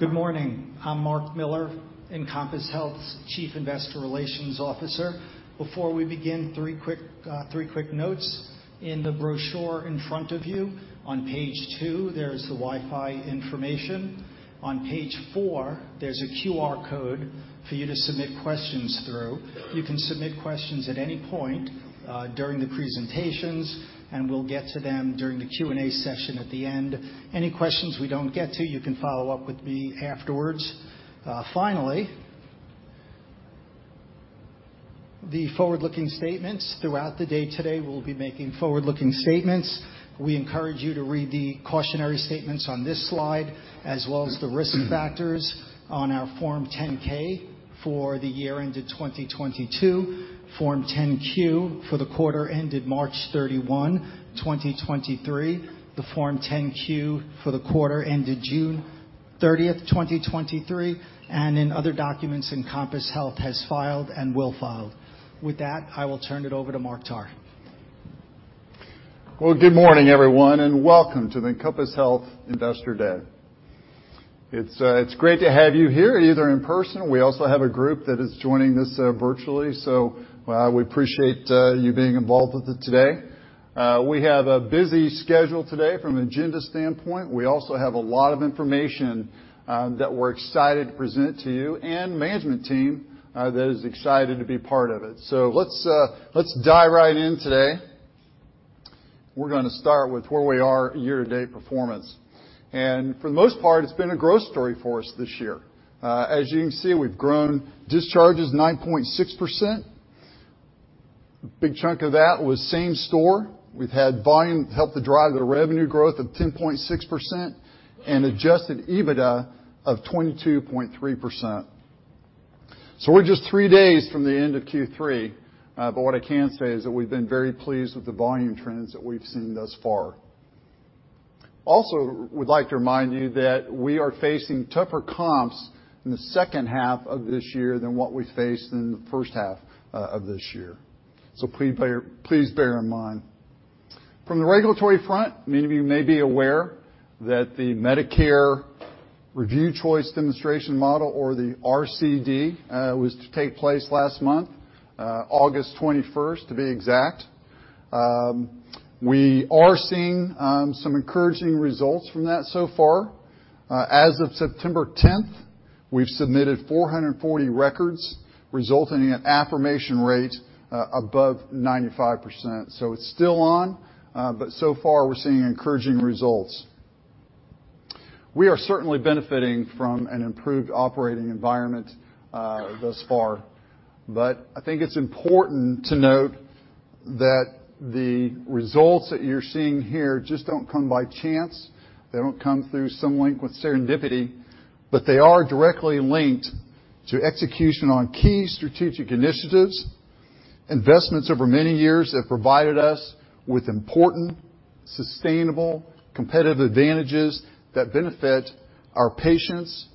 Good morning. I'm Mark Miller, Encompass Health's Chief Investor Relations Officer. Before we begin, three quick notes. In the brochure in front of you, on page two, there's the Wi-Fi information. On page four, there's a QR code for you to submit questions through. You can submit questions at any point during the presentations, and we'll get to them during the Q&A session at the end. Any questions we don't get to, you can follow up with me afterwards. Finally, the forward-looking statements. Throughout the day today, we'll be making forward-looking statements. We encourage you to read the cautionary statements on this slide, as well as the risk factors on our Form 10-K for the year ended 2022, Form 10-Q for the quarter ended March 31, 2023, the Form 10-Q for the quarter ended June 30th, 2023, and in other documents Encompass Health has filed and will file. With that, I will turn it over to Mark Tarr. Well, good morning, everyone, and welcome to the Encompass Health Investor Day. It's great to have you here, either in person. We also have a group that is joining us virtually, so we appreciate you being involved with it today. We have a busy schedule today from an agenda standpoint. We also have a lot of information that we're excited to present to you, and management team that is excited to be part of it. So let's dive right in today. We're gonna start with where we are year-to-date performance. For the most part, it's been a growth story for us this year. As you can see, we've grown discharges 9.6%. A big chunk of that was same store. We've had volume help to drive the revenue growth of 10.6% and adjusted EBITDA of 22.3%. So we're just three days from the end of Q3, but what I can say is that we've been very pleased with the volume trends that we've seen thus far. Also, we'd like to remind you that we are facing tougher comps in the second half of this year than what we faced in the first half of this year. So please bear, please bear in mind. From the regulatory front, many of you may be aware that the Medicare Review Choice Demonstration model, or the RCD, was to take place last month, August twenty-first, to be exact. We are seeing some encouraging results from that so far. As of September 10th, we've submitted 440 records, resulting in an affirmation rate above 95%. So it's still on, but so far, we're seeing encouraging results. We are certainly benefiting from an improved operating environment, thus far. But I think it's important to note that the results that you're seeing here just don't come by chance. They don't come through some link with serendipity, but they are directly linked to execution on key strategic initiatives. Investments over many years have provided us with important, sustainable, competitive advantages that benefit our patients,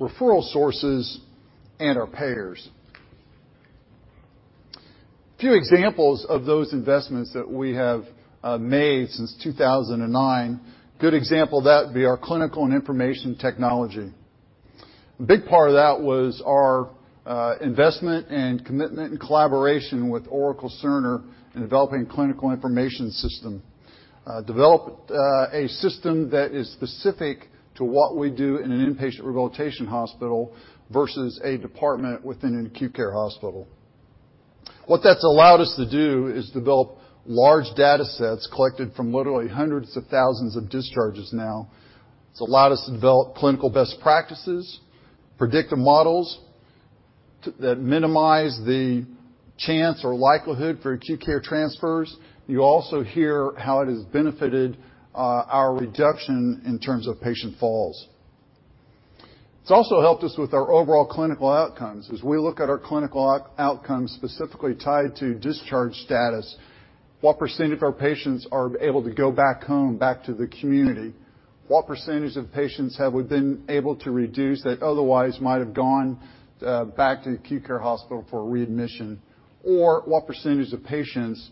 referral sources, and our payers. A few examples of those investments that we have made since 2009, a good example of that would be our clinical and information technology. A big part of that was our investment and commitment and collaboration with Oracle Cerner in developing a clinical information system. Developed a system that is specific to what we do in an inpatient rehabilitation hospital versus a department within an acute care hospital. What that's allowed us to do is develop large datasets collected from literally hundreds of thousands of discharges now. It's allowed us to develop clinical best practices, predictive models that minimize the chance or likelihood for acute care transfers. You also hear how it has benefited our reduction in terms of patient falls. It's also helped us with our overall clinical outcomes. As we look at our clinical outcomes, specifically tied to discharge status, what percentage of our patients are able to go back home, back to the community? What percentage of patients have we been able to reduce that otherwise might have gone back to the acute care hospital for readmission, or what percentage of patients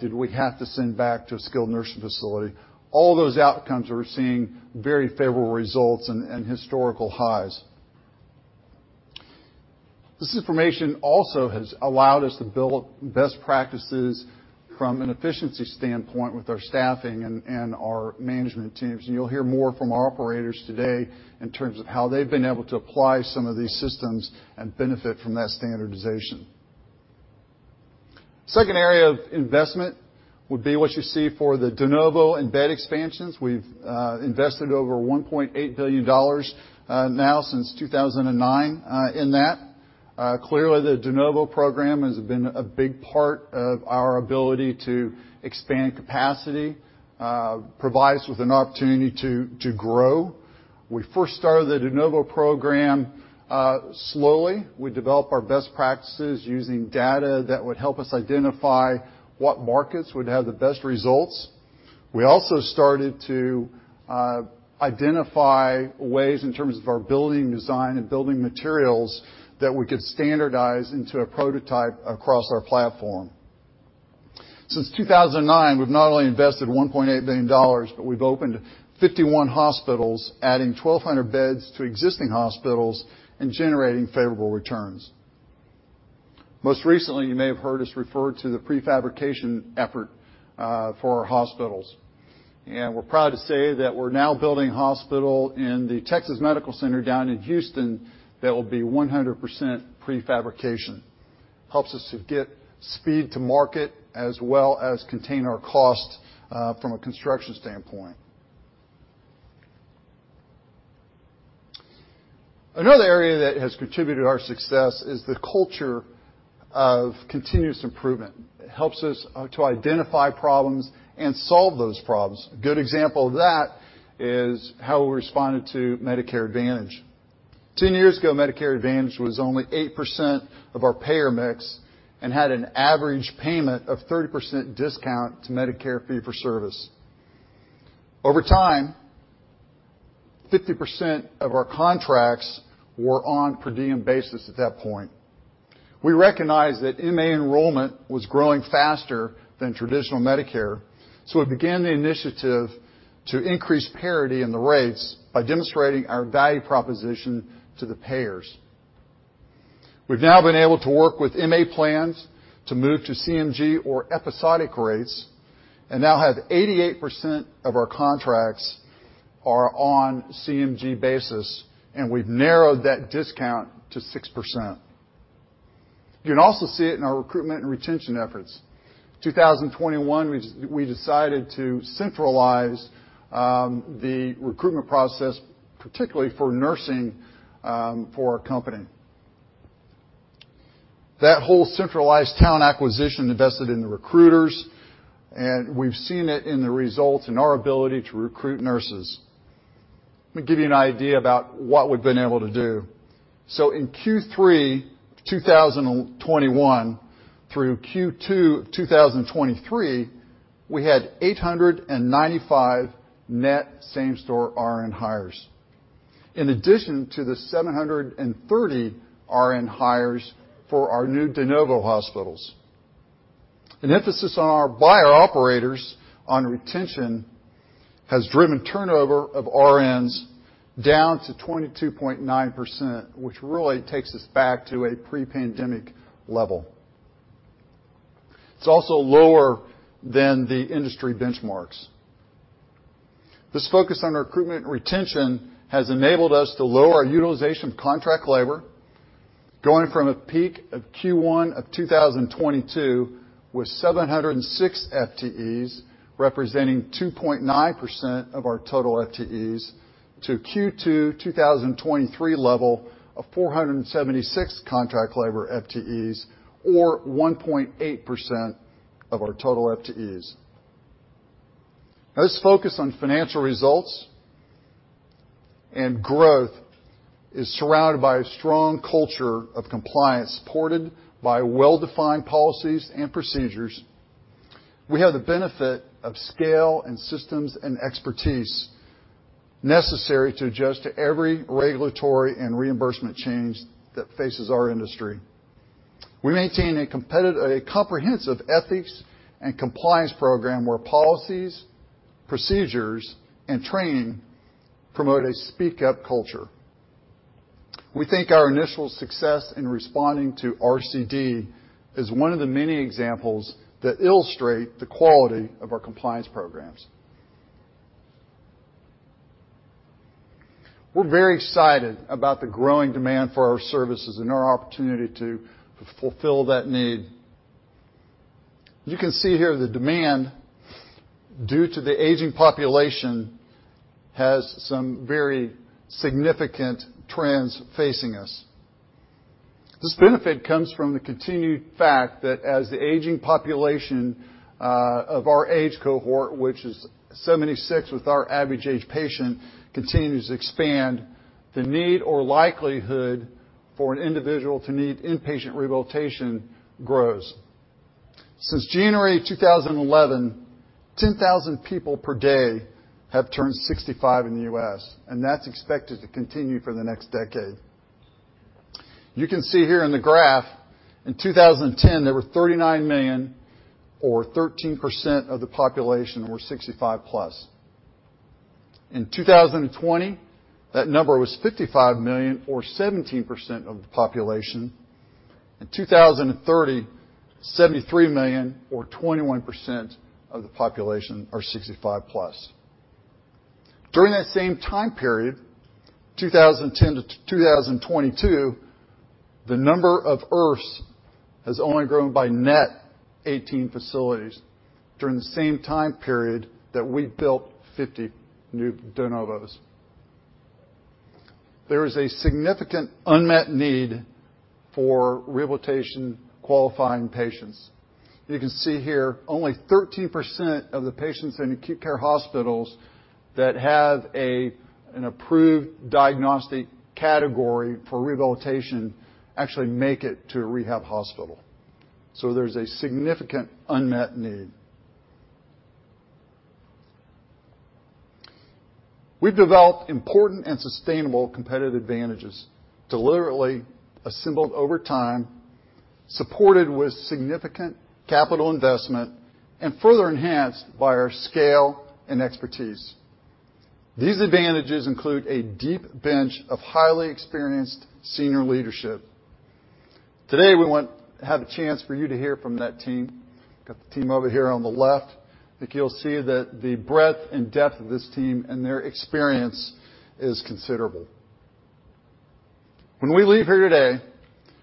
did we have to send back to a skilled nursing facility? All those outcomes, we're seeing very favorable results and historical highs. This information also has allowed us to build best practices from an efficiency standpoint with our staffing and our management teams. You'll hear more from our operators today in terms of how they've been able to apply some of these systems and benefit from that standardization. Second area of investment would be what you see for the de novo and bed expansions. We've invested over $1.8 billion now since 2009 in that. Clearly, the de novo program has been a big part of our ability to expand capacity, provides with an opportunity to, to grow. We first started the de novo program slowly. We developed our best practices using data that would help us identify what markets would have the best results. We also started to identify ways in terms of our building design and building materials that we could standardize into a prototype across our platform. Since 2009, we've not only invested $1.8 billion, but we've opened 51 hospitals, adding 1,200 beds to existing hospitals and generating favorable returns. Most recently, you may have heard us refer to the prefabrication effort for our hospitals, and we're proud to say that we're now building a hospital in the Texas Medical Center down in Houston, that will be 100% prefabrication. Helps us to get speed to market as well as contain our costs from a construction standpoint. Another area that has contributed to our success is the culture of continuous improvement. It helps us to identify problems and solve those problems. A good example of that is how we responded to Medicare Advantage. 10 years ago, Medicare Advantage was only 8% of our payer mix and had an average payment of 30% discount to Medicare fee-for-service. Over time, 50% of our contracts were on per diem basis at that point. We recognized that MA enrollment was growing faster than traditional Medicare, so we began the initiative to increase parity in the rates by demonstrating our value proposition to the payers. We've now been able to work with MA plans to move to CMG or episodic rates, and now have 88% of our contracts are on CMG basis, and we've narrowed that discount to 6%. You can also see it in our recruitment and retention efforts. 2021, we decided to centralize the recruitment process, particularly for nursing, for our company. That whole centralized talent acquisition invested in the recruiters, and we've seen it in the results and our ability to recruit nurses. Let me give you an idea about what we've been able to do. So in Q3 2021 through Q2 2023, we had 895 net same-store RN hires. In addition to the 730 RN hires for our new de novo hospitals. An emphasis on our buyer operators on retention has driven turnover of RNs down to 22.9%, which really takes us back to a pre-pandemic level. It's also lower than the industry benchmarks. This focus on recruitment and retention has enabled us to lower our utilization of contract labor, going from a peak of Q1 2022, with 706 FTEs, representing 2.9% of our total FTEs, to Q2 2023 level of 476 contract labor FTEs or 1.8% of our total FTEs. Now, this focus on financial results and growth is surrounded by a strong culture of compliance, supported by well-defined policies and procedures. We have the benefit of scale and systems and expertise necessary to adjust to every regulatory and reimbursement change that faces our industry. We maintain a comprehensive ethics and compliance program, where policies, procedures, and training promote a speak-up culture. We think our initial success in responding to RCD is one of the many examples that illustrate the quality of our compliance programs. We're very excited about the growing demand for our services and our opportunity to fulfill that need. You can see here the demand, due to the aging population, has some very significant trends facing us. This benefit comes from the continued fact that as the aging population of our age cohort, which is 76, with our average-age patient, continues to expand, the need or likelihood for an individual to need inpatient rehabilitation grows. Since January 2011, 10,000 people per day have turned 65 in the U.S., and that's expected to continue for the next decade. You can see here in the graph, in 2010, there were 39 million, or 13% of the population, were 65+. In 2020, that number was 55 million, or 17% of the population. In 2030, 73 million, or 21% of the population, are 65+. During that same time period, 2010 to 2022, the number of IRFs has only grown by net 18 facilities during the same time period that we built 50 new de novos. There is a significant unmet need for rehabilitation-qualifying patients. You can see here, only 13% of the patients in acute care hospitals that have a, an approved diagnostic category for rehabilitation actually make it to a rehab hospital. So there's a significant unmet need.... We've developed important and sustainable competitive advantages, deliberately assembled over time, supported with significant capital investment, and further enhanced by our scale and expertise. These advantages include a deep bench of highly experienced senior leadership. Today, we want to have a chance for you to hear from that team. Got the team over here on the left. I think you'll see that the breadth and depth of this team, and their experience is considerable. When we leave here today,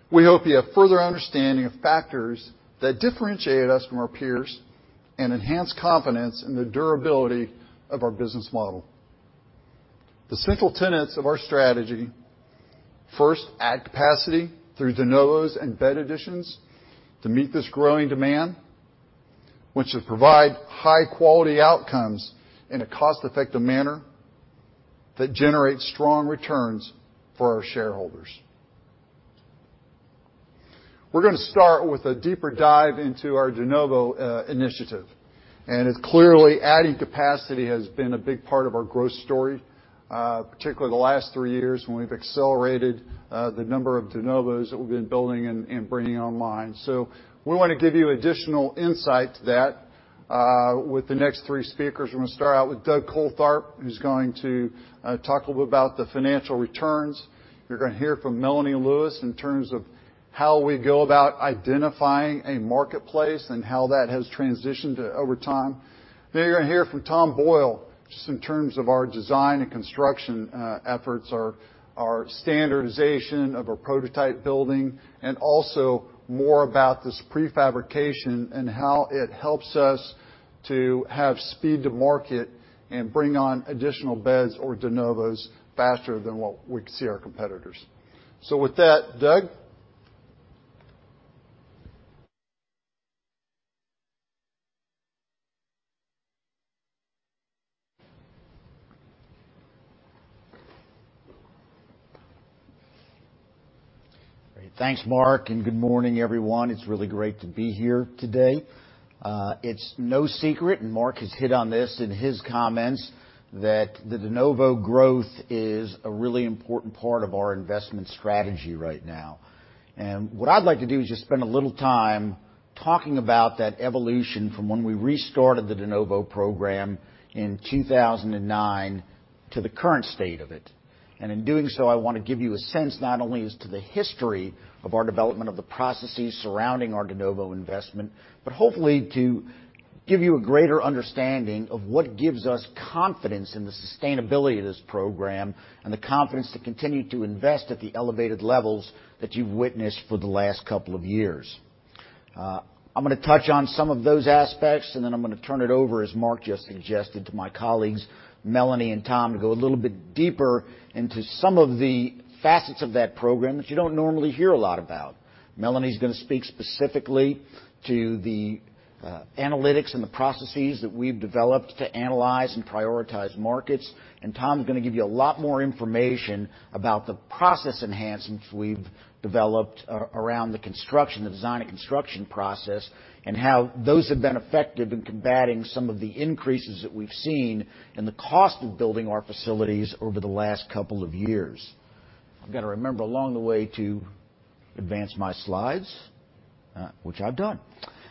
we hope you have further understanding of factors that differentiate us from our peers and enhance confidence in the durability of our business model. The central tenets of our strategy, first, add capacity through de novos and bed additions to meet this growing demand, which should provide high-quality outcomes in a cost-effective manner that generates strong returns for our shareholders. We're gonna start with a deeper dive into our de novo initiative, and it's clearly adding capacity has been a big part of our growth story, particularly the last three years, when we've accelerated the number of de novos that we've been building and bringing online. So we wanna give you additional insight to that with the next three speakers. We're gonna start out with Doug Coltharp, who's going to talk a little about the financial returns. You're gonna hear from Melanie Lewis in terms of how we go about identifying a marketplace and how that has transitioned over time. Then you're gonna hear from Tom Boyle, just in terms of our design and construction efforts, our standardization of a prototype building, and also more about this prefabrication and how it helps us to have speed to market and bring on additional beds or de novos faster than what we see our competitors. So with that, Doug? Great. Thanks, Mark, and good morning, everyone. It's really great to be here today. It's no secret, and Mark has hit on this in his comments, that the de novo growth is a really important part of our investment strategy right now. And what I'd like to do is just spend a little time talking about that evolution from when we restarted the de novo program in 2009 to the current state of it. And in doing so, I wanna give you a sense, not only as to the history of our development of the processes surrounding our de novo investment, but hopefully to give you a greater understanding of what gives us confidence in the sustainability of this program, and the confidence to continue to invest at the elevated levels that you've witnessed for the last couple of years. I'm gonna touch on some of those aspects, and then I'm gonna turn it over, as Mark just suggested, to my colleagues, Melanie and Tom, to go a little bit deeper into some of the facets of that program that you don't normally hear a lot about. Melanie is gonna speak specifically to the analytics and the processes that we've developed to analyze and prioritize markets. And Tom is gonna give you a lot more information about the process enhancements we've developed around the construction, the design, and construction process, and how those have been effective in combating some of the increases that we've seen in the cost of building our facilities over the last couple of years. I've got to remember along the way to advance my slides, which I've done.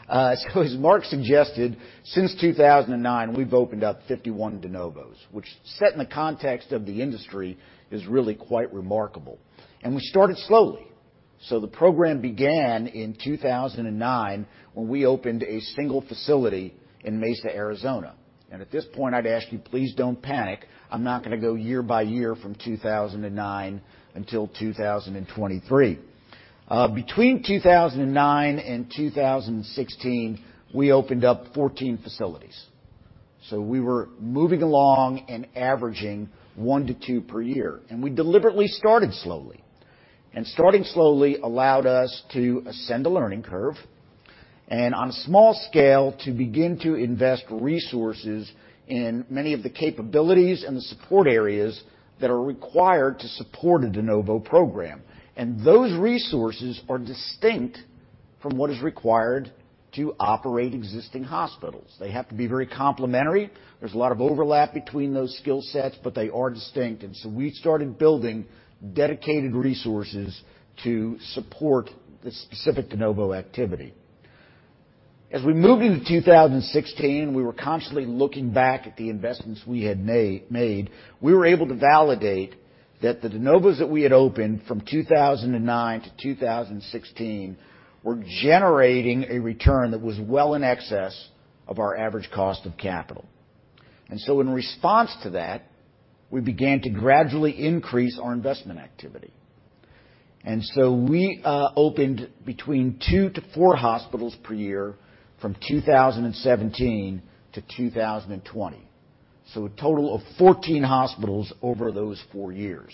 So as Mark suggested, since 2009, we've opened up 51 de novos, which set in the context of the industry, is really quite remarkable. We started slowly. The program began in 2009, when we opened a single facility in Mesa, Arizona. At this point, I'd ask you, please don't panic. I'm not gonna go year by year from 2009 until 2023. Between 2009 and 2016, we opened up 14 facilities, so we were moving along and averaging one to two per year. We deliberately started slowly. Starting slowly allowed us to ascend a learning curve, and on a small scale, to begin to invest resources in many of the capabilities and the support areas that are required to support a de novo program. Those resources are distinct from what is required to operate existing hospitals. They have to be very complementary. There's a lot of overlap between those skill sets, but they are distinct, and so we started building dedicated resources to support the specific de novo activity. As we moved into 2016, we were constantly looking back at the investments we had made. We were able to validate that the de novos that we had opened from 2009 to 2016 were generating a return that was well in excess of our average cost of capital. In response to that, we began to gradually increase our investment activity. We opened between two to four hospitals per year from 2017 to 2020. A total of 14 hospitals over those four years.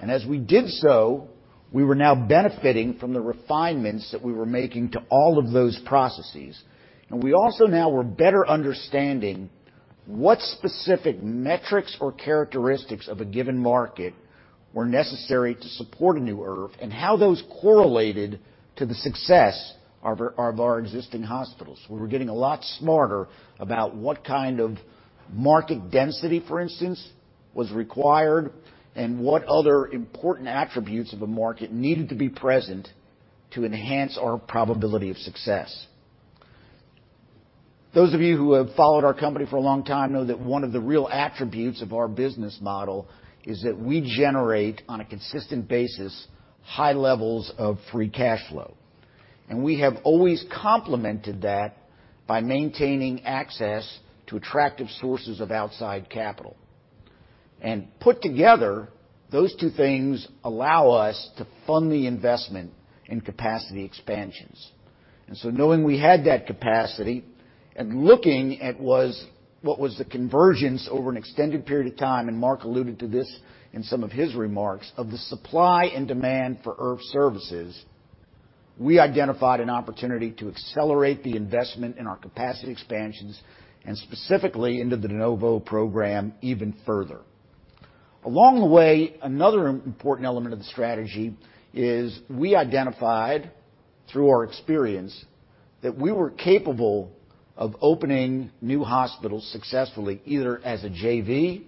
As we did so, we were now benefiting from the refinements that we were making to all of those processes. We also now were better understanding what specific metrics or characteristics of a given market were necessary to support a new IRF, and how those correlated to the success of our existing hospitals. We were getting a lot smarter about what kind of market density, for instance, was required and what other important attributes of a market needed to be present to enhance our probability of success. Those of you who have followed our company for a long time know that one of the real attributes of our business model is that we generate, on a consistent basis, high levels of free cash flow, and we have always complemented that by maintaining access to attractive sources of outside capital. Put together, those two things allow us to fund the investment in capacity expansions. Knowing we had that capacity and looking at what was the convergence over an extended period of time, and Mark alluded to this in some of his remarks, of the supply and demand for IRF services, we identified an opportunity to accelerate the investment in our capacity expansions and specifically into the de novo program even further. Along the way, another important element of the strategy is we identified, through our experience, that we were capable of opening new hospitals successfully, either as a JV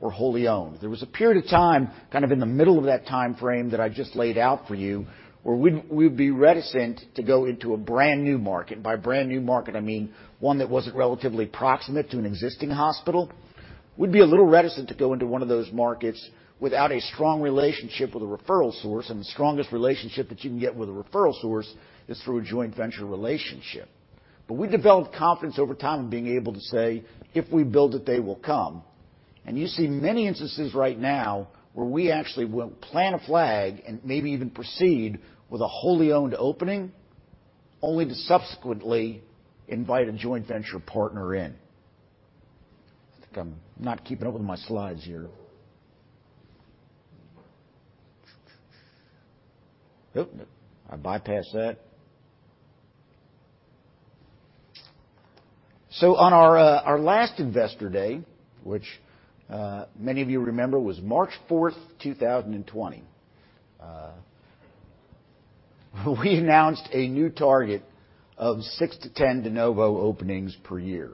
or wholly owned. There was a period of time, kind of in the middle of that time frame that I just laid out for you, where we'd be reticent to go into a brand-new market. By brand-new market, I mean one that wasn't relatively proximate to an existing hospital. We'd be a little reticent to go into one of those markets without a strong relationship with a referral source, and the strongest relationship that you can get with a referral source is through a joint venture relationship. But we developed confidence over time in being able to say, "If we build it, they will come." And you see many instances right now where we actually will plant a flag and maybe even proceed with a wholly owned opening, only to subsequently invite a joint venture partner in. I think I'm not keeping up with my slides here. Oop, I bypassed that. So on our last Investor Day, which many of you remember, was March 4th, 2020, we announced a new target of six to 10 de novo openings per year.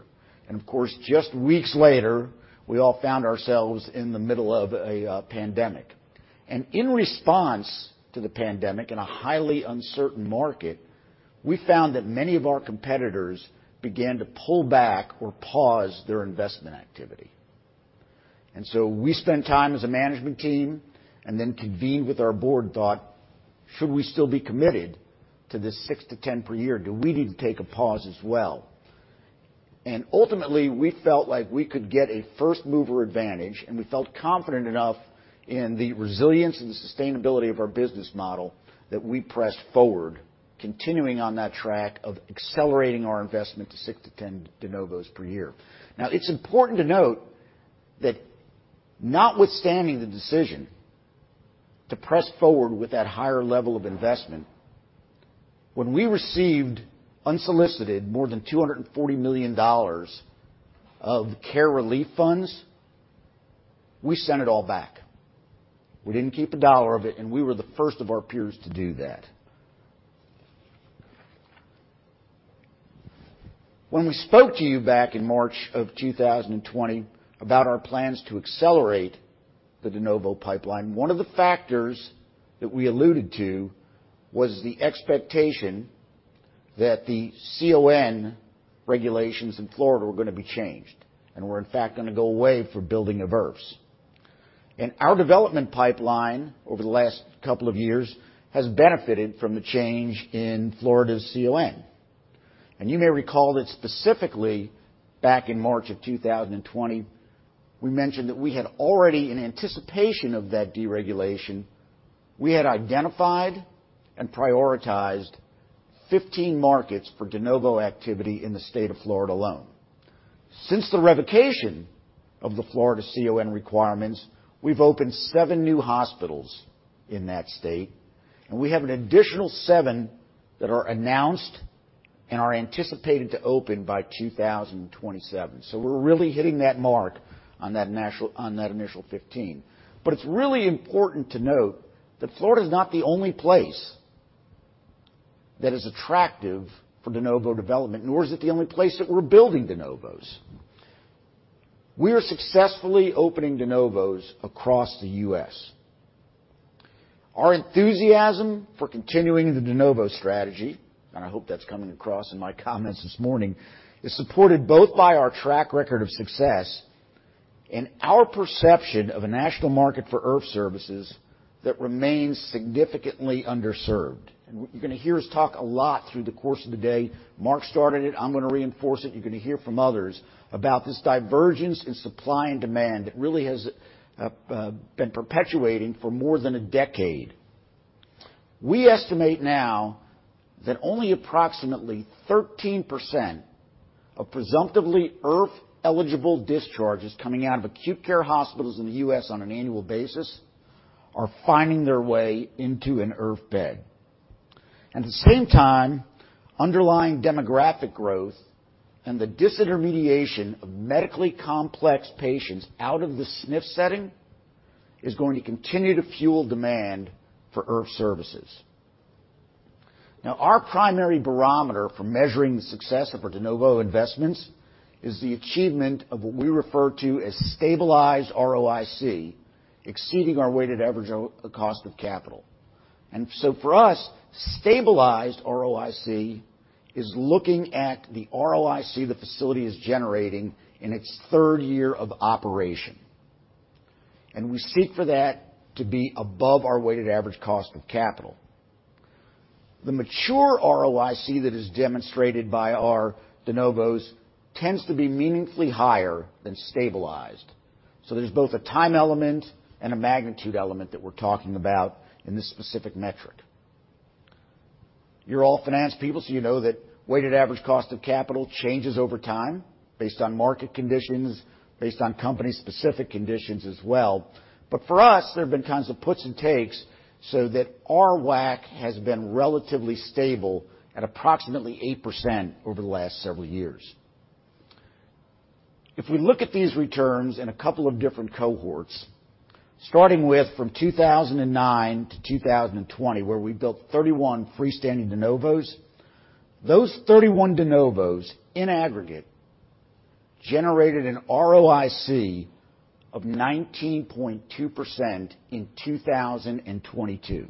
And of course, just weeks later, we all found ourselves in the middle of a pandemic. And in response to the pandemic, in a highly uncertain market, we found that many of our competitors began to pull back or pause their investment activity. And so we spent time as a management team, and then convened with our board, and thought, "Should we still be committed to this six to 10 per year? Do we need to take a pause as well?" And ultimately, we felt like we could get a first-mover advantage, and we felt confident enough in the resilience and the sustainability of our business model that we pressed forward, continuing on that track of accelerating our investment to six to 10 de novos per year. Now, it's important to note that notwithstanding the decision to press forward with that higher level of investment, when we received, unsolicited, more than $240 million of care relief funds, we sent it all back. We didn't keep a dollar of it, and we were the first of our peers to do that. When we spoke to you back in March 2020 about our plans to accelerate the de novo pipeline, one of the factors that we alluded to was the expectation that the CON regulations in Florida were gonna be changed and were, in fact, gonna go away for building IRFs. Our development pipeline over the last couple of years has benefited from the change in Florida's CON. You may recall that specifically back in March 2020, we mentioned that we had already, in anticipation of that deregulation, we had identified and prioritized 15 markets for de novo activity in the state of Florida alone. Since the revocation of the Florida CON requirements, we've opened seven new hospitals in that state, and we have an additional seven that are announced and are anticipated to open by 2027. So we're really hitting that mark on that national on that initial 15. But it's really important to note that Florida is not the only place that is attractive for de novo development, nor is it the only place that we're building de novos. We are successfully opening de novos across the U.S. Our enthusiasm for continuing the de novo strategy, and I hope that's coming across in my comments this morning, is supported both by our track record of success and our perception of a national market for IRF services that remains significantly underserved. And you're gonna hear us talk a lot through the course of the day. Mark started it. I'm gonna reinforce it. You're gonna hear from others about this divergence in supply and demand that really has been perpetuating for more than a decade. We estimate now that only approximately 13% of presumptively IRF-eligible discharges coming out of acute care hospitals in the U.S. on an annual basis are finding their way into an IRF bed. At the same time, underlying demographic growth and the disintermediation of medically complex patients out of the SNF setting is going to continue to fuel demand for IRF services. Now, our primary barometer for measuring the success of our de novo investments is the achievement of what we refer to as stabilized ROIC, exceeding our weighted average cost of capital. And so for us, stabilized ROIC is looking at the ROIC the facility is generating in its third year of operation, and we seek for that to be above our weighted average cost of capital. The mature ROIC that is demonstrated by our de novos tends to be meaningfully higher than stabilized. So there's both a time element and a magnitude element that we're talking about in this specific metric. You're all finance people, so you know that weighted average cost of capital changes over time based on market conditions, based on company-specific conditions as well. But for us, there have been kinds of puts and takes so that our WACC has been relatively stable at approximately 8% over the last several years. If we look at these returns in a couple of different cohorts, starting with from 2009 to 2020, where we built 31 freestanding de novos, those 31 de novos, in aggregate, generated an ROIC of 19.2% in 2022.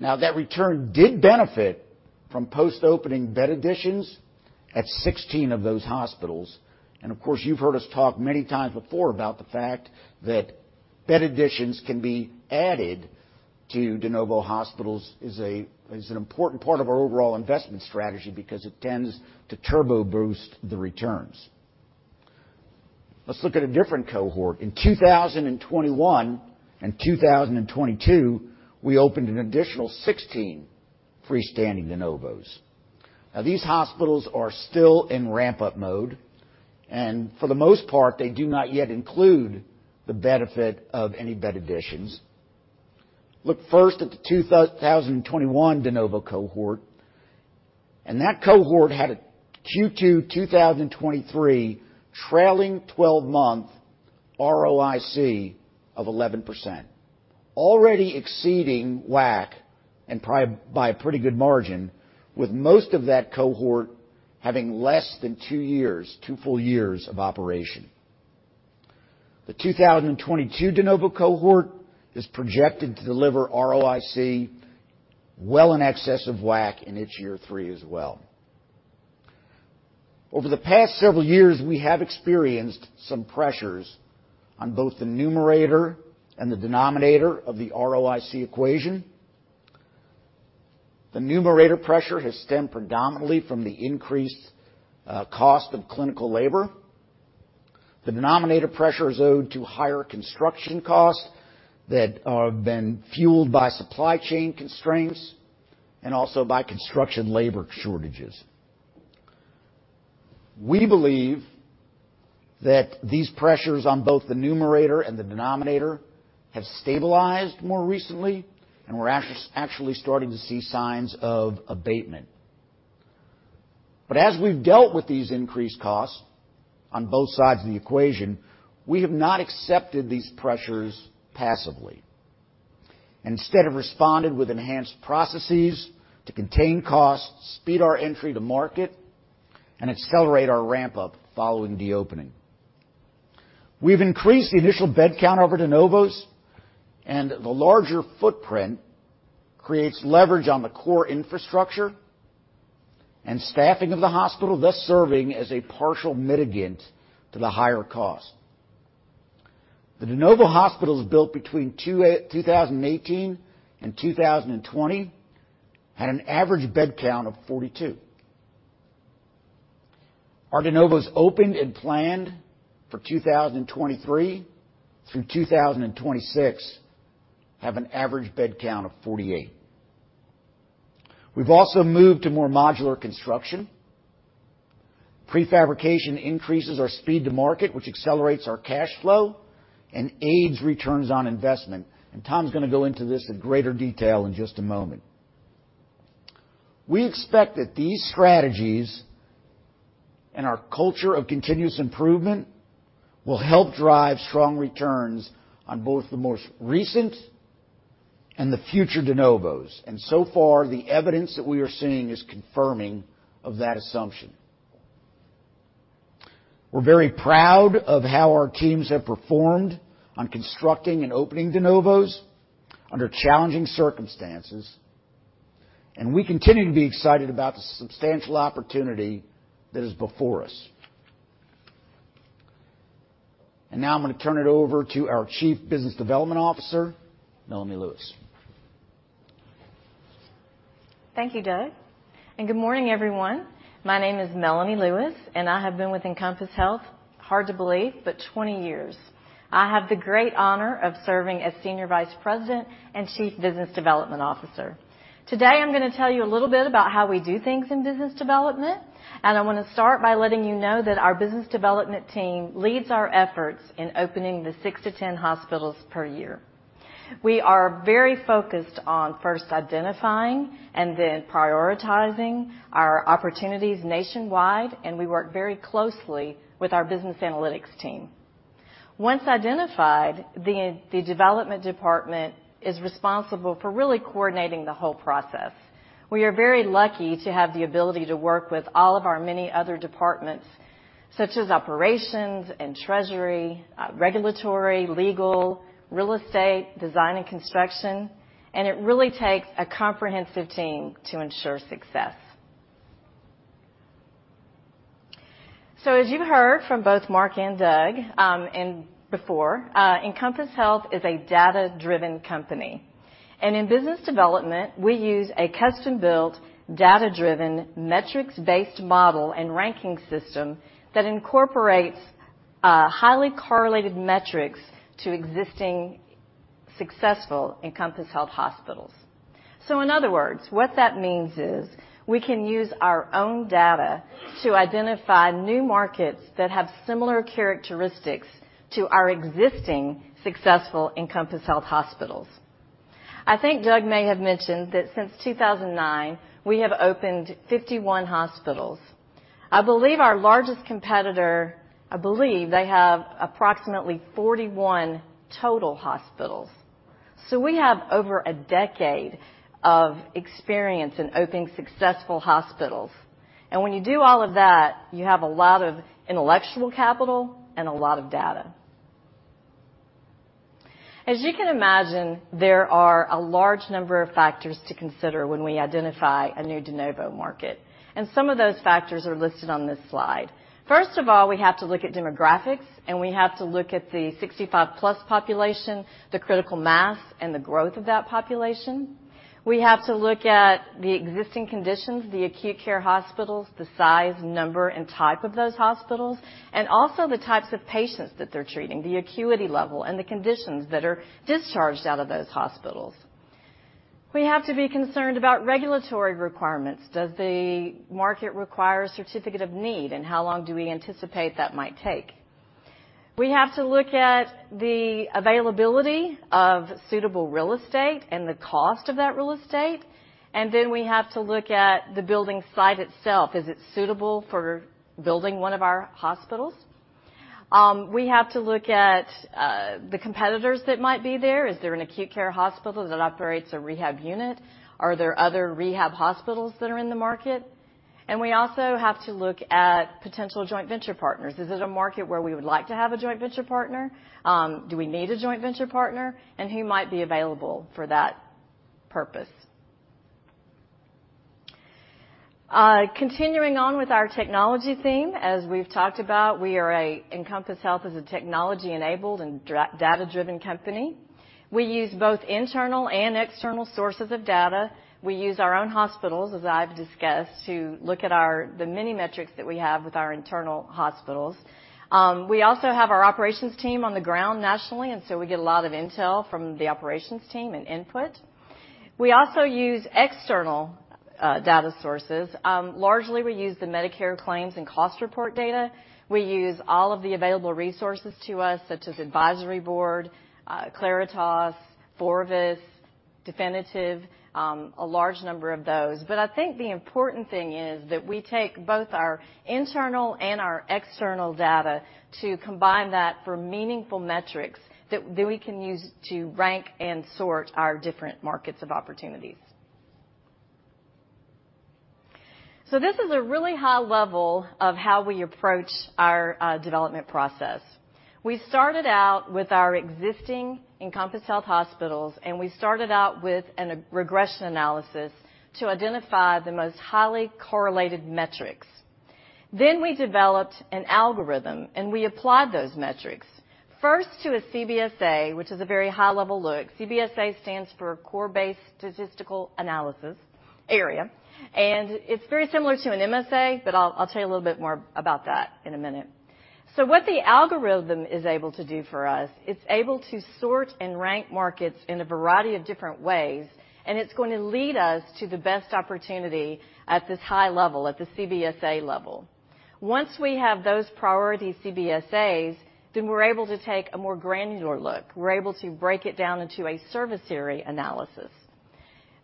Now, that return did benefit from post-opening bed additions at 16 of those hospitals. Of course, you've heard us talk many times before about the fact that bed additions can be added to de novo hospitals is an important part of our overall investment strategy because it tends to turbo boost the returns. Let's look at a different cohort. In 2021 and 2022, we opened an additional 16 freestanding de novos. Now, these hospitals are still in ramp-up mode, and for the most part, they do not yet include the benefit of any bed additions. Look first at the 2021 de novo cohort, and that cohort had a Q2 2023 trailing 12-month ROIC of 11%, already exceeding WACC by a pretty good margin, with most of that cohort having less than two years, two full years of operation. The 2022 de novo cohort is projected to deliver ROIC well in excess of WACC in its year three as well. Over the past several years, we have experienced some pressures on both the numerator and the denominator of the ROIC equation. The numerator pressure has stemmed predominantly from the increased cost of clinical labor. The denominator pressure is owed to higher construction costs that have been fueled by supply chain constraints and also by construction labor shortages. We believe that these pressures on both the numerator and the denominator have stabilized more recently, and we're actually starting to see signs of abatement. But as we've dealt with these increased costs on both sides of the equation, we have not accepted these pressures passively. Instead, have responded with enhanced processes to contain costs, speed our entry to market, and accelerate our ramp-up following the opening. We've increased the initial bed count over de novos, and the larger footprint creates leverage on the core infrastructure and staffing of the hospital, thus serving as a partial mitigant to the higher cost. The de novo hospitals built between 2018 and 2020, had an average bed count of 42. Our de novos opened and planned for 2023 through 2026 have an average bed count of 48. We've also moved to more modular construction. Pre-fabrication increases our speed to market, which accelerates our cash flow and aids returns on investment. Tom's gonna go into this in greater detail in just a moment. We expect that these strategies and our culture of continuous improvement will help drive strong returns on both the most recent and the future de novos, and so far, the evidence that we are seeing is confirming of that assumption. We're very proud of how our teams have performed on constructing and opening de novos under challenging circumstances, and we continue to be excited about the substantial opportunity that is before us. And now I'm going to turn it over to our Chief Business Development Officer, Melanie Lewis. Thank you, Doug, and good morning, everyone. My name is Melanie Lewis, and I have been with Encompass Health, hard to believe, but 20 years. I have the great honor of serving as Senior Vice President and Chief Business Development Officer. Today, I'm gonna tell you a little bit about how we do things in business development, and I wanna start by letting you know that our business development team leads our efforts in opening the six to 10 hospitals per year. We are very focused on first identifying and then prioritizing our opportunities nationwide, and we work very closely with our business analytics team. Once identified, the development department is responsible for really coordinating the whole process. We are very lucky to have the ability to work with all of our many other departments, such as operations and treasury, regulatory, legal, real estate, design and construction, and it really takes a comprehensive team to ensure success. So as you heard from both Mark and Doug, and before, Encompass Health is a data-driven company. And in business development, we use a custom-built, data-driven, metrics-based model and ranking system that incorporates highly correlated metrics to existing successful Encompass Health hospitals. So in other words, what that means is we can use our own data to identify new markets that have similar characteristics to our existing successful Encompass Health hospitals. I think Doug may have mentioned that since 2009, we have opened 51 hospitals. I believe our largest competitor, I believe they have approximately 41 total hospitals. We have over a decade of experience in opening successful hospitals. When you do all of that, you have a lot of intellectual capital and a lot of data. As you can imagine, there are a large number of factors to consider when we identify a new de novo market, and some of those factors are listed on this slide. First of all, we have to look at demographics, and we have to look at the 65+ population, the critical mass, and the growth of that population. We have to look at the existing conditions, the acute care hospitals, the size, number, and type of those hospitals, and also the types of patients that they're treating, the acuity level and the conditions that are discharged out of those hospitals. We have to be concerned about regulatory requirements. Does the market require a certificate of need, and how long do we anticipate that might take? We have to look at the availability of suitable real estate and the cost of that real estate, and then we have to look at the building site itself. Is it suitable for building one of our hospitals? We have to look at the competitors that might be there. Is there an acute care hospital that operates a rehab unit? Are there other rehab hospitals that are in the market? And we also have to look at potential joint venture partners. Is it a market where we would like to have a joint venture partner? Do we need a joint venture partner? And who might be available for that purpose? Continuing on with our technology theme, as we've talked about, we are Encompass Health is a technology-enabled and data-driven company. We use both internal and external sources of data. We use our own hospitals, as I've discussed, to look at the many metrics that we have with our internal hospitals. We also have our operations team on the ground nationally, and so we get a lot of intel from the operations team and input. We also use external data sources. Largely, we use the Medicare claims and cost report data. We use all of the available resources to us, such as Advisory Board, Claritas, Forvis, Definitive, a large number of those. I think the important thing is that we take both our internal and our external data to combine that for meaningful metrics that we can use to rank and sort our different markets of opportunities. So this is a really high level of how we approach our development process. We started out with our existing Encompass Health hospitals, and we started out with a regression analysis to identify the most highly correlated metrics. Then we developed an algorithm, and we applied those metrics, first to a CBSA, which is a very high-level look. CBSA stands for Core Based Statistical Area, and it's very similar to an MSA, but I'll tell you a little bit more about that in a minute. So what the algorithm is able to do for us, it's able to sort and rank markets in a variety of different ways, and it's going to lead us to the best opportunity at this high level, at the CBSA level. Once we have those priority CBSAs, then we're able to take a more granular look. We're able to break it down into a service area analysis.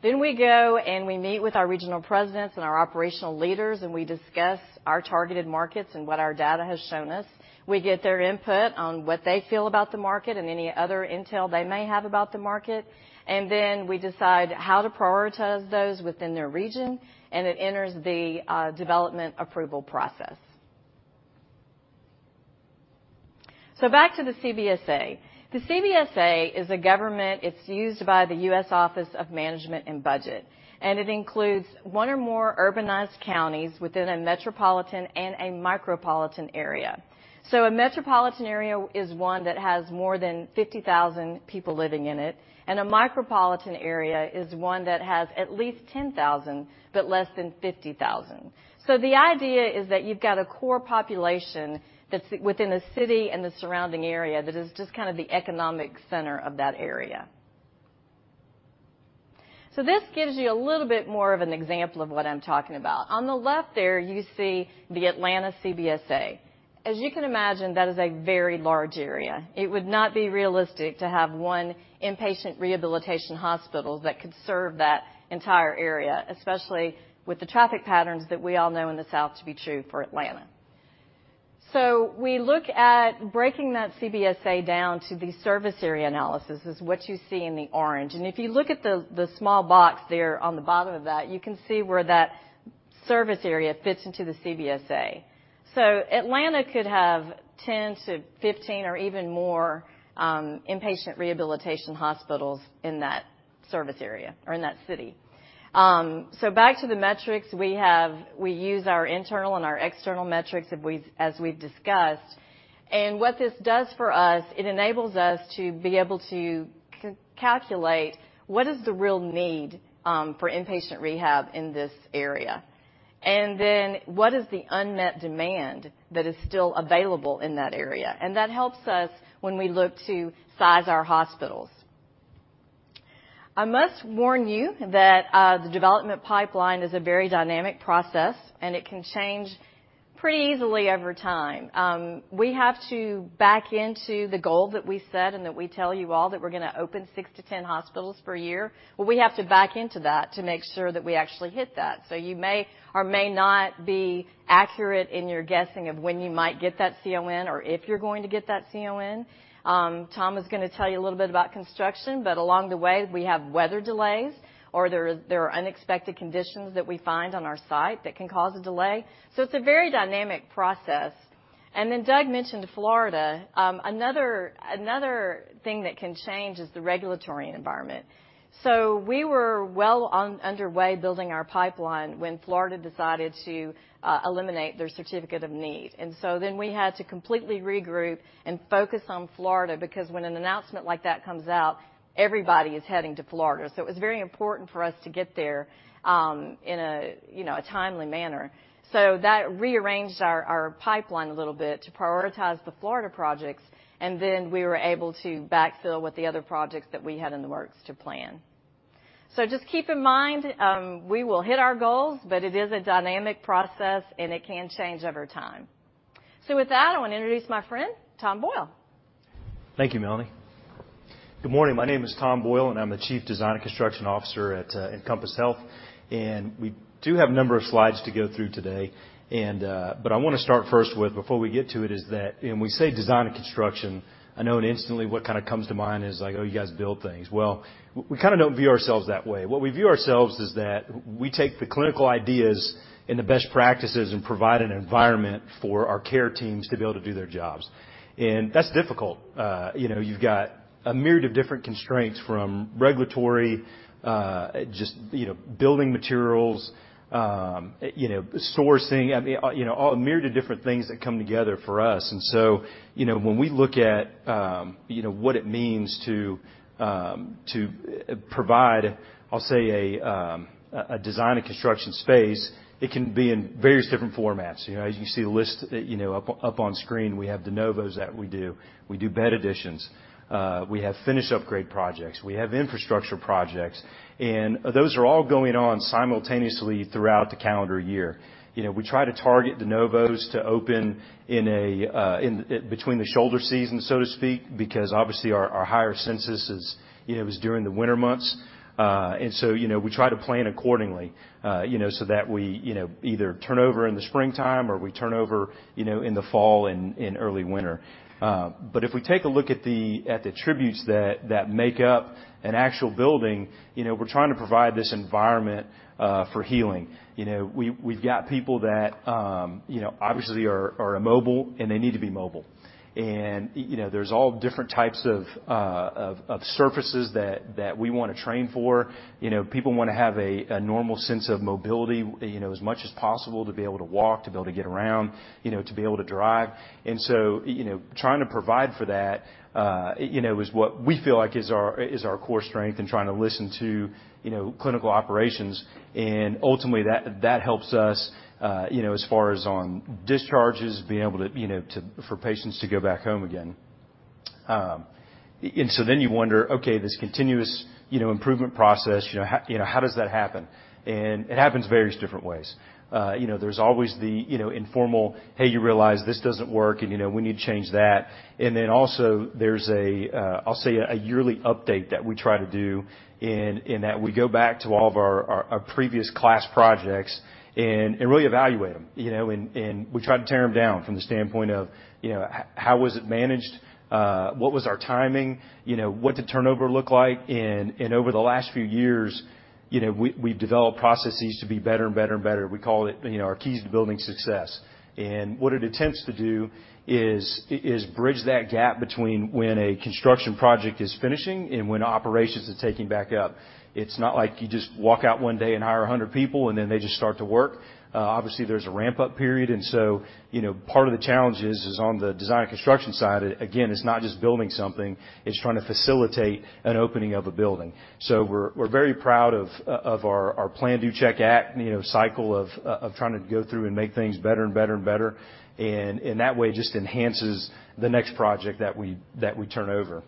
Then we go and we meet with our regional presidents and our operational leaders, and we discuss our targeted markets and what our data has shown us. We get their input on what they feel about the market and any other intel they may have about the market, and then we decide how to prioritize those within their region, and it enters the development approval process. So back to the CBSA. The CBSA is a government... It's used by the U.S. Office of Management and Budget, and it includes one or more urbanized counties within a metropolitan and a micropolitan area. So a metropolitan area is one that has more than 50,000 people living in it, and a micropolitan area is one that has at least 10,000, but less than 50,000. So the idea is that you've got a core population that's within a city and the surrounding area that is just kind of the economic center of that area. So this gives you a little bit more of an example of what I'm talking about. On the left there, you see the Atlanta CBSA. As you can imagine, that is a very large area. It would not be realistic to have one inpatient rehabilitation hospital that could serve that entire area, especially with the traffic patterns that we all know in the South to be true for Atlanta. So we look at breaking that CBSA down to the service area analysis, is what you see in the orange. And if you look at the small box there on the bottom of that, you can see where that service area fits into the CBSA. So Atlanta could have 10-15 or even more inpatient rehabilitation hospitals in that service area or in that city. So back to the metrics, we use our internal and our external metrics, as we've discussed. What this does for us, it enables us to be able to calculate what is the real need for inpatient rehab in this area, and then what is the unmet demand that is still available in that area? That helps us when we look to size our hospitals. I must warn you that the development pipeline is a very dynamic process, and it can change pretty easily over time. We have to back into the goal that we set and that we tell you all, that we're gonna open six to 10 hospitals per year. Well, we have to back into that to make sure that we actually hit that. So you may or may not be accurate in your guessing of when you might get that CON or if you're going to get that CON. Tom is gonna tell you a little bit about construction, but along the way, we have weather delays, or there are unexpected conditions that we find on our site that can cause a delay. So it's a very dynamic process. And then Doug mentioned Florida. Another thing that can change is the regulatory environment. So we were well underway building our pipeline when Florida decided to eliminate their certificate of need. And so then we had to completely regroup and focus on Florida, because when an announcement like that comes out, everybody is heading to Florida. So it was very important for us to get there, you know, in a timely manner. So that rearranged our, our pipeline a little bit to prioritize the Florida projects, and then we were able to backfill with the other projects that we had in the works to plan. So just keep in mind, we will hit our goals, but it is a dynamic process, and it can change over time. So with that, I want to introduce my friend, Tom Boyle. Thank you, Melanie. Good morning. My name is Tom Boyle, and I'm the Chief Design and Construction Officer at Encompass Health, and we do have a number of slides to go through today. I wanna start first with, before we get to it, is that when we say design and construction, I know instantly what kinda comes to mind is like, "Oh, you guys build things." Well, we kinda don't view ourselves that way. What we view ourselves is that we take the clinical ideas and the best practices and provide an environment for our care teams to be able to do their jobs, and that's difficult. You know, you've got a myriad of different constraints, from regulatory, just, you know, building materials, you know, sourcing, I mean, you know, a myriad of different things that come together for us. And so, you know, when we look at, you know, what it means to provide, I'll say, a design and construction space, it can be in various different formats. You know, as you see the list, you know, up on screen, we have de novos that we do. We do bed additions. We have finish upgrade projects. We have infrastructure projects, and those are all going on simultaneously throughout the calendar year. You know, we try to target de novos to open in a, in, between the shoulder season, so to speak, because obviously our higher census is, you know, during the winter months. And so, you know, we try to plan accordingly, you know, so that we, you know, either turn over in the springtime or we turn over, you know, in the fall and early winter. But if we take a look at the attributes that make up an actual building, you know, we're trying to provide this environment for healing. You know, we've got people that, you know, obviously are immobile, and they need to be mobile. You know, there's all different types of surfaces that we wanna train for. You know, people wanna have a normal sense of mobility, you know, as much as possible, to be able to walk, to be able to get around, you know, to be able to drive. And so, you know, trying to provide for that, you know, is what we feel like is our, is our core strength in trying to listen to, you know, clinical operations, and ultimately, that, that helps us, you know, as far as on discharges, being able to, you know, to for patients to go back home again. And so then you wonder, okay, this continuous, you know, improvement process, you know, how, you know, how does that happen? And it happens various different ways. You know, there's always the, you know, informal, "Hey, you realize this doesn't work, and, you know, we need to change that." And then also, there's a, I'll say, a yearly update that we try to do in that we go back to all of our previous class projects and really evaluate them, you know, and we try to tear them down from the standpoint of, you know, how was it managed? What was our timing? You know, what did turnover look like? And over the last few years, you know, we, we've developed processes to be better and better and better. We call it, you know, our keys to building success. And what it attempts to do is bridge that gap between when a construction project is finishing and when operations are taking back up. It's not like you just walk out one day and hire 100 people, and then they just start to work. Obviously, there's a ramp-up period, and so, you know, part of the challenge is on the design and construction side. Again, it's not just building something. It's trying to facilitate an opening of a building. So we're very proud of our plan-do-check-act, you know, cycle of trying to go through and make things better and better and better, and that way, it just enhances the next project that we turn over.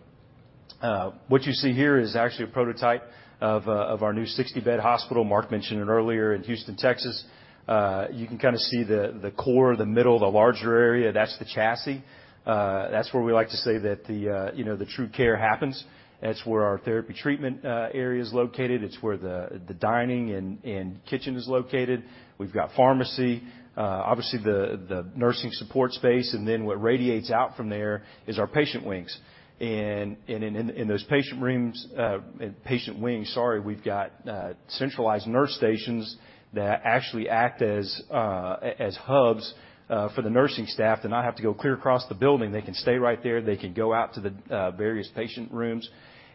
What you see here is actually a prototype of our new 60-bed hospital. Mark mentioned it earlier, in Houston, Texas. You can kind of see the core, the middle, the larger area. That's the chassis. That's where we like to say that the, you know, the true care happens. That's where our therapy treatment area is located. It's where the dining and kitchen is located. We've got pharmacy, obviously, the nursing support space, and then what radiates out from there is our patient wings. And in those patient rooms, patient wings, sorry, we've got centralized nurse stations that actually act as hubs for the nursing staff. They not have to go clear across the building. They can stay right there. They can go out to the various patient rooms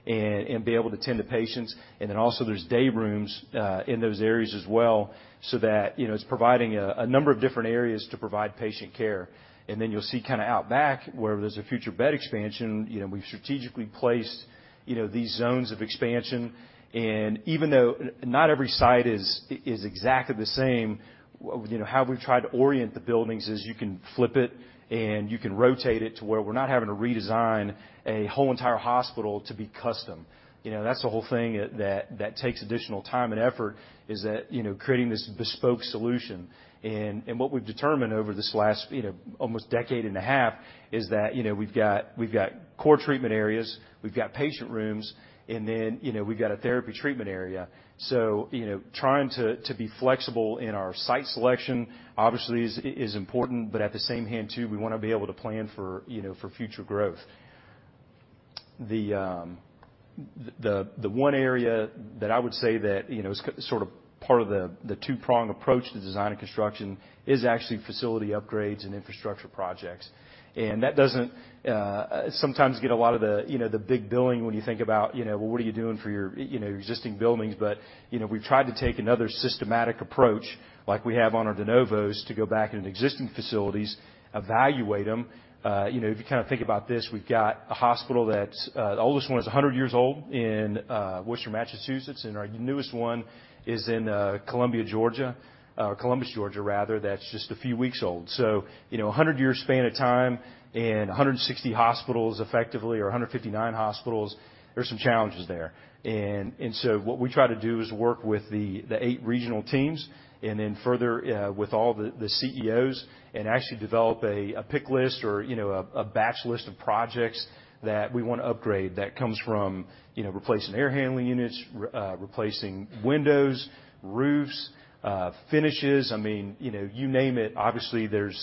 and be able to tend to patients. And then also, there's day rooms in those areas as well, so that, you know, it's providing a number of different areas to provide patient care. And then you'll see kinda out back where there's a future bed expansion, you know, we've strategically placed, you know, these zones of expansion. Even though not every site is exactly the same, you know, how we've tried to orient the buildings is you can flip it, and you can rotate it to where we're not having to redesign a whole entire hospital to be custom. You know, that's the whole thing that takes additional time and effort, is that, you know, creating this bespoke solution. And what we've determined over this last, you know, almost decade and a half is that, you know, we've got core treatment areas, we've got patient rooms, and then, you know, we've got a therapy treatment area. So, you know, trying to be flexible in our site selection, obviously, is important, but at the same hand, too, we wanna be able to plan for, you know, for future growth. The one area that I would say that, you know, is kind of sort of part of the two-prong approach to design and construction is actually facility upgrades and infrastructure projects. And that doesn't sometimes get a lot of the, you know, the big billing when you think about, you know, well, what are you doing for your, you know, your existing buildings? But, you know, we've tried to take another systematic approach like we have on our de novos, to go back into existing facilities, evaluate them. You know, if you kinda think about this, we've got a hospital that's the oldest one is 100 years old in Worcester, Massachusetts, and our newest one is in Columbia, Georgia, Columbus, Georgia, rather, that's just a few weeks old. So, you know, a 100-year span of time and 160 hospitals effectively or 159 hospitals, there's some challenges there. And so what we try to do is work with the eight regional teams and then further with all the CEOs, and actually develop a pick list or, you know, a batch list of projects that we wanna upgrade. That comes from, you know, replacing air handling units, replacing windows, roofs, finishes. I mean, you know, you name it. Obviously, there's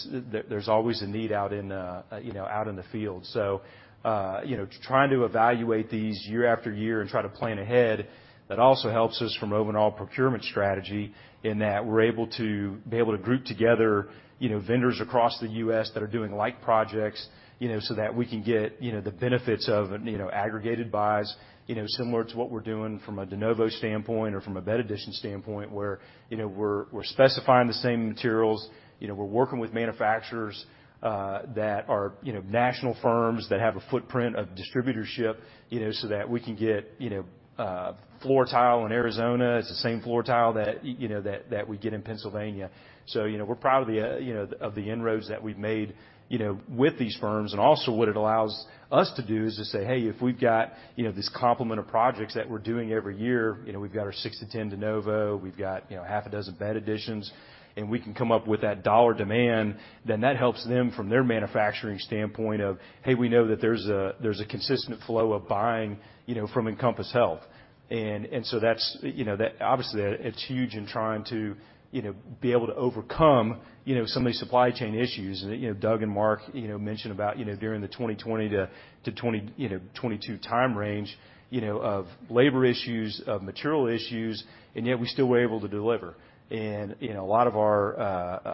always a need out in the field. So, you know, trying to evaluate these year after year and try to plan ahead, that also helps us from overall procurement strategy in that we're able to group together, you know, vendors across the U.S. that are doing like projects, you know, so that we can get, you know, the benefits of, you know, aggregated buys, you know, similar to what we're doing from a de novo standpoint or from a bed addition standpoint, where, you know, we're specifying the same materials. You know, we're working with manufacturers that are, you know, national firms that have a footprint of distributorship, you know, so that we can get, you know, floor tile in Arizona. It's the same floor tile that, you know, that, that we get in Pennsylvania. So, you know, we're proud of the, you know, of the inroads that we've made, you know, with these firms. And also, what it allows us to do is to say, hey, if we've got, you know, this complement of projects that we're doing every year, you know, we've got our six to 10 de novo, we've got, you know, half a dozen bed additions, and we can come up with that dollar demand, then that helps them from their manufacturing standpoint of, "Hey, we know that there's a, there's a consistent flow of buying, you know, from Encompass Health." And, and so that's... You know, that, obviously, it's huge in trying to, you know, be able to overcome, you know, some of these supply chain issues. You know, Doug and Mark, you know, mentioned about, you know, during the 2020 to 20, you know, 2022 time range, you know, of labor issues, of material issues, and yet we still were able to deliver. You know, a lot of our,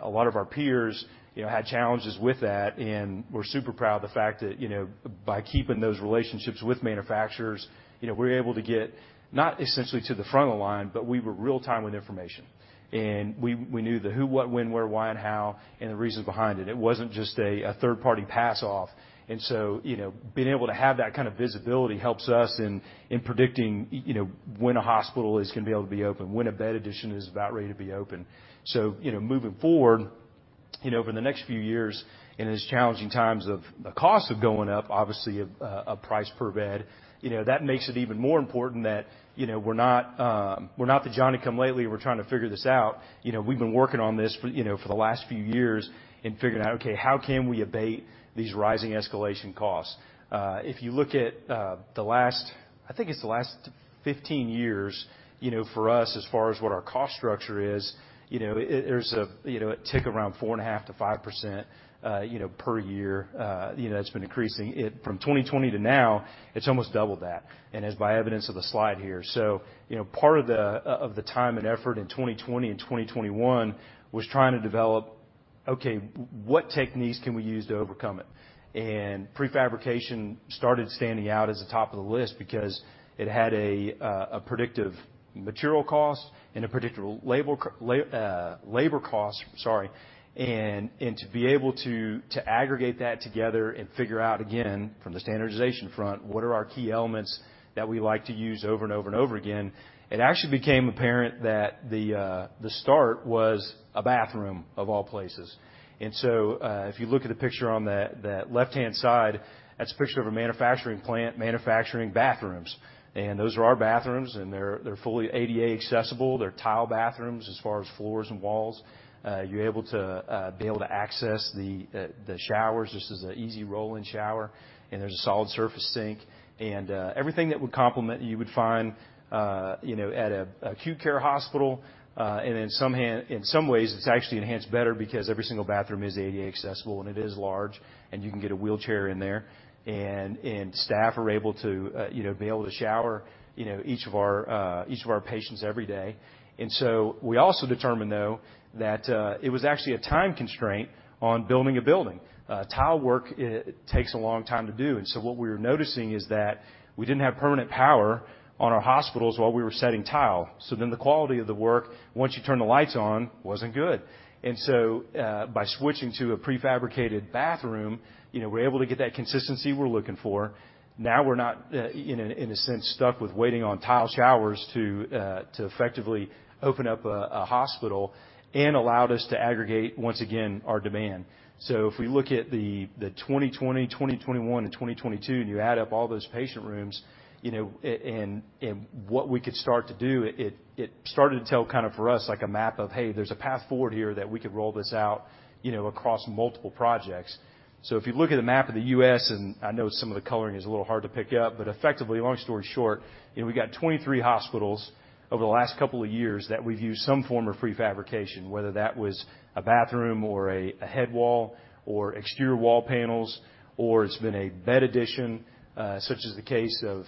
a lot of our peers, you know, had challenges with that, and we're super proud of the fact that, you know, by keeping those relationships with manufacturers, you know, we're able to get, not essentially to the front of the line, but we were real-time with information. And we knew the who, what, when, where, why, and how, and the reasons behind it. It wasn't just a third-party pass-off. So, you know, being able to have that kind of visibility helps us in, in predicting, you know, when a hospital is gonna be able to be open, when a bed addition is about ready to be open. You know, moving forward, you know, over the next few years, in these challenging times of the cost of going up, obviously, a price per bed, you know, that makes it even more important that, you know, we're not, we're not the Johnny come lately, and we're trying to figure this out. You know, we've been working on this for, you know, for the last few years and figuring out, okay, how can we abate these rising escalation costs? If you look at the last 15 years, you know, for us, as far as what our cost structure is, you know, it, there's a, you know, a tick around 4.5%-5%, you know, per year. You know, it's been increasing. From 2020 to now, it's almost double that, and as by evidence of the slide here. So, you know, part of the time and effort in 2020 and 2021 was trying to develop. Okay, what techniques can we use to overcome it? Prefabrication started standing out as the top of the list because it had a predictive material cost and a predictable labor cost, sorry, and to be able to aggregate that together and figure out, again, from the standardization front, what are our key elements that we like to use over and over and over again? It actually became apparent that the start was a bathroom, of all places. So, if you look at the picture on that, that left-hand side, that's a picture of a manufacturing plant, manufacturing bathrooms, and those are our bathrooms, and they're fully ADA accessible. They're tile bathrooms as far as floors and walls. You're able to be able to access the showers. This is an easy roll-in shower, and there's a solid surface sink, and, everything that would complement you would find, you know, at a, acute care hospital. And in some ways, it's actually enhanced better because every single bathroom is ADA accessible, and it is large, and you can get a wheelchair in there. And staff are able to, you know, be able to shower, you know, each of our, each of our patients every day. And so we also determined, though, that, it was actually a time constraint on building a building. Tile work, it, takes a long time to do, and so what we were noticing is that we didn't have permanent power on our hospitals while we were setting tile. So then the quality of the work, once you turn the lights on, wasn't good. So, by switching to a prefabricated bathroom, you know, we're able to get that consistency we're looking for. Now, we're not, in a sense, stuck with waiting on tile showers to effectively open up a hospital and allowed us to aggregate, once again, our demand. So if we look at the 2020, 2021, and 2022, and you add up all those patient rooms, you know, and what we could start to do, it started to tell kind of for us, like a map of, "Hey, there's a path forward here that we could roll this out, you know, across multiple projects." So if you look at the map of the U.S., and I know some of the coloring is a little hard to pick up, but effectively, long story short, you know, we got 23 hospitals over the last couple of years that we've used some form of prefabrication, whether that was a bathroom or a headwalls or exterior wall panels, or it's been a bed addition, such as the case of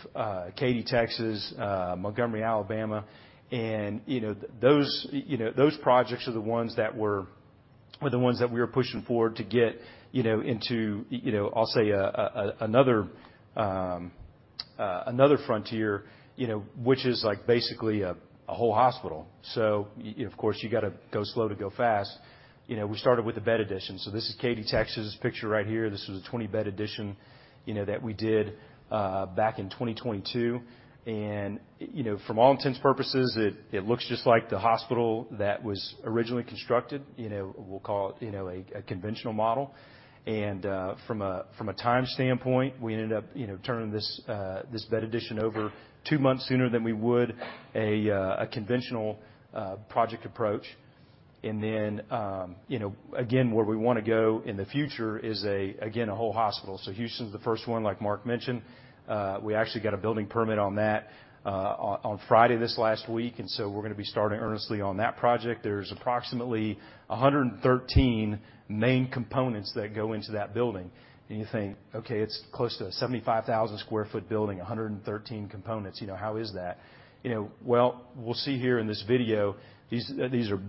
Katy, Texas, Montgomery, Alabama. And, you know, those... You know, those projects are the ones that we were pushing forward to get, you know, into you know, I'll say, another frontier, you know, which is like basically a whole hospital. So of course, you gotta go slow to go fast. You know, we started with the bed addition. So this is Katy, Texas, picture right here. This was a 20-bed addition, you know, that we did back in 2022, and you know, from all intents and purposes, it looks just like the hospital that was originally constructed. You know, we'll call it a conventional model, and from a time standpoint, we ended up you know turning this bed addition over two months sooner than we would a conventional project approach. Then, you know, again, where we wanna go in the future is, again, a whole hospital. So Houston's the first one, like Mark mentioned. We actually got a building permit on that, on Friday this last week, and so we're gonna be starting earnestly on that project. There's approximately 113 main components that go into that building. And you think, "Okay, it's close to a 75,000 sq ft building, 113 components, you know, how is that?" You know, well, we'll see here in this video, these are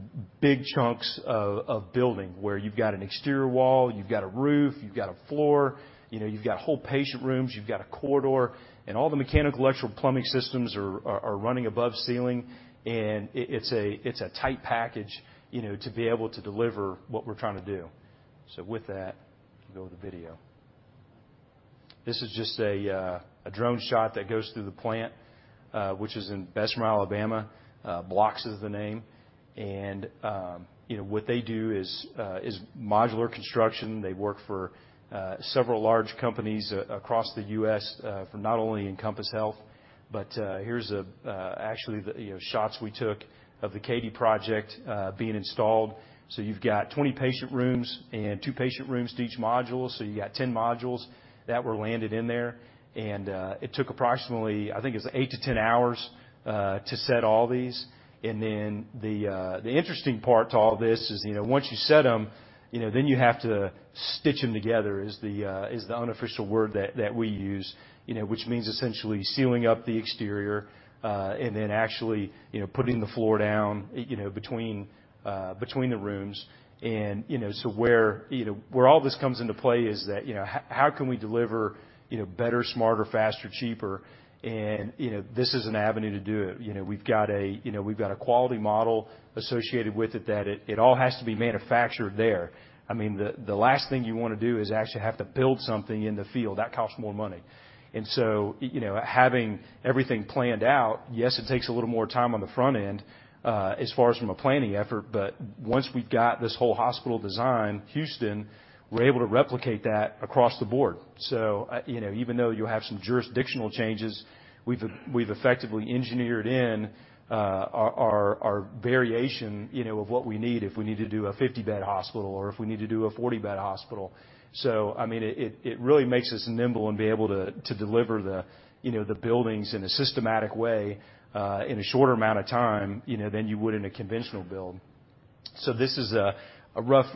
big chunks of building, where you've got an exterior wall, you've got a roof, you've got a floor, you know, you've got whole patient rooms, you've got a corridor, and all the mechanical, electrical, plumbing systems are running above ceiling. It's a tight package, you know, to be able to deliver what we're trying to do. So with that, go to video. This is just a drone shot that goes through the plant, which is in Bessemer, Alabama. BLOX is the name, and, you know, what they do is modular construction. They work for several large companies across the U.S., for not only Encompass Health, but here's actually the shots we took of the Katy project being installed. So you've got 20 patient rooms and two patient rooms to each module, so you've got 10 modules that were landed in there. It took approximately, I think, it's eight to 10 hours to set all these. Then the interesting part to all this is, you know, once you set them, you know, then you have to stitch them together, is the unofficial word that we use. You know, which means essentially sealing up the exterior, and then actually, you know, putting the floor down, you know, between the rooms. And, you know, so where all this comes into play is that, you know, how can we deliver, you know, better, smarter, faster, cheaper? And, you know, this is an avenue to do it. You know, we've got a quality model associated with it, that it all has to be manufactured there. I mean, the last thing you wanna do is actually have to build something in the field. That costs more money. You know, having everything planned out, yes, it takes a little more time on the front end, as far as from a planning effort, but once we got this whole hospital designed, Houston, we're able to replicate that across the board. So, you know, even though you'll have some jurisdictional changes, we've effectively engineered in our variation, you know, of what we need if we need to do a 50-bed hospital or if we need to do a 40-bed hospital. So, I mean, it really makes us nimble and be able to deliver the, you know, the buildings in a systematic way, in a shorter amount of time, you know, than you would in a conventional build. So this is a rough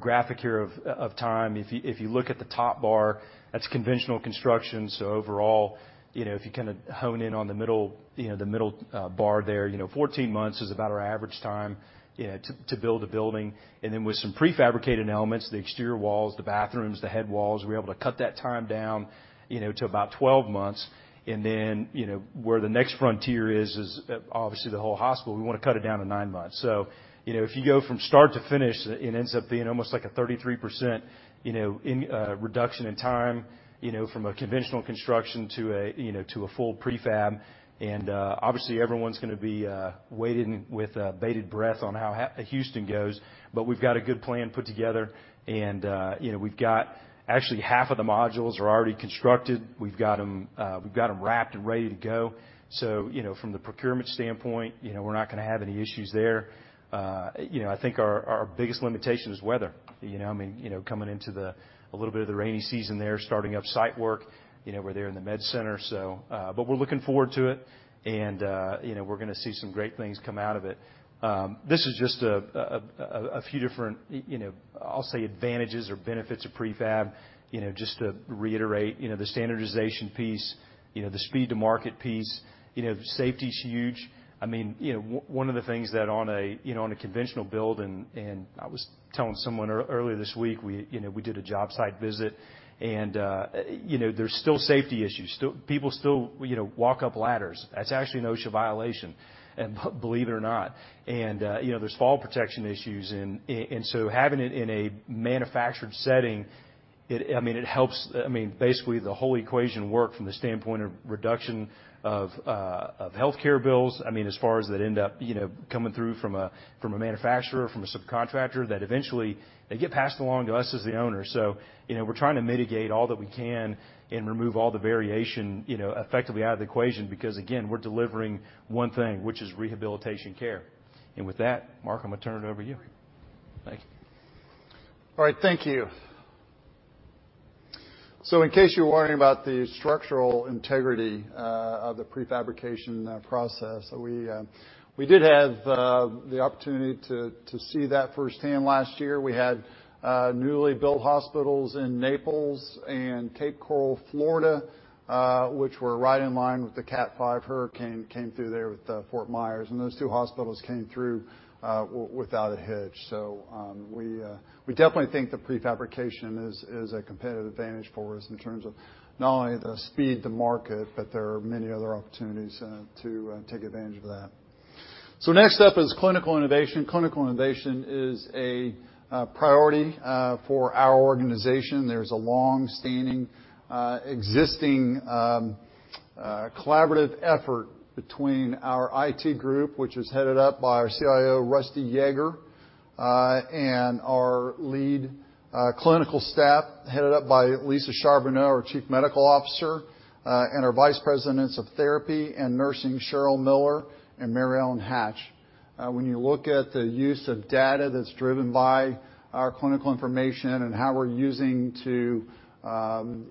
graphic here of time. If you, if you look at the top bar, that's conventional construction. So overall, you know, if you kinda hone in on the middle, you know, the middle, bar there, you know, 14 months is about our average time, you know, to, to build a building. And then with some prefabricated elements, the exterior walls, the bathrooms, the headwalls, we're able to cut that time down, you know, to about 12 months. And then, you know, where the next frontier is, is, obviously, the whole hospital, we wanna cut it down to nine months. So, you know, if you go from start to finish, it ends up being almost like a 33%, you know, in, reduction in time, you know, from a conventional construction to a, you know, to a full prefab. Obviously, everyone's gonna be waiting with bated breath on how Houston goes, but we've got a good plan put together. You know, we've got actually half of the modules are already constructed. We've got them... we've got them wrapped and ready to go. So, you know, from the procurement standpoint, you know, we're not gonna have any issues there. You know, I think our biggest limitation is weather. You know, I mean, you know, coming into a little bit of the rainy season there, starting up site work, you know, we're there in the Med Center, so... But we're looking forward to it, and, you know, we're gonna see some great things come out of it. This is just a few different, you know, I'll say, advantages or benefits of prefab. You know, just to reiterate, you know, the standardization piece, you know, the speed to market piece, you know, safety is huge. I mean, you know, one of the things that on a, you know, on a conventional build, and I was telling someone earlier this week, we, you know, we did a job site visit, and, you know, there's still safety issues. Still, people still, you know, walk up ladders. That's actually an OSHA violation, and, believe it or not. And, you know, there's fall protection issues in... And so having it in a manufactured setting, it, I mean, it helps, I mean, basically the whole equation work from the standpoint of reduction of of healthcare bills, I mean, as far as that end up, you know, coming through from a, from a manufacturer, from a subcontractor, that eventually they get passed along to us as the owner. So, you know, we're trying to mitigate all that we can and remove all the variation, you know, effectively out of the equation, because, again, we're delivering one thing, which is rehabilitation care. And with that, Mark, I'm gonna turn it over to you. Thank you. All right, thank you. So in case you're worrying about the structural integrity of the prefabrication process, we did have the opportunity to see that firsthand last year. We had newly built hospitals in Naples and Cape Coral, Florida, which were right in line with the Cat Five hurricane that came through there with Fort Myers, and those two hospitals came through without a hitch. So we definitely think the prefabrication is a competitive advantage for us in terms of not only the speed to market, but there are many other opportunities to take advantage of that. So next up is clinical innovation. Clinical innovation is a priority for our organization. There's a long-standing, existing, collaborative effort between our IT group, which is headed up by our CIO, Rusty Yeager, and our lead clinical staff, headed up by Elissa Charbonneau, our Chief Medical Officer, and our Vice Presidents of Therapy and Nursing, Cheryl Miller and Mary Ellen Hatch. When you look at the use of data that's driven by our clinical information and how we're using to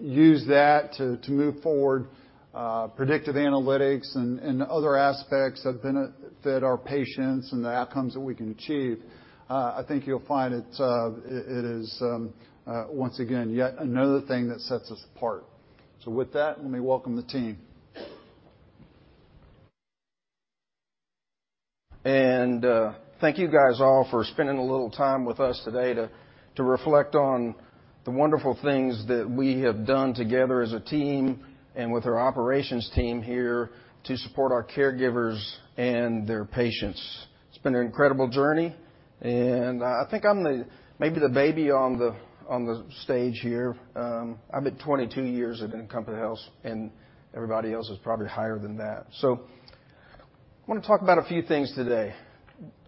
use that to move forward, predictive analytics and other aspects that benefit our patients and the outcomes that we can achieve, I think you'll find it is once again, yet another thing that sets us apart. So with that, let me welcome the team. Thank you guys all for spending a little time with us today to reflect on the wonderful things that we have done together as a team and with our operations team here to support our caregivers and their patients. It's been an incredible journey, and I think I'm maybe the baby on the stage here. I've been 22 years at Encompass Health, and everybody else is probably higher than that. So I wanna talk about a few things today: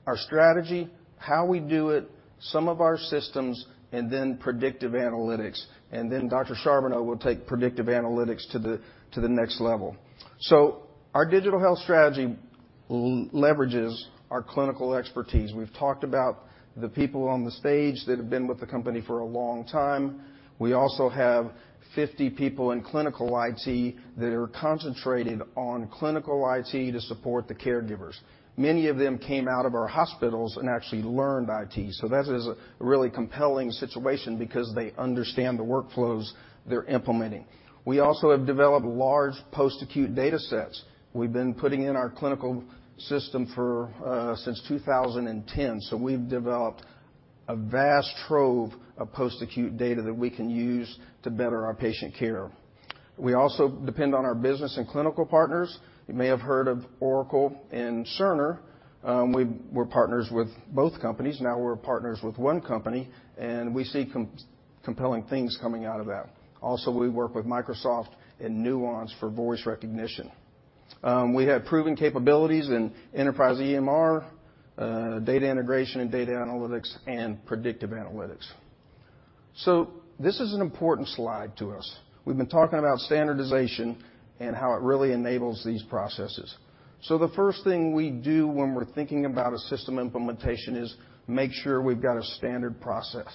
our strategy, how we do it, some of our systems, and then predictive analytics, and then Dr. Charbonneau will take predictive analytics to the next level. So our digital health strategy leverages our clinical expertise. We've talked about the people on the stage that have been with the company for a long time. We also have 50 people in clinical IT that are concentrated on clinical IT to support the caregivers. Many of them came out of our hospitals and actually learned IT, so that is a really compelling situation because they understand the workflows they're implementing. We also have developed large post-acute datasets. We've been putting in our clinical system since 2010, so we've developed a vast trove of post-acute data that we can use to better our patient care. We also depend on our business and clinical partners. You may have heard of Oracle and Cerner. We were partners with both companies, now we're partners with one company, and we see compelling things coming out of that. Also, we work with Microsoft and Nuance for voice recognition. We have proven capabilities in enterprise EMR, data integration and data analytics, and predictive analytics. This is an important slide to us. We've been talking about standardization and how it really enables these processes. The first thing we do when we're thinking about a system implementation is make sure we've got a standard process....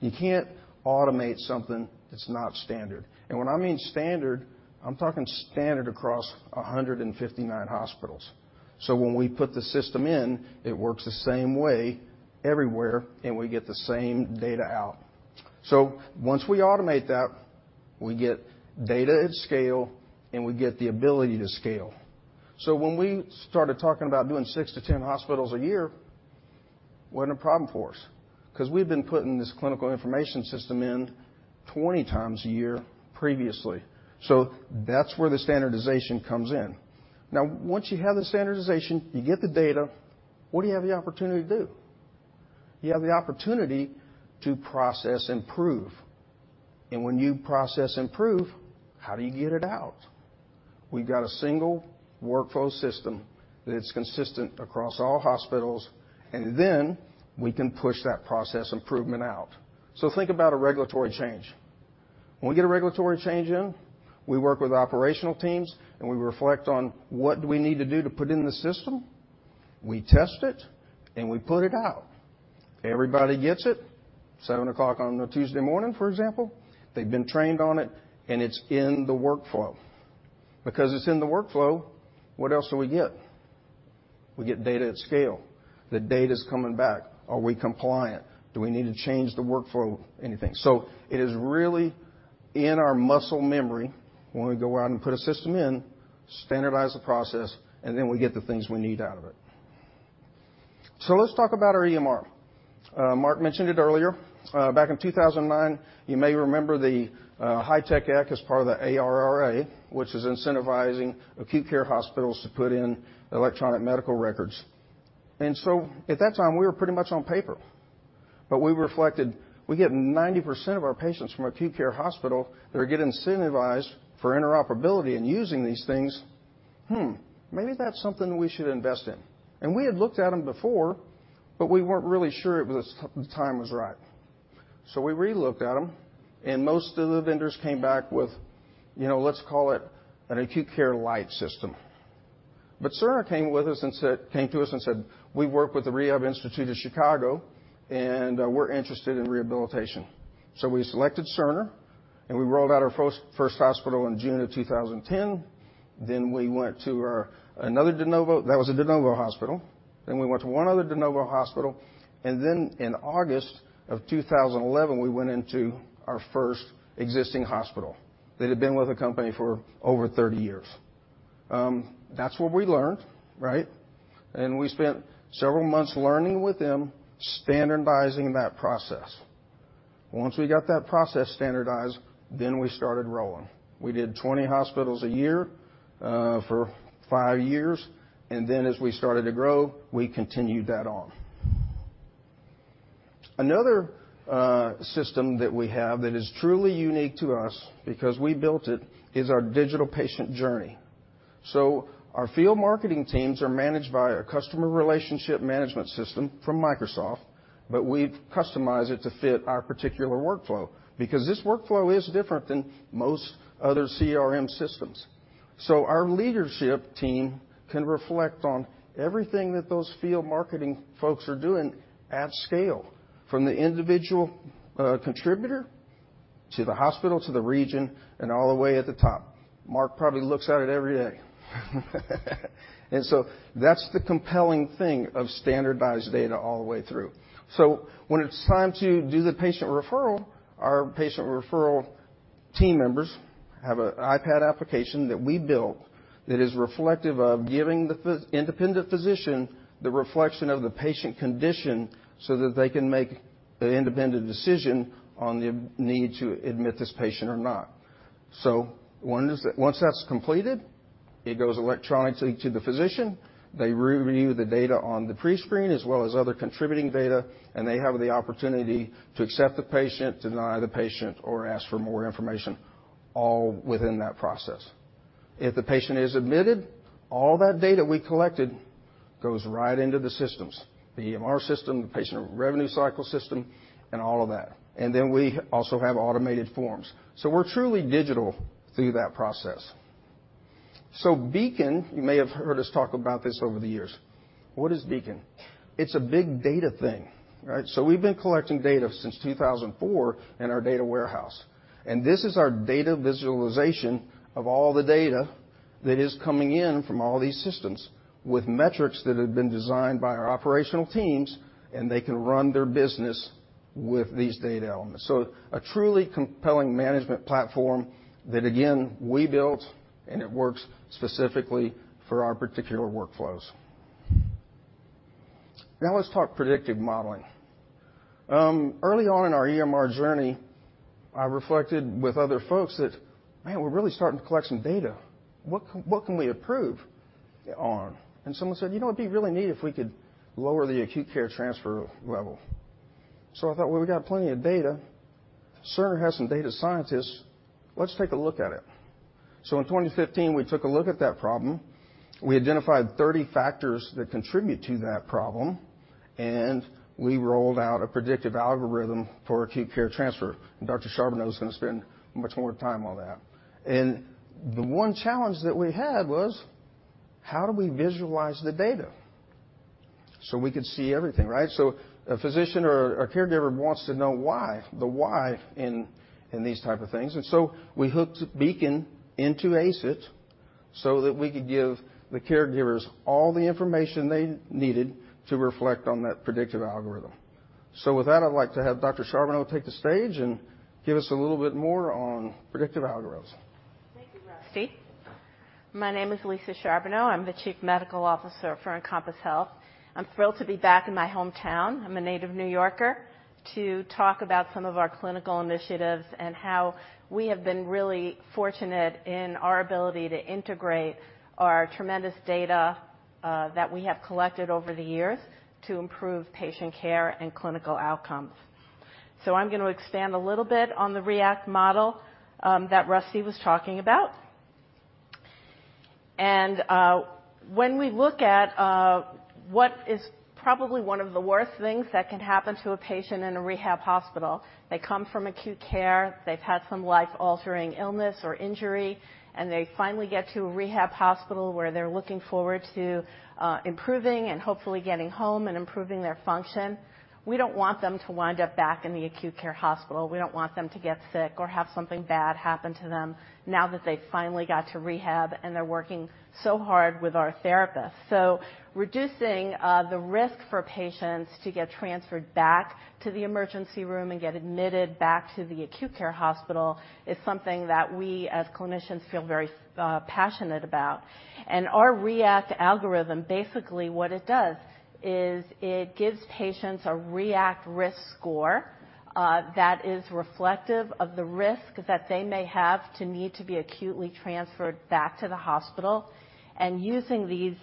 You can't automate something that's not standard. And when I mean standard, I'm talking standard across 159 hospitals. So when we put the system in, it works the same way everywhere, and we get the same data out. So once we automate that, we get data at scale, and we get the ability to scale. So when we started talking about doing six to 10 hospitals a year, it wasn't a problem for us, 'cause we've been putting this clinical information system in 20 times a year previously. So that's where the standardization comes in. Now, once you have the standardization, you get the data, what do you have the opportunity to do? You have the opportunity to process improve. And when you process improve, how do you get it out? We've got a single workflow system that's consistent across all hospitals, and then we can push that process improvement out. So think about a regulatory change. When we get a regulatory change in, we work with operational teams, and we reflect on what do we need to do to put in the system. We test it, and we put it out. Everybody gets it, 7:00 A.M. on a Tuesday morning, for example. They've been trained on it, and it's in the workflow. Because it's in the workflow, what else do we get? We get data at scale. The data is coming back. Are we compliant? Do we need to change the workflow or anything? So it is really in our muscle memory when we go out and put a system in, standardize the process, and then we get the things we need out of it. So let's talk about our EMR. Mark mentioned it earlier. Back in 2009, you may remember the HITECH Act as part of the ARRA, which is incentivizing acute care hospitals to put in electronic medical records. And so at that time, we were pretty much on paper, but we reflected, we get 90% of our patients from acute care hospital that are getting incentivized for interoperability and using these things. Maybe that's something we should invest in. And we had looked at them before, but we weren't really sure it was, the time was right. So we relooked at them, and most of the vendors came back with, you know, let's call it an acute care light system. But Cerner came to us and said, "We work with the Rehab Institute of Chicago, and we're interested in rehabilitation." So we selected Cerner, and we rolled out our first, first hospital in June 2010. Then we went to our... another de novo. That was a de novo hospital. Then we went to one other de novo hospital, and then in August 2011, we went into our first existing hospital. They had been with the company for over 30 years. That's what we learned, right? And we spent several months learning with them, standardizing that process. Once we got that process standardized, then we started growing. We did 20 hospitals a year for five years, and then as we started to grow, we continued that on. Another system that we have that is truly unique to us, because we built it, is our digital patient journey. So our field marketing teams are managed by a customer relationship management system from Microsoft, but we've customized it to fit our particular workflow, because this workflow is different than most other CRM systems. So our leadership team can reflect on everything that those field marketing folks are doing at scale, from the individual contributor, to the hospital, to the region, and all the way at the top. Mark probably looks at it every day. And so that's the compelling thing of standardized data all the way through. So when it's time to do the patient referral, our patient referral team members have an iPad application that we built that is reflective of giving the independent physician the reflection of the patient condition so that they can make an independent decision on the need to admit this patient or not. Once that's completed, it goes electronically to the physician. They review the data on the pre-screen, as well as other contributing data, and they have the opportunity to accept the patient, deny the patient, or ask for more information, all within that process. If the patient is admitted, all that data we collected goes right into the systems, the EMR system, the patient revenue cycle system, and all of that. And then we also have automated forms. So we're truly digital through that process. So Beacon, you may have heard us talk about this over the years. What is Beacon? It's a big data thing, right? So we've been collecting data since 2004 in our data warehouse, and this is our data visualization of all the data that is coming in from all these systems, with metrics that have been designed by our operational teams, and they can run their business with these data elements. So a truly compelling management platform that, again, we built, and it works specifically for our particular workflows. Now, let's talk predictive modeling. Early on in our EMR journey, I reflected with other folks that, man, we're really starting to collect some data. What can, what can we improve on? And someone said, "You know, it'd be really neat if we could lower the acute care transfer level." So I thought, well, we got plenty of data. Cerner has some data scientists. Let's take a look at it. So in 2015, we took a look at that problem. We identified 30 factors that contribute to that problem, and we rolled out a predictive algorithm for acute care transfer. Dr. Charbonneau is going to spend much more time on that. And the one challenge that we had was, how do we visualize the data? So we could see everything, right? So a physician or a caregiver wants to know why, the why in, in these type of things. And so we hooked Beacon into ACE IT, so that we could give the caregivers all the information they needed to reflect on that predictive algorithm. So with that, I'd like to have Dr. Charbonneau take the stage and give us a little bit more on predictive algorithms. Thank you, Rusty. My name is Elissa Charbonneau. I'm the Chief Medical Officer for Encompass Health. I'm thrilled to be back in my hometown, I'm a native New Yorker, to talk about some of our clinical initiatives and how we have been really fortunate in our ability to integrate our tremendous data that we have collected over the years to improve patient care and clinical outcomes. So I'm gonna expand a little bit on the ReACT model that Rusty was talking about. And when we look at what is probably one of the worst things that can happen to a patient in a rehab hospital, they come from acute care, they've had some life-altering illness or injury, and they finally get to a rehab hospital, where they're looking forward to improving and hopefully getting home and improving their function. We don't want them to wind up back in the acute care hospital. We don't want them to get sick or have something bad happen to them now that they've finally got to rehab, and they're working so hard with our therapists. So reducing the risk for patients to get transferred back to the emergency room and get admitted back to the acute care hospital is something that we, as clinicians, feel very passionate about. And our ReACT algorithm, basically what it does is it gives patients a ReACT risk score that is reflective of the risk that they may have to need to be acutely transferred back to the hospital. Using these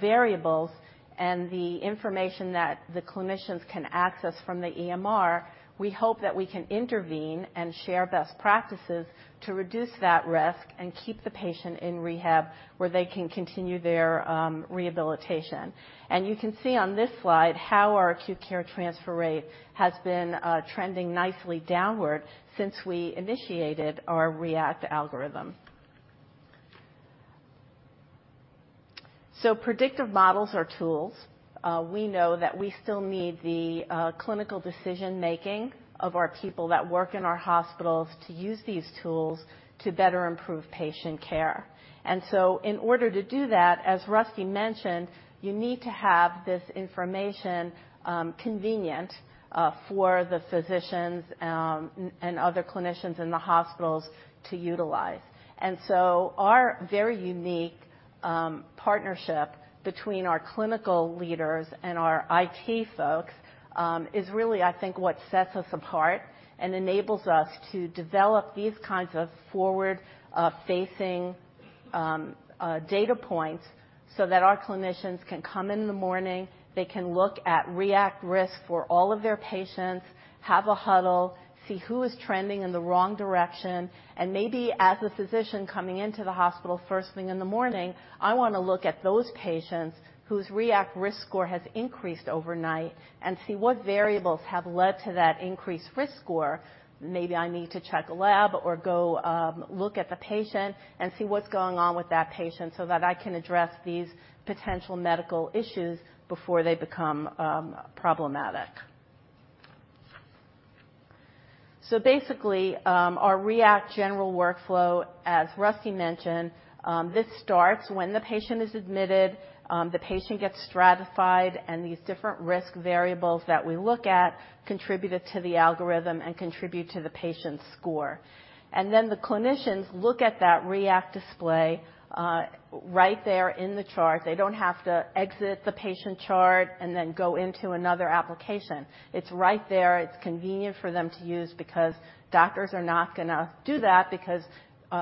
variables and the information that the clinicians can access from the EMR, we hope that we can intervene and share best practices to reduce that risk and keep the patient in rehab, where they can continue their rehabilitation. You can see on this slide how our acute care transfer rate has been trending nicely downward since we initiated our ReACT algorithm. So predictive models are tools. We know that we still need the clinical decision-making of our people that work in our hospitals to use these tools to better improve patient care. And so in order to do that, as Rusty mentioned, you need to have this information convenient for the physicians and other clinicians in the hospitals to utilize. Our very unique partnership between our clinical leaders and our IT folks is really, I think, what sets us apart and enables us to develop these kinds of forward-facing data points, so that our clinicians can come in in the morning, they can look at ReACT risk for all of their patients, have a huddle, see who is trending in the wrong direction, and maybe as a physician coming into the hospital first thing in the morning, I want to look at those patients whose ReACT risk score has increased overnight and see what variables have led to that increased risk score. Maybe I need to check a lab or go look at the patient and see what's going on with that patient so that I can address these potential medical issues before they become problematic. So basically, our ReACT general workflow, as Rusty mentioned, this starts when the patient is admitted, the patient gets stratified, and these different risk variables that we look at contributed to the algorithm and contribute to the patient's score. And then the clinicians look at that ReACT display, right there in the chart. They don't have to exit the patient chart and then go into another application. It's right there. It's convenient for them to use because doctors are not gonna do that because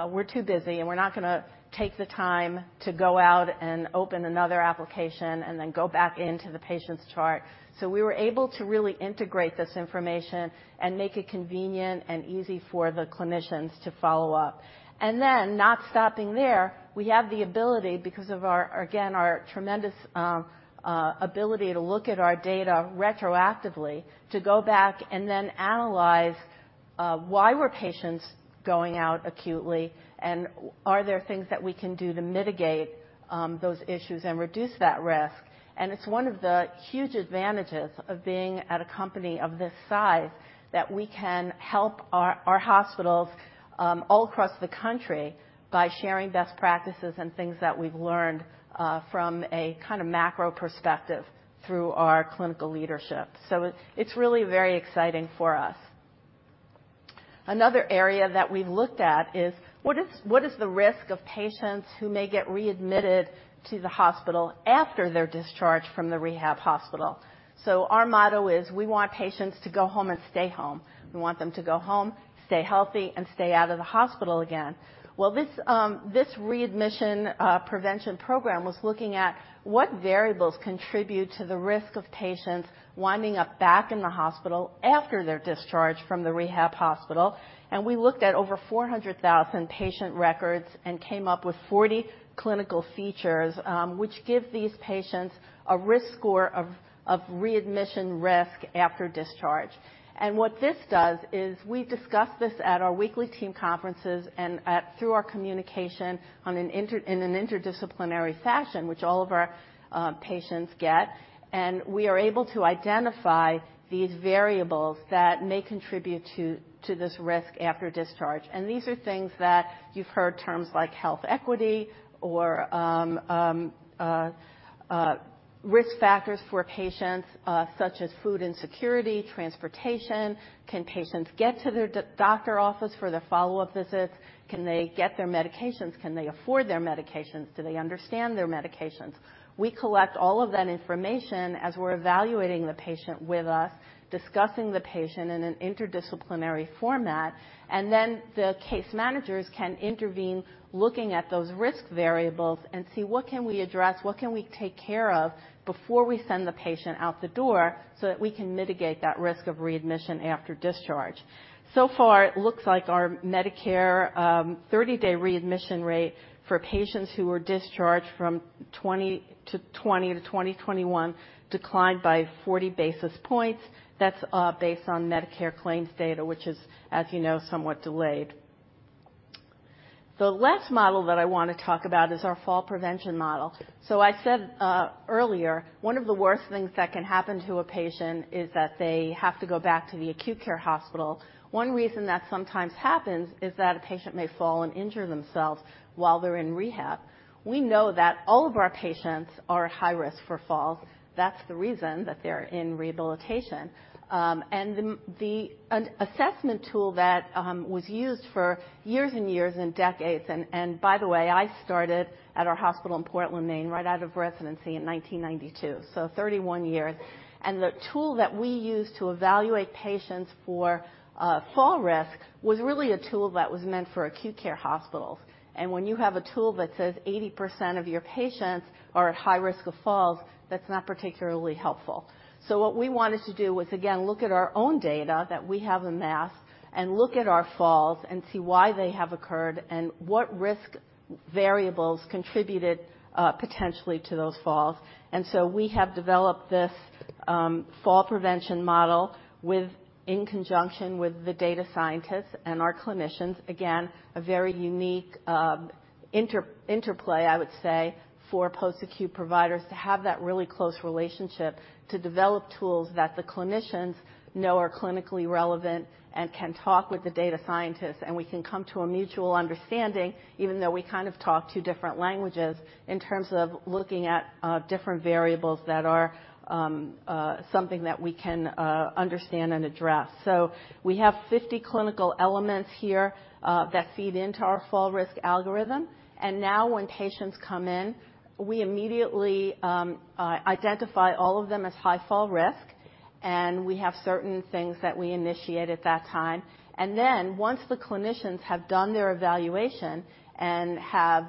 we're too busy, and we're not gonna take the time to go out and open another application and then go back into the patient's chart. So we were able to really integrate this information and make it convenient and easy for the clinicians to follow up. Then, not stopping there, we have the ability, because of our, again, our tremendous ability to look at our data retroactively, to go back and then analyze why were patients going out acutely, and are there things that we can do to mitigate those issues and reduce that risk? It's one of the huge advantages of being at a company of this size, that we can help our hospitals all across the country by sharing best practices and things that we've learned from a kinda macro perspective through our clinical leadership. It's really very exciting for us. Another area that we've looked at is, what is the risk of patients who may get readmitted to the hospital after they're discharged from the rehab hospital? Our motto is, we want patients to go home and stay home. We want them to go home, stay healthy, and stay out of the hospital again. Well, this, this readmission prevention program was looking at what variables contribute to the risk of patients winding up back in the hospital after they're discharged from the rehab hospital. And we looked at over 400,000 patient records and came up with 40 clinical features, which give these patients a risk score of readmission risk after discharge. And what this does is we discuss this at our weekly team conferences and at, through our communication on an interdisciplinary fashion, which all of our patients get, and we are able to identify these variables that may contribute to this risk after discharge. And these are things that you've heard terms like health equity or risk factors for patients, such as food insecurity, transportation. Can patients get to their doctor office for their follow-up visits? Can they get their medications? Can they afford their medications? Do they understand their medications? We collect all of that information as we're evaluating the patient with us, discussing the patient in an interdisciplinary format, and then the case managers can intervene, looking at those risk variables, and see what can we address, what can we take care of before we send the patient out the door, so that we can mitigate that risk of readmission after discharge. So far, it looks like our Medicare 30-day readmission rate for patients who were discharged from 2020 to 2021 declined by 40 basis points. That's based on Medicare claims data, which is, as you know, somewhat delayed. The last model that I want to talk about is our fall prevention model. So I said earlier, one of the worst things that can happen to a patient is that they have to go back to the acute care hospital. One reason that sometimes happens is that a patient may fall and injure themselves while they're in rehab. We know that all of our patients are at high risk for falls. That's the reason that they're in rehabilitation. And the assessment tool that was used for years and years and decades, and by the way, I started at our hospital in Portland, Maine, right out of residency in 1992, so 31 years. The tool that we use to evaluate patients for fall risk was really a tool that was meant for acute care hospitals. And when you have a tool that says 80% of your patients are at high risk of falls, that's not particularly helpful. So what we wanted to do was, again, look at our own data that we have en masse and look at our falls and see why they have occurred and what risk variables contributed potentially to those falls. And so we have developed this fall prevention model with, in conjunction with the data scientists and our clinicians. Again, a very unique interplay, I would say, for post-acute providers to have that really close relationship, to develop tools that the clinicians know are clinically relevant and can talk with the data scientists, and we can come to a mutual understanding, even though we kind of talk two different languages, in terms of looking at different variables that are something that we can understand and address. So we have 50 clinical elements here that feed into our fall risk algorithm. And now when patients come in, we immediately identify all of them as high fall risk, and we have certain things that we initiate at that time. Then once the clinicians have done their evaluation and have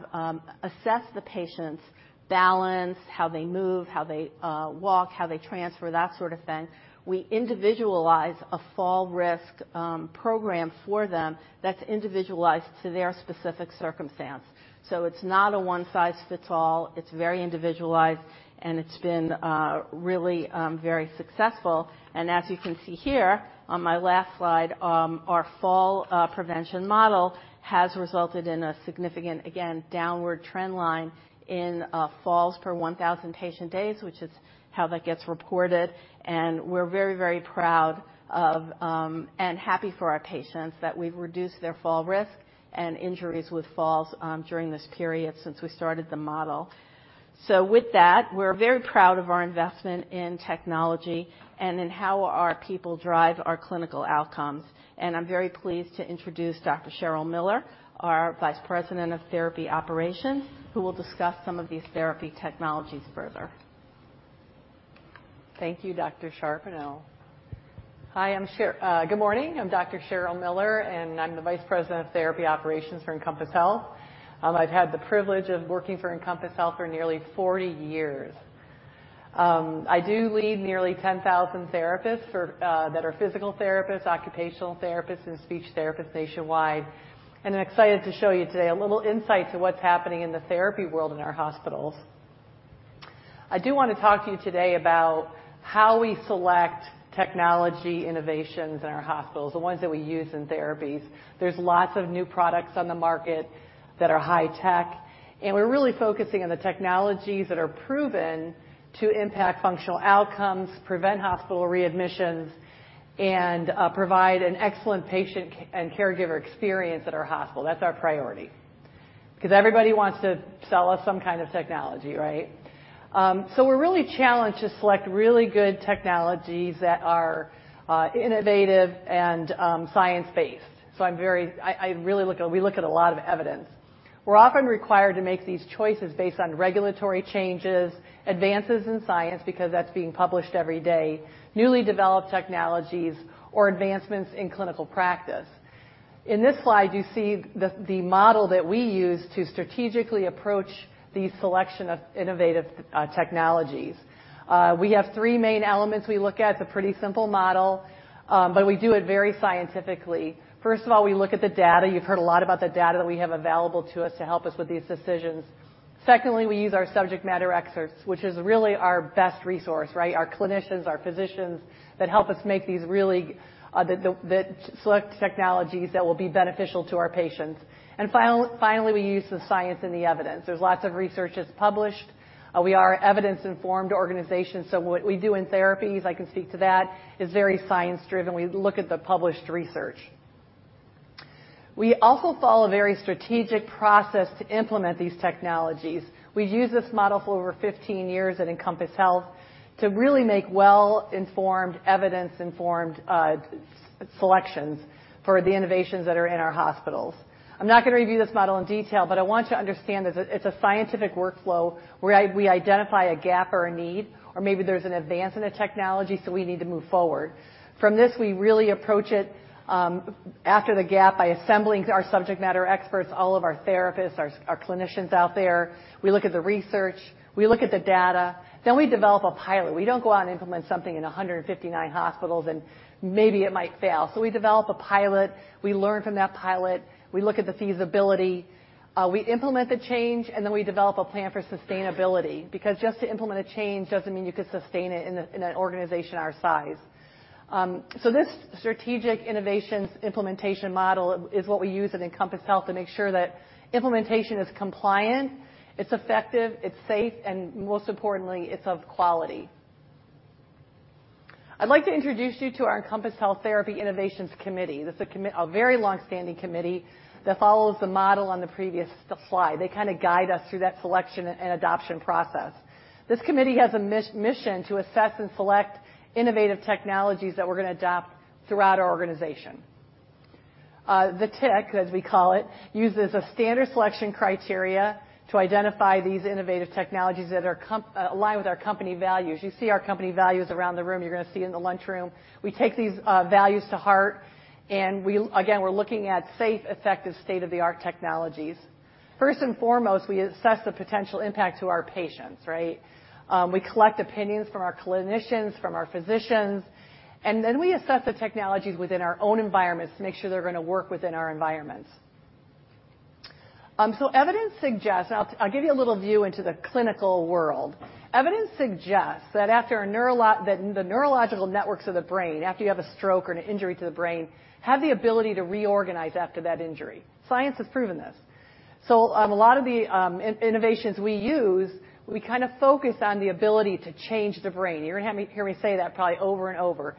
assessed the patient's balance, how they move, how they walk, how they transfer, that sort of thing, we individualize a fall risk program for them that's individualized to their specific circumstance. So it's not a one-size-fits-all. It's very individualized, and it's been really very successful. As you can see here on my last slide, our fall prevention model has resulted in a significant, again, downward trend line in falls per 1,000 patient days, which is how that gets reported. We're very, very proud of and happy for our patients that we've reduced their fall risk and injuries with falls during this period since we started the model. With that, we're very proud of our investment in technology and in how our people drive our clinical outcomes. I'm very pleased to introduce Dr. Cheryl Miller, our Vice President of Therapy Operations, who will discuss some of these therapy technologies further. Thank you, Dr. Charbonneau. Hi, good morning. I'm Dr. Cheryl Miller, and I'm the Vice President of Therapy Operations for Encompass Health. I've had the privilege of working for Encompass Health for nearly 40 years. I do lead nearly 10,000 therapists that are physical therapists, occupational therapists, and speech therapists nationwide, and I'm excited to show you today a little insight to what's happening in the therapy world in our hospitals. I do want to talk to you today about how we select technology innovations in our hospitals, the ones that we use in therapies. There's lots of new products on the market that are high tech, and we're really focusing on the technologies that are proven to impact functional outcomes, prevent hospital readmissions, and provide an excellent patient care and caregiver experience at our hospital. That's our priority. Because everybody wants to sell us some kind of technology, right? So we're really challenged to select really good technologies that are innovative and science-based. So I'm very... I really look at, we look at a lot of evidence. We're often required to make these choices based on regulatory changes, advances in science, because that's being published every day, newly developed technologies or advancements in clinical practice. In this slide, you see the model that we use to strategically approach the selection of innovative technologies. We have three main elements we look at. It's a pretty simple model, but we do it very scientifically. First of all, we look at the data. You've heard a lot about the data that we have available to us to help us with these decisions. Secondly, we use our subject matter experts, which is really our best resource, right? Our clinicians, our physicians, that help us make these really that select technologies that will be beneficial to our patients. And finally, we use the science and the evidence. There's lots of research that's published. We are an evidence-informed organization, so what we do in therapies, I can speak to that, is very science-driven. We look at the published research. We also follow a very strategic process to implement these technologies. We've used this model for over 15 years at Encompass Health to really make well-informed, evidence-informed selections for the innovations that are in our hospitals. I'm not gonna review this model in detail, but I want you to understand that it, it's a scientific workflow where we identify a gap or a need, or maybe there's an advance in a technology, so we need to move forward. From this, we really approach it after the gap by assembling our subject matter experts, all of our therapists, our clinicians out there. We look at the research, we look at the data, then we develop a pilot. We don't go out and implement something in 159 hospitals, and maybe it might fail. So we develop a pilot, we learn from that pilot, we look at the feasibility, we implement the change, and then we develop a plan for sustainability. Because just to implement a change doesn't mean you can sustain it in a, in an organization our size. So this strategic innovations implementation model is what we use at Encompass Health to make sure that implementation is compliant, it's effective, it's safe, and most importantly, it's of quality. I'd like to introduce you to our Encompass Health Therapy Innovations Committee. This is a very long-standing committee that follows the model on the previous slide. They kinda guide us through that selection and adoption process. This committee has a mission to assess and select innovative technologies that we're gonna adopt throughout our organization. The TIC, as we call it, uses a standard selection criteria to identify these innovative technologies that are aligned with our company values. You see our company values around the room; you're gonna see in the lunchroom. We take these values to heart, and again, we're looking at safe, effective, state-of-the-art technologies. First and foremost, we assess the potential impact to our patients, right? We collect opinions from our clinicians, from our physicians, and then we assess the technologies within our own environments to make sure they're gonna work within our environments. So evidence suggests... I'll give you a little view into the clinical world. Evidence suggests that the neurological networks of the brain, after you have a stroke or an injury to the brain, have the ability to reorganize after that injury. Science has proven this. So, a lot of the innovations we use, we kind of focus on the ability to change the brain. You're gonna hear me say that probably over and over.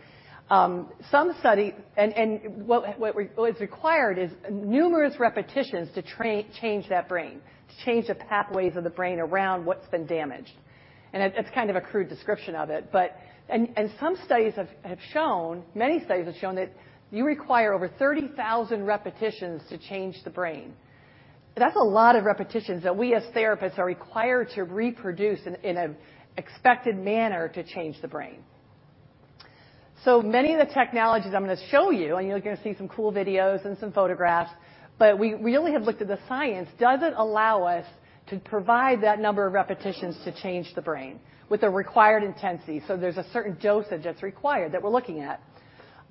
Some study, and what we, what's required is numerous repetitions to train-change that brain, to change the pathways of the brain around what's been damaged. And it's kind of a crude description of it, but. And some studies have shown, many studies have shown that you require over 30,000 repetitions to change the brain. That's a lot of repetitions that we as therapists are required to reproduce in an expected manner to change the brain. So many of the technologies I'm gonna show you, and you're gonna see some cool videos and some photographs, but we only have looked at the science doesn't allow us to provide that number of repetitions to change the brain with the required intensity. So there's a certain dosage that's required that we're looking at.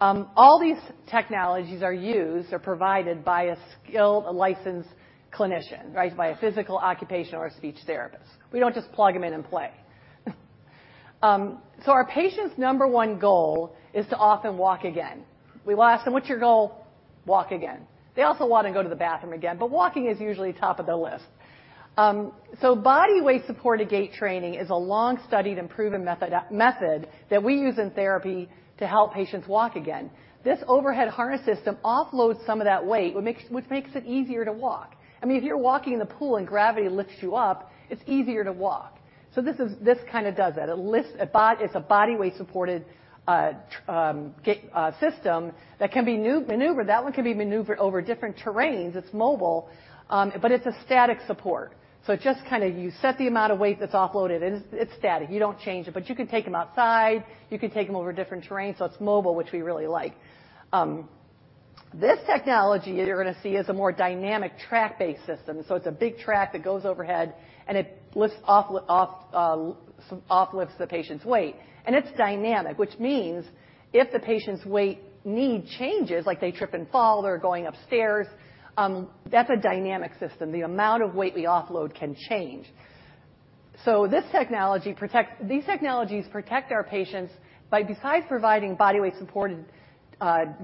All these technologies are used or provided by a skilled, licensed clinician, right? By a physical, occupational, or a speech therapist. We don't just plug them in and play. So our patients' number one goal is to often walk again. We will ask them: "What's your goal?" "Walk again." They also want to go to the bathroom again, but walking is usually top of the list. So body weight-supported gait training is a long-studied and proven method that we use in therapy to help patients walk again. This overhead harness system offloads some of that weight, which makes it easier to walk. I mean, if you're walking in the pool and gravity lifts you up, it's easier to walk. So this is, this kinda does that. It lifts. It's a body weight-supported system that can be maneuvered. That one can be maneuvered over different terrains. It's mobile, but it's a static support. So it just kinda you set the amount of weight that's offloaded, and it's static. You don't change it, but you can take them outside, you can take them over different terrains, so it's mobile, which we really like. This technology that you're gonna see is a more dynamic track-based system. So it's a big track that goes overhead, and it lifts offloads the patient's weight. And it's dynamic, which means if the patient's weight need changes, like they trip and fall, they're going upstairs, that's a dynamic system. The amount of weight we offload can change. So this technology protects these technologies protect our patients by besides providing body weight-supported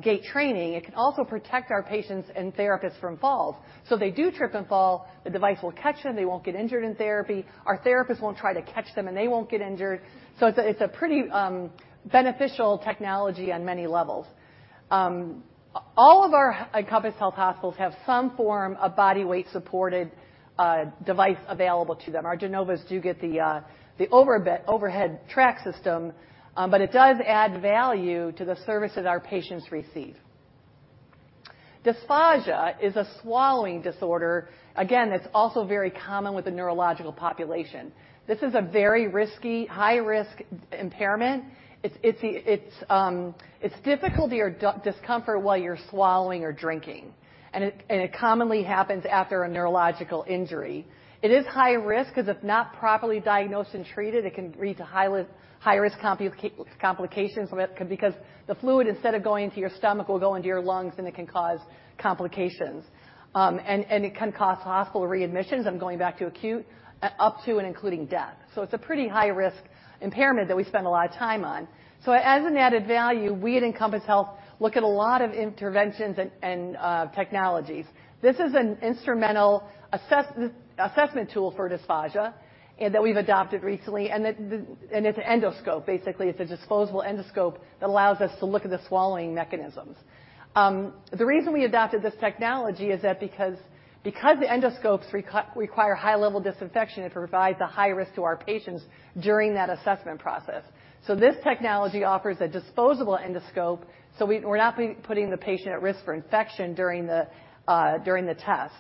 gait training, it can also protect our patients and therapists from falls. So if they do trip and fall, the device will catch them. They won't get injured in therapy. Our therapists won't try to catch them, and they won't get injured. So it's a, it's a pretty beneficial technology on many levels. All of our Encompass Health hospitals have some form of body weight-supported device available to them. Our de novos do get the overhead track system, but it does add value to the service that our patients receive. Dysphagia is a swallowing disorder. Again, it's also very common with the neurological population. This is a very risky, high-risk impairment. It's difficulty or discomfort while you're swallowing or drinking, and it commonly happens after a neurological injury. It is high risk because if not properly diagnosed and treated, it can lead to high-risk complications, because the fluid, instead of going into your stomach, will go into your lungs, and it can cause complications. And it can cause hospital readmissions, I'm going back to acute, up to and including death. So it's a pretty high-risk impairment that we spend a lot of time on. So as an added value, we at Encompass Health look at a lot of interventions and technologies. This is an instrumental assessment tool for dysphagia, and that we've adopted recently, and it's an endoscope. Basically, it's a disposable endoscope that allows us to look at the swallowing mechanisms. The reason we adopted this technology is that because the endoscopes require high-level disinfection, it provides a high risk to our patients during that assessment process. So this technology offers a disposable endoscope, so we're not putting the patient at risk for infection during the test.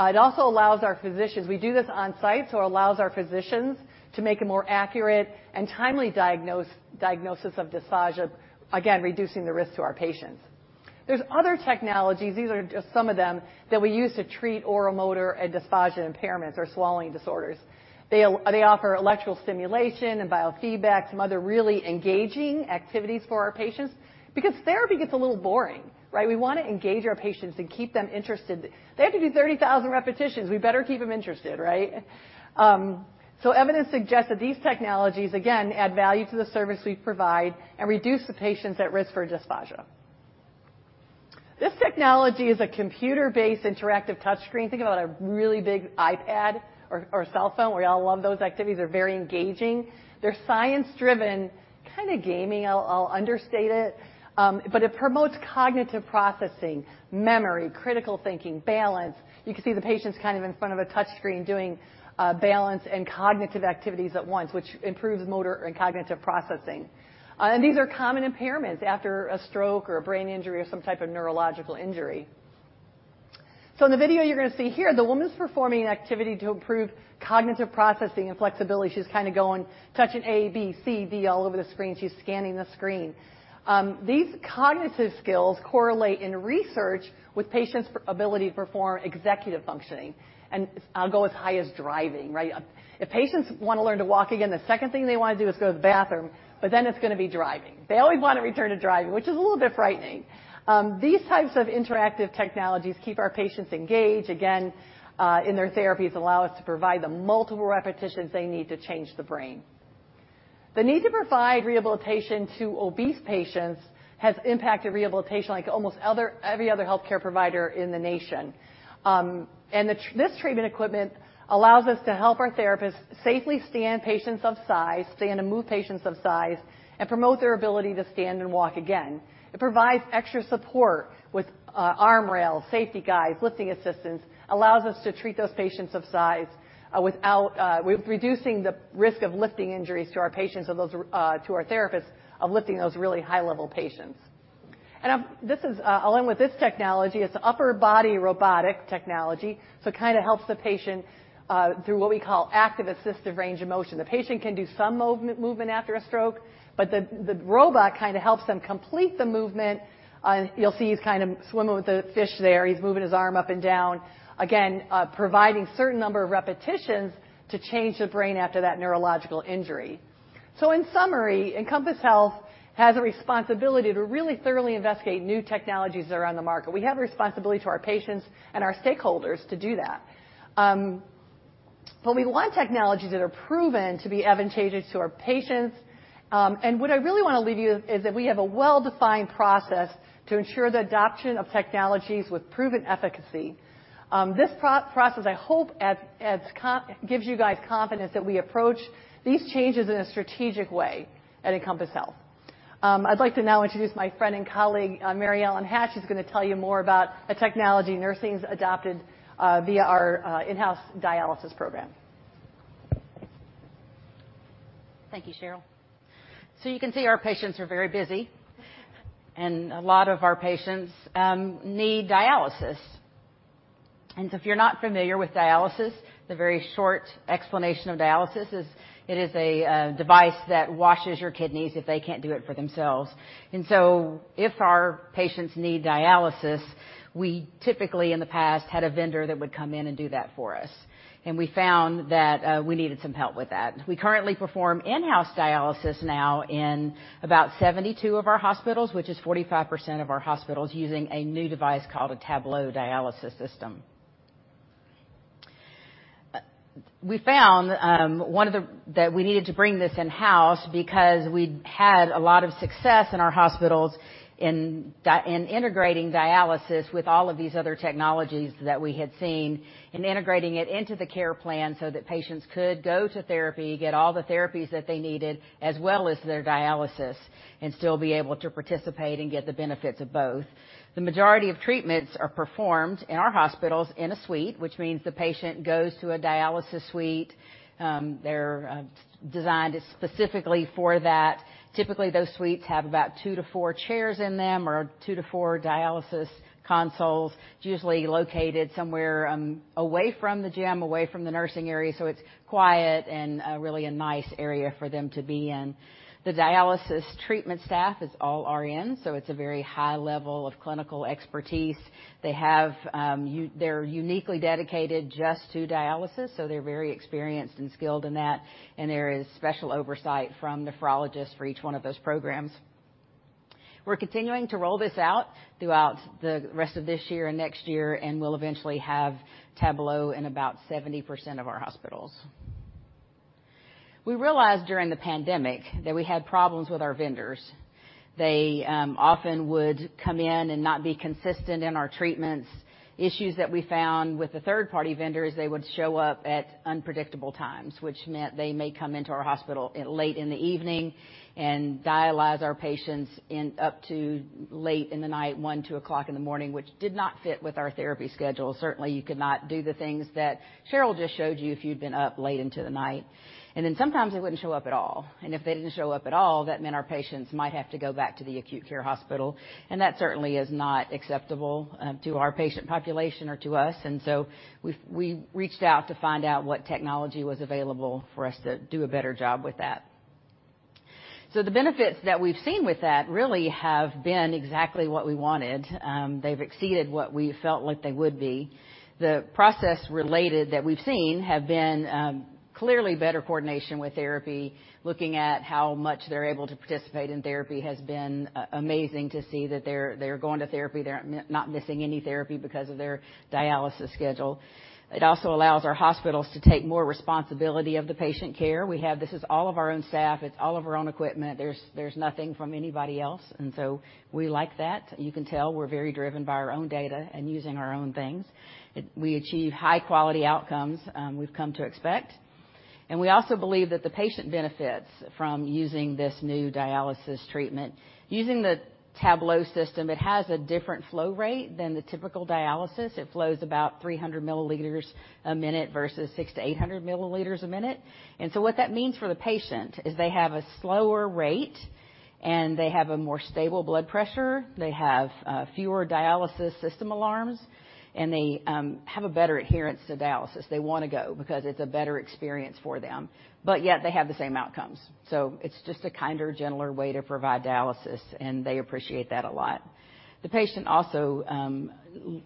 It also allows our physicians. We do this on-site, so it allows our physicians to make a more accurate and timely diagnosis of dysphagia, again, reducing the risk to our patients. There's other technologies, these are just some of them, that we use to treat oral motor and dysphagia impairments or swallowing disorders. They offer electrical stimulation and biofeedback, some other really engaging activities for our patients. Because therapy gets a little boring, right? We want to engage our patients and keep them interested. They have to do 30,000 repetitions. We better keep them interested, right? So evidence suggests that these technologies, again, add value to the service we provide and reduce the patients at risk for dysphagia. This technology is a computer-based interactive touch screen. Think about a really big iPad or, or cell phone. We all love those activities. They're very engaging. They're science-driven, kinda gaming. I'll understate it, but it promotes cognitive processing, memory, critical thinking, balance. You can see the patients kind of in front of a touch screen doing balance and cognitive activities at once, which improves motor and cognitive processing. And these are common impairments after a stroke or a brain injury or some type of neurological injury. So in the video you're going to see here, the woman's performing an activity to improve cognitive processing and flexibility. She's kind of going, touching A, B, C, D all over the screen. She's scanning the screen. These cognitive skills correlate in research with patients' ability to perform executive functioning, and I'll go as high as driving, right? If patients want to learn to walk again, the second thing they want to do is go to the bathroom, but then it's going to be driving. They always want to return to driving, which is a little bit frightening. These types of interactive technologies keep our patients engaged, again, in their therapies, allow us to provide the multiple repetitions they need to change the brain. The need to provide rehabilitation to obese patients has impacted rehabilitation like almost every other healthcare provider in the nation. This treatment equipment allows us to help our therapists safely stand patients of size, stand and move patients of size, and promote their ability to stand and walk again. It provides extra support with arm rails, safety guides, lifting assistance, allows us to treat those patients of size without reducing the risk of lifting injuries to our patients and those to our therapists of lifting those really high-level patients. This is along with this technology; it's upper body robotic technology, so it kinda helps the patient through what we call active assistive range of motion. The patient can do some movement after a stroke, but the robot kinda helps them complete the movement. You'll see he's kind of swimming with the fish there. He's moving his arm up and down, again, providing certain number of repetitions to change the brain after that neurological injury. So in summary, Encompass Health has a responsibility to really thoroughly investigate new technologies that are on the market. We have a responsibility to our patients and our stakeholders to do that. But we want technologies that are proven to be advantageous to our patients, and what I really want to leave you is that we have a well-defined process to ensure the adoption of technologies with proven efficacy. This process, I hope, gives you guys confidence that we approach these changes in a strategic way at Encompass Health. I'd like to now introduce my friend and colleague, Mary Ellen Hatch, who's going to tell you more about a technology nursing's adopted via our in-house dialysis program. Thank you, Cheryl. So you can see our patients are very busy, and a lot of our patients need dialysis. And so if you're not familiar with dialysis, the very short explanation of dialysis is it is a device that washes your kidneys if they can't do it for themselves. And so if our patients need dialysis, we typically in the past had a vendor that would come in and do that for us. And we found that we needed some help with that. We currently perform in-house dialysis now in about 72 of our hospitals, which is 45% of our hospitals, using a new device called a Tablo dialysis system. We found one of the... That we needed to bring this in-house because we'd had a lot of success in our hospitals in integrating dialysis with all of these other technologies that we had seen, and integrating it into the care plan so that patients could go to therapy, get all the therapies that they needed, as well as their dialysis, and still be able to participate and get the benefits of both. The majority of treatments are performed in our hospitals in a suite, which means the patient goes to a dialysis suite. They're designed specifically for that. Typically, those suites have about two to four chairs in them or two to four dialysis consoles, usually located somewhere away from the gym, away from the nursing area, so it's quiet and really a nice area for them to be in. The dialysis treatment staff is all RN, so it's a very high level of clinical expertise. They're uniquely dedicated just to dialysis, so they're very experienced and skilled in that, and there is special oversight from nephrologists for each one of those programs. We're continuing to roll this out throughout the rest of this year and next year, and we'll eventually have Tablo in about 70% of our hospitals. We realized during the pandemic that we had problems with our vendors. They often would come in and not be consistent in our treatments. Issues that we found with the third-party vendors, they would show up at unpredictable times, which meant they may come into our hospital late in the evening and dialyze our patients in up to late in the night, 1:00, 2:00 o'clock in the morning, which did not fit with our therapy schedule. Certainly, you could not do the things that Cheryl just showed you if you'd been up late into the night. And then sometimes they wouldn't show up at all. And if they didn't show up at all, that meant our patients might have to go back to the acute care hospital, and that certainly is not acceptable to our patient population or to us. And so we reached out to find out what technology was available for us to do a better job with that. So the benefits that we've seen with that really have been exactly what we wanted. They've exceeded what we felt like they would be. The process related that we've seen have been clearly better coordination with therapy. Looking at how much they're able to participate in therapy has been amazing to see that they're, they're going to therapy, they're not missing any therapy because of their dialysis schedule. It also allows our hospitals to take more responsibility of the patient care. We have this is all of our own staff, it's all of our own equipment. There's, there's nothing from anybody else, and so we like that. You can tell we're very driven by our own data and using our own things. We achieve high-quality outcomes we've come to expect. And we also believe that the patient benefits from using this new dialysis treatment. Using the Tablo system, it has a different flow rate than the typical dialysis. It flows about 300 mL a minute versus 600 mL-800 mL a minute. What that means for the patient is they have a slower rate, and they have a more stable blood pressure, they have fewer dialysis system alarms, and they have a better adherence to dialysis. They wanna go because it's a better experience for them, but yet they have the same outcomes. So it's just a kinder, gentler way to provide dialysis, and they appreciate that a lot. The patient also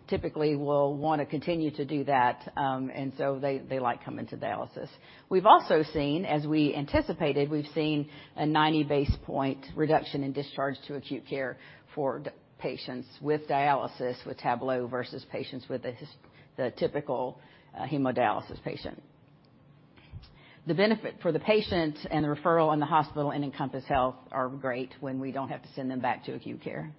typically will want to continue to do that, and so they like coming to dialysis. We've also seen, as we anticipated, we've seen a 90 basis point reduction in discharge to acute care for dialysis patients with dialysis, with Tablo, versus patients with the typical hemodialysis patient. The benefit for the patient and the referral and the hospital and Encompass Health are great when we don't have to send them back to acute care.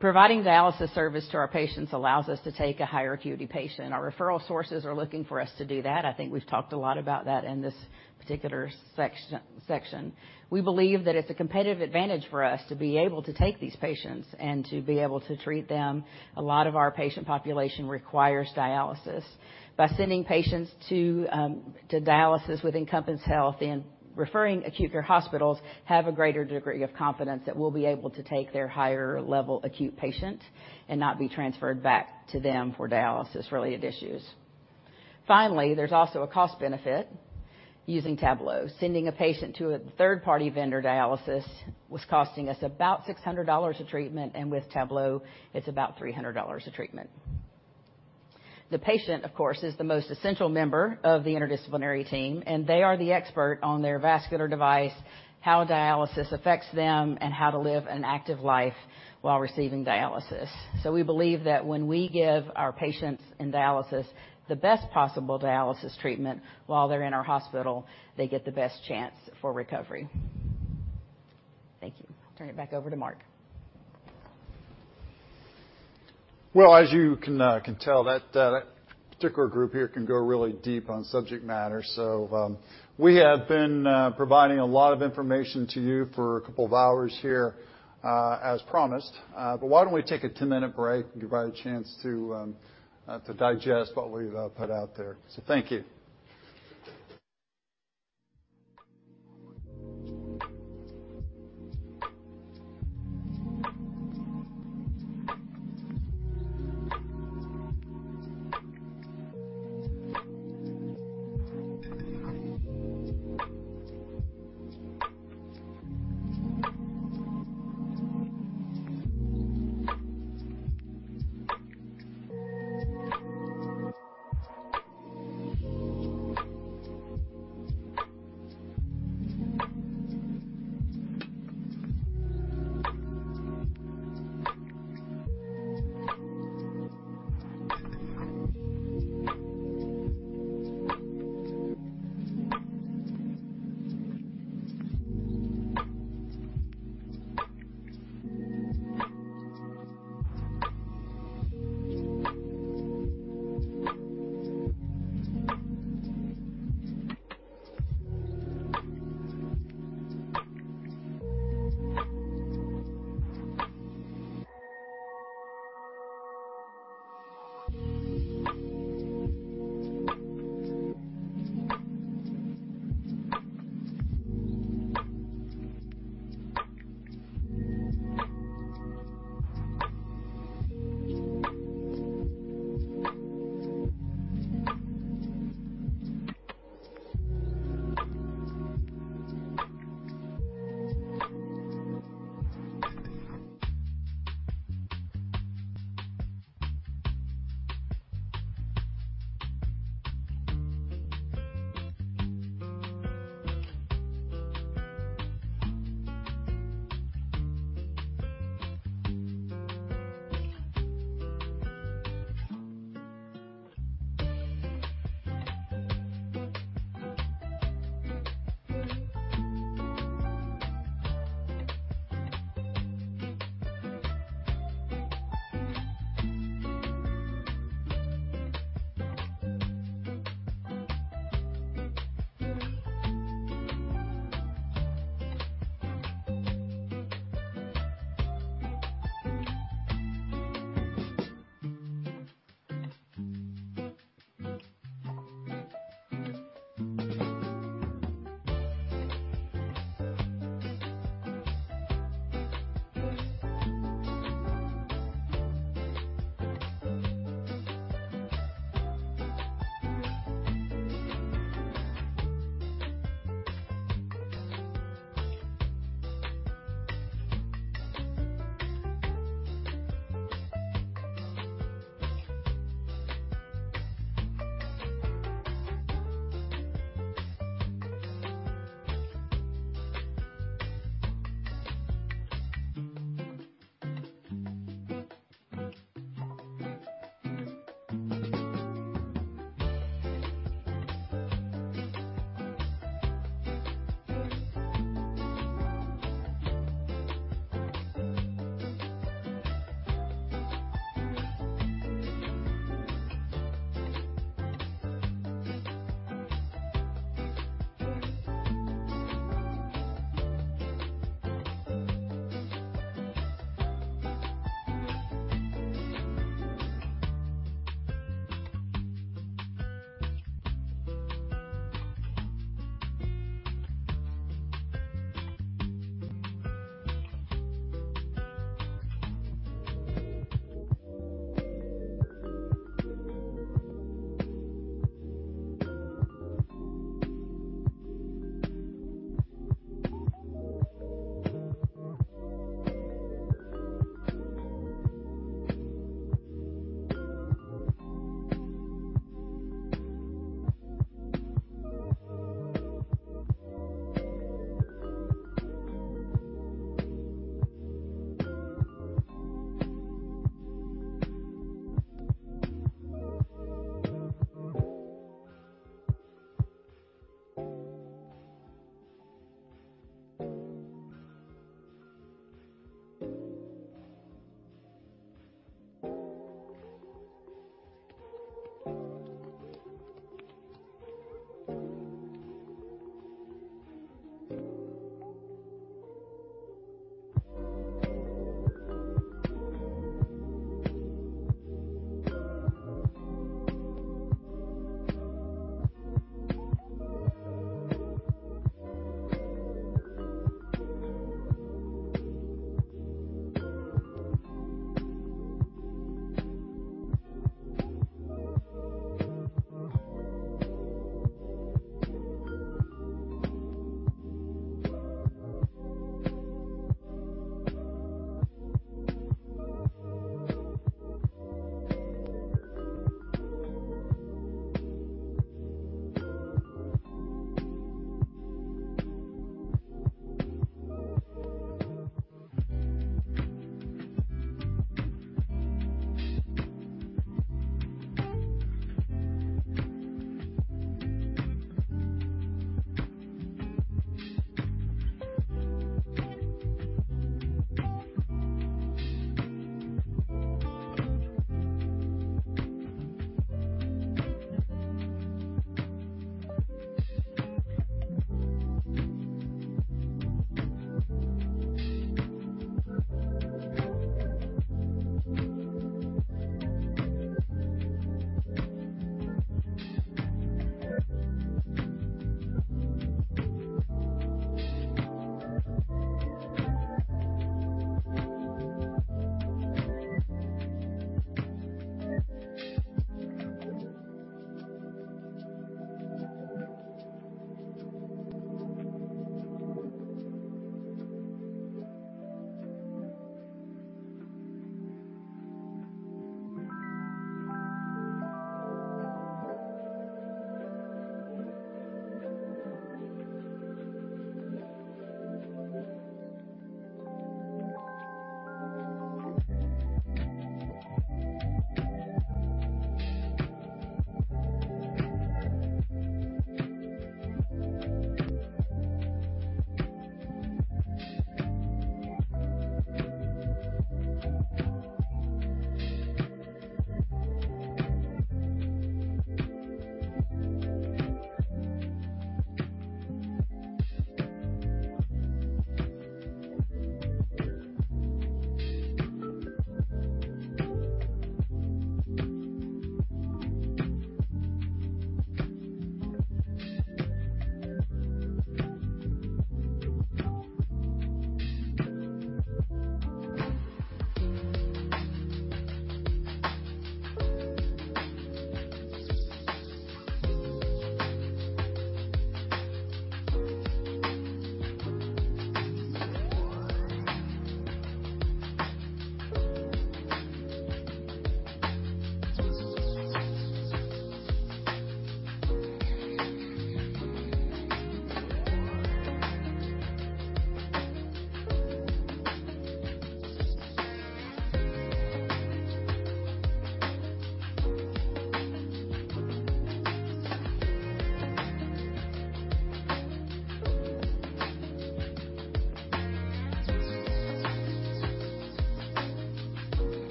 Providing dialysis service to our patients allows us to take a higher acuity patient, and our referral sources are looking for us to do that. I think we've talked a lot about that in this particular section. We believe that it's a competitive advantage for us to be able to take these patients and to be able to treat them. A lot of our patient population requires dialysis. By sending patients to, to dialysis with Encompass Health and referring acute care hospitals, have a greater degree of confidence that we'll be able to take their higher-level acute patient and not be transferred back to them for dialysis-related issues. Finally, there's also a cost benefit using Tablo. Sending a patient to a third-party vendor dialysis was costing us about $600 a treatment, and with Tablo, it's about $300 a treatment. The patient, of course, is the most essential member of the interdisciplinary team, and they are the expert on their vascular device, how dialysis affects them, and how to live an active life while receiving dialysis. So we believe that when we give our patients in dialysis the best possible dialysis treatment while they're in our hospital, they get the best chance for recovery. Thank you. I'll turn it back over to Mark. Well, as you can tell, that particular group here can go really deep on subject matter. So, we have been providing a lot of information to you for a couple of hours here, as promised. But why don't we take a two-minute break and give everybody a chance to digest what we've put out there. So thank you.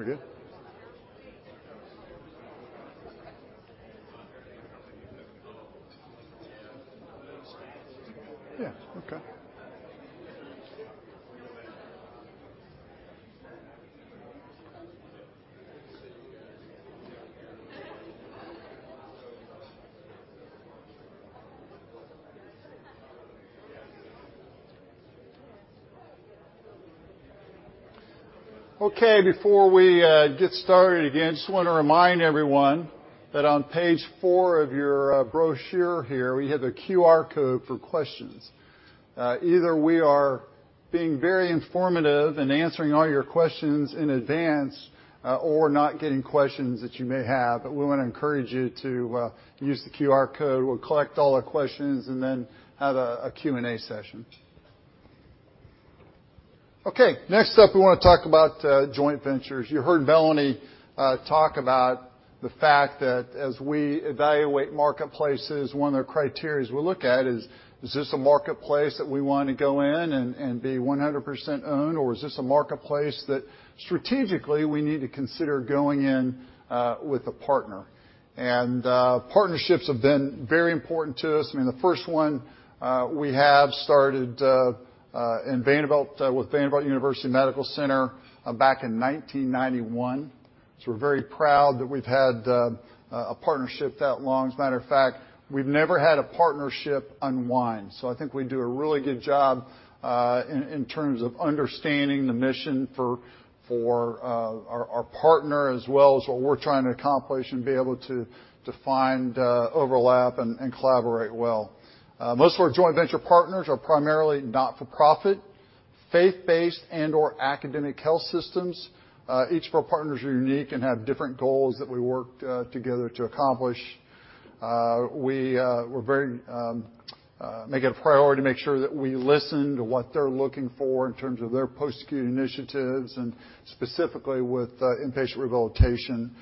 We're good? Yeah. Okay. Okay, before we get started again, I just wanna remind everyone that on page four of your brochure here, we have a QR code for questions. Either we are being very informative and answering all your questions in advance, or not getting questions that you may have, but we wanna encourage you to use the QR code. We'll collect all the questions and then have a Q&A session. Okay, next up, we wanna talk about joint ventures. You heard Melanie talk about the fact that as we evaluate marketplaces, one of the criteria we look at is, is this a marketplace that we wanna go in and be 100% owned, or is this a marketplace that strategically we need to consider going in with a partner? And partnerships have been very important to us, and the first one we have started in Vanderbilt with Vanderbilt University Medical Center back in 1991. So we're very proud that we've had a partnership that long. As a matter of fact, we've never had a partnership unwind, so I think we do a really good job in terms of understanding the mission for our partner, as well as what we're trying to accomplish and be able to find overlap and collaborate well. Most of our joint venture partners are primarily not-for-profit, faith-based, and/or academic health systems. Each of our partners are unique and have different goals that we work together to accomplish. We make it a priority to make sure that we listen to what they're looking for in terms of their post-acute initiatives and specifically with inpatient rehabilitation.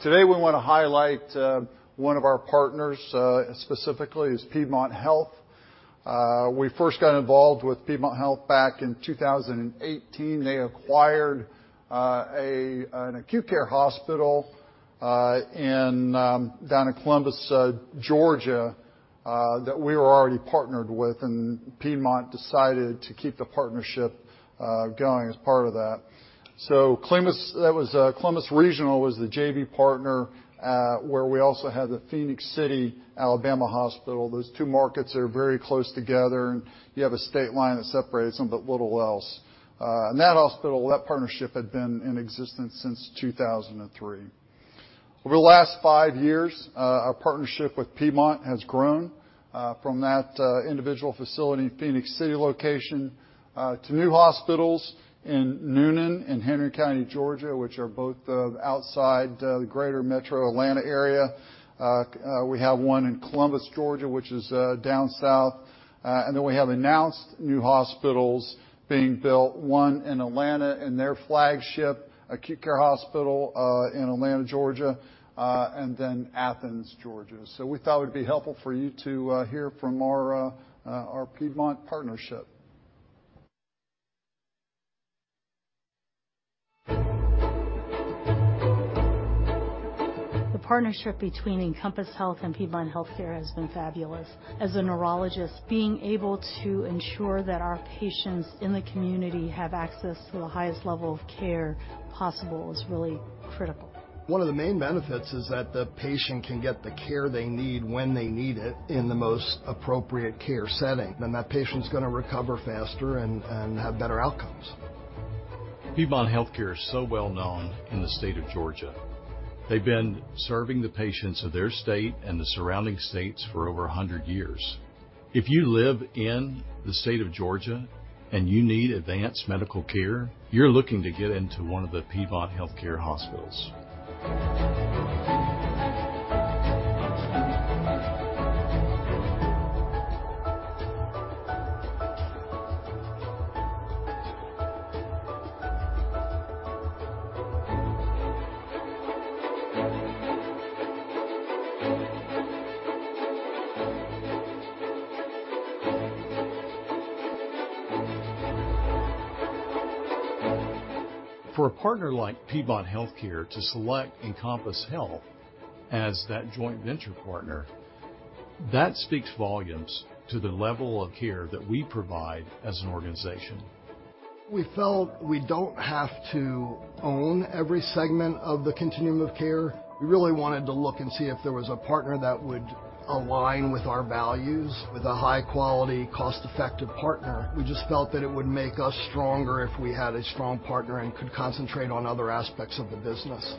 Today, we wanna highlight one of our partners, specifically is Piedmont Healthcare. We first got involved with Piedmont Healthcare back in 2018. They acquired an acute care hospital in down in Columbus, Georgia, that we were already partnered with, and Piedmont decided to keep the partnership going as part of that. So Columbus, that was Columbus Regional was the JV partner, where we also had the Phenix City Alabama Hospital. Those two markets are very close together, and you have a state line that separates them, but little else. And that hospital, that partnership had been in existence since 2003. Over the last five years, our partnership with Piedmont has grown from that individual facility in Phenix City location to new hospitals in Newnan and Henry County, Georgia, which are both outside the greater metro Atlanta area. We have one in Columbus, Georgia, which is down south. We have announced new hospitals being built, one in Atlanta, in their flagship acute care hospital, in Atlanta, Georgia, and then Athens, Georgia. We thought it would be helpful for you to hear from our Piedmont partnership. The partnership between Encompass Health and Piedmont Healthcare has been fabulous. As a neurologist, being able to ensure that our patients in the community have access to the highest level of care possible is really critical. One of the main benefits is that the patient can get the care they need when they need it, in the most appropriate care setting. Then that patient's gonna recover faster and have better outcomes. Piedmont Healthcare is so well-known in the state of Georgia. They've been serving the patients of their state and the surrounding states for over 100 years. If you live in the state of Georgia, and you need advanced medical care, you're looking to get into one of the Piedmont Healthcare hospitals. For a partner like Piedmont Healthcare to select Encompass Health as that joint venture partner, that speaks volumes to the level of care that we provide as an organization. We felt we don't have to own every segment of the continuum of care. We really wanted to look and see if there was a partner that would align with our values, with a high-quality, cost-effective partner. We just felt that it would make us stronger if we had a strong partner and could concentrate on other aspects of the business.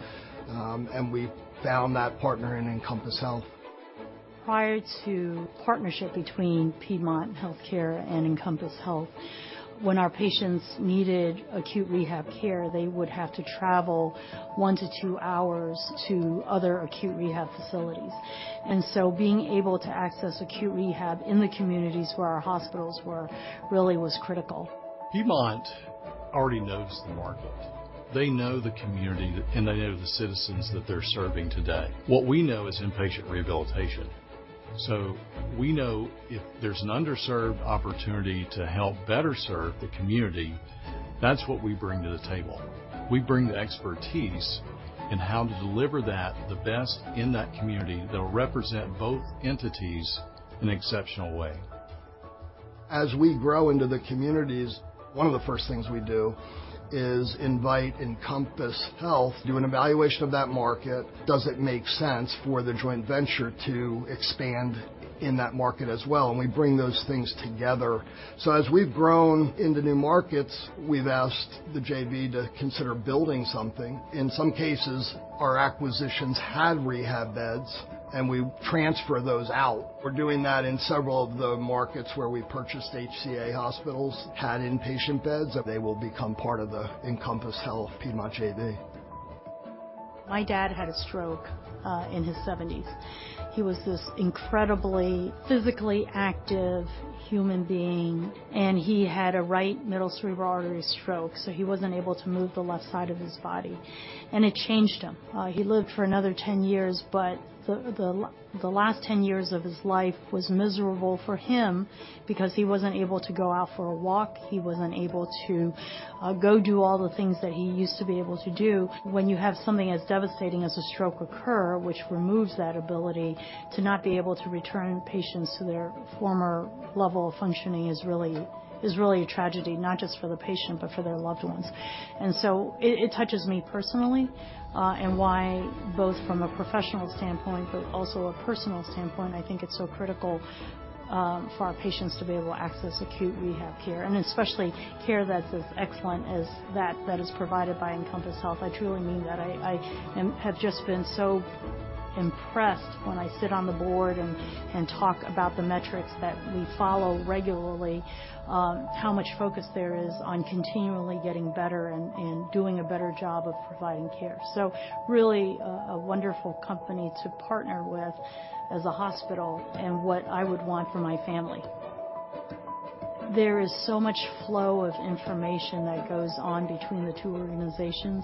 And we found that partner in Encompass Health. Prior to partnership between Piedmont Healthcare and Encompass Health, when our patients needed acute rehab care, they would have to travel one to two hours to other acute rehab facilities. And so being able to access acute rehab in the communities where our hospitals were, really was critical. Piedmont already knows the market. They know the community, and they know the citizens that they're serving today. What we know is inpatient rehabilitation. So we know if there's an underserved opportunity to help better serve the community, that's what we bring to the table. We bring the expertise in how to deliver that the best in that community that will represent both entities in an exceptional way. As we grow into the communities, one of the first things we do is invite Encompass Health, do an evaluation of that market. Does it make sense for the joint venture to expand in that market as well? We bring those things together. As we've grown into new markets, we've asked the JV to consider building something. In some cases, our acquisitions had rehab beds, and we transfer those out. We're doing that in several of the markets where we purchased HCA hospitals, had inpatient beds, and they will become part of the Encompass Health Piedmont JV. My dad had a stroke in his 70s. He was this incredibly physically active human being, and he had a right middle cerebral artery stroke, so he wasn't able to move the left side of his body, and it changed him. He lived for another 10 years, but the last 10 years of his life was miserable for him because he wasn't able to go out for a walk. He wasn't able to go do all the things that he used to be able to do. When you have something as devastating as a stroke occur, which removes that ability, to not be able to return patients to their former level of functioning is really a tragedy, not just for the patient, but for their loved ones. And so it touches me personally, and why, both from a professional standpoint but also a personal standpoint, I think it's so critical for our patients to be able to access acute rehab care, and especially care that's as excellent as that that is provided by Encompass Health. I truly mean that. I have just been so impressed when I sit on the board and talk about the metrics that we follow regularly, how much focus there is on continually getting better and doing a better job of providing care. So really, a wonderful company to partner with as a hospital and what I would want for my family. There is so much flow of information that goes on between the two organizations,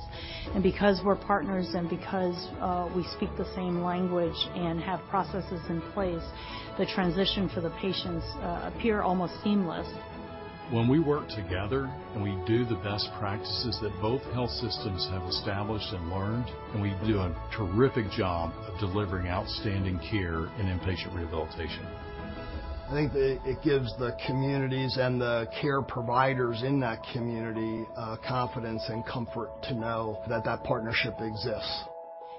and because we're partners and because, we speak the same language and have processes in place, the transition for the patients, appear almost seamless. When we work together and we do the best practices that both health systems have established and learned, and we do a terrific job of delivering outstanding care in inpatient rehabilitation. I think that it gives the communities and the care providers in that community, confidence and comfort to know that that partnership exists.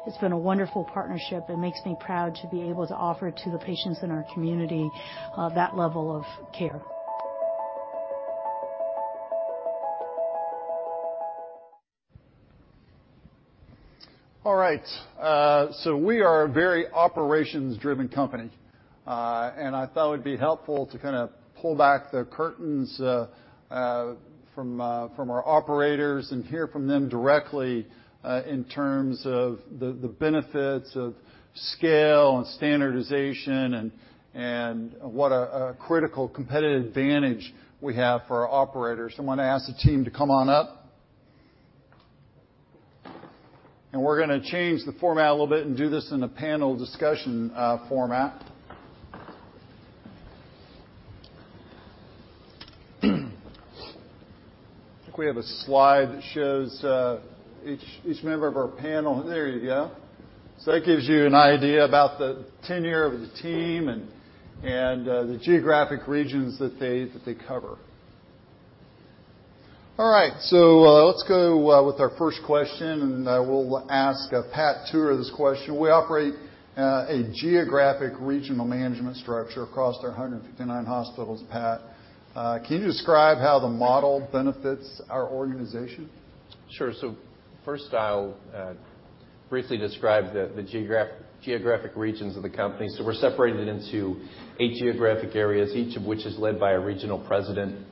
It's been a wonderful partnership. It makes me proud to be able to offer to the patients in our community, that level of care. All right, so we are a very operations-driven company. And I thought it would be helpful to kind of pull back the curtains from our operators and hear from them directly in terms of the benefits of scale and standardization, and what a critical competitive advantage we have for our operators. I want to ask the team to come on up. We're gonna change the format a little bit and do this in a panel discussion format. I think we have a slide that shows each member of our panel. There you go. So that gives you an idea about the tenure of the team and the geographic regions that they cover. All right, so let's go with our first question, and we'll ask Pat Tuer this question. We operate a geographic regional management structure across our 159 hospitals. Pat, can you describe how the model benefits our organization? Sure. First, I'll briefly describe the geographic regions of the company. We're separated into eight geographic areas, each of which is led by a regional president.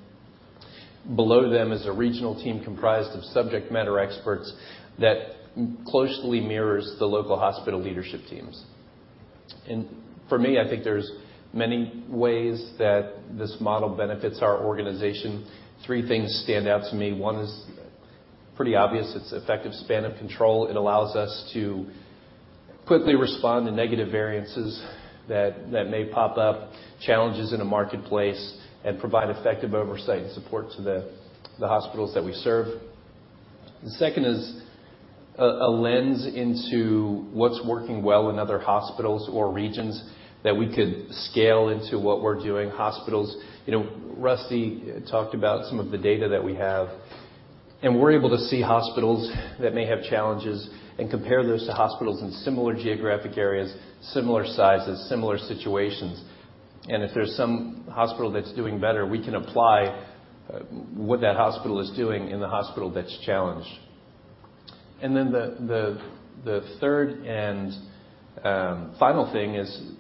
Below them is a regional team comprised of subject matter experts that closely mirrors the local hospital leadership teams. For me, I think there's many ways that this model benefits our organization. Three things stand out to me. One is pretty obvious. It's effective span of control. It allows us to quickly respond to negative variances that may pop up, challenges in a marketplace and provide effective oversight and support to the hospitals that we serve. The second is a lens into what's working well in other hospitals or regions that we could scale into what we're doing. Hospitals... You know, Rusty talked about some of the data that we have, and we're able to see hospitals that may have challenges and compare those to hospitals in similar geographic areas, similar sizes, similar situations. And if there's some hospital that's doing better, we can apply what that hospital is doing in the hospital that's challenged. And then the third and final thing is,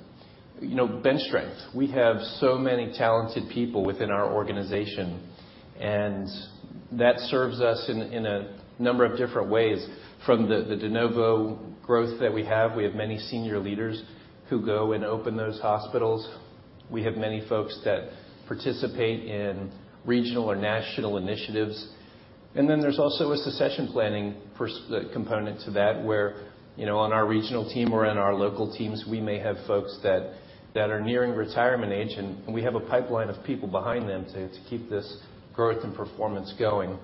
you know, bench strength. We have so many talented people within our organization, and that serves us in a number of different ways. From the de novo growth that we have, we have many senior leaders who go and open those hospitals. We have many folks that participate in regional or national initiatives. And then there's also a succession planning component to that, where, you know, on our regional team or in our local teams, we may have folks that are nearing retirement age, and we have a pipeline of people behind them to keep this growth and performance going.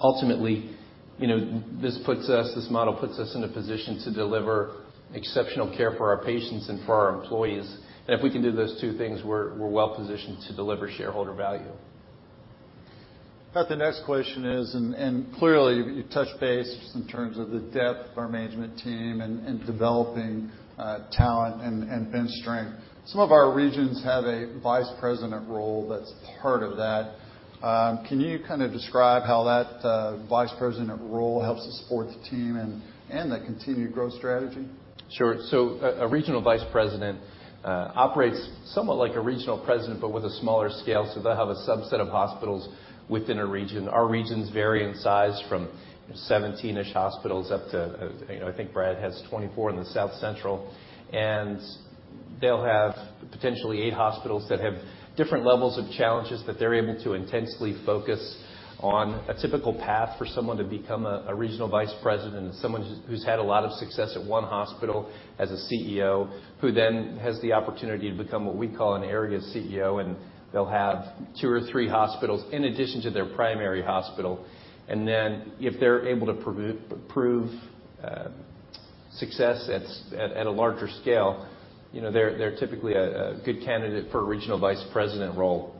Ultimately, you know, this puts us, this model puts us in a position to deliver exceptional care for our patients and for our employees. And if we can do those two things, we're well positioned to deliver shareholder value. Pat, the next question is, and clearly, you touched base just in terms of the depth of our management team and developing talent and bench strength. Some of our regions have a vice president role that's part of that. Can you kind of describe how that vice president role helps us support the team and the continued growth strategy? Sure. So a regional vice president operates somewhat like a regional president, but with a smaller scale, so they'll have a subset of hospitals within a region. Our regions vary in size from 17-ish hospitals, up to, you know, I think Brad has 24 in the South Central, and they'll have potentially eight hospitals that have different levels of challenges that they're able to intensely focus on. A typical path for someone to become a regional vice president is someone who's had a lot of success at one hospital as a CEO, who then has the opportunity to become what we call an area CEO, and they'll have two or three hospitals in addition to their primary hospital. Then, if they're able to prove success at a larger scale, you know, they're typically a good candidate for a regional vice president role.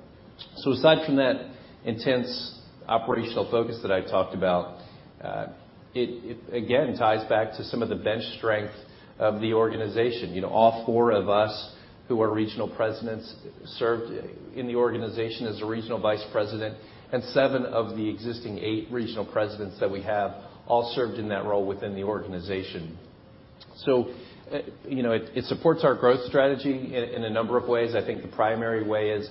Aside from that intense operational focus that I talked about, it again ties back to some of the bench strength of the organization. You know, all four of us who are regional presidents served in the organization as a regional vice president, and seven of the existing eight regional presidents that we have all served in that role within the organization. You know, it supports our growth strategy in a number of ways. I think the primary way is,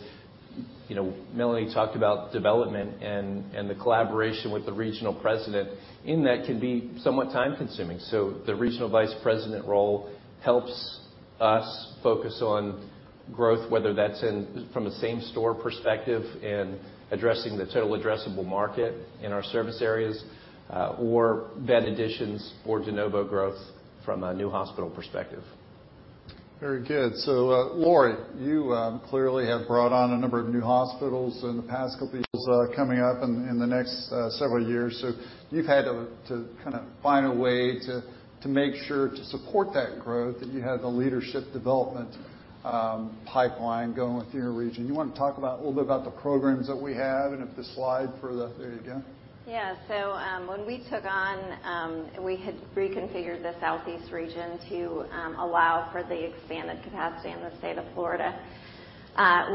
you know, Melanie talked about development and the collaboration with the regional president, and that can be somewhat time-consuming. The regional vice president role helps us focus on growth, whether that's in, from a same-store perspective, in addressing the total addressable market in our service areas, or bed additions or de novo growth from a new hospital perspective. Very good. So, Lori, you clearly have brought on a number of new hospitals in the past coming up in the next several years. So you've had to kind of find a way to make sure to support that growth, that you have the leadership development pipeline going within your region. You want to talk about a little bit about the programs that we have and if the slide for that... There you go. Yeah. So, when we took on, we had reconfigured the Southeast region to allow for the expanded capacity in the state of Florida.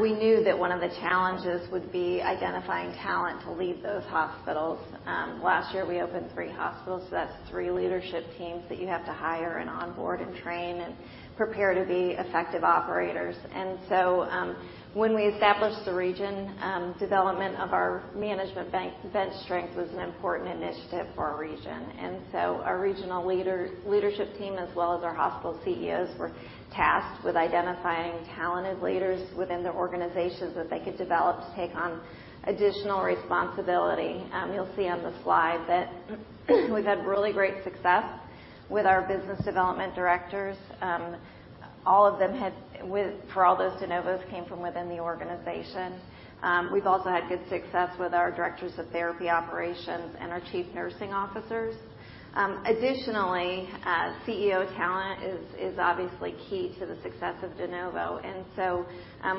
We knew that one of the challenges would be identifying talent to lead those hospitals. Last year, we opened three hospitals, so that's three leadership teams that you have to hire and onboard and train and prepare to be effective operators. And so, when we established the region, development of our management bench strength was an important initiative for our region. And so our regional leadership team, as well as our hospital CEOs, were tasked with identifying talented leaders within their organizations that they could develop to take on additional responsibility. You'll see on the slide that we've had really great success with our business development directors. All of them—for all those de novos—came from within the organization. We've also had good success with our directors of therapy operations and our chief nursing officers. Additionally, CEO talent is obviously key to the success of de novo. And so,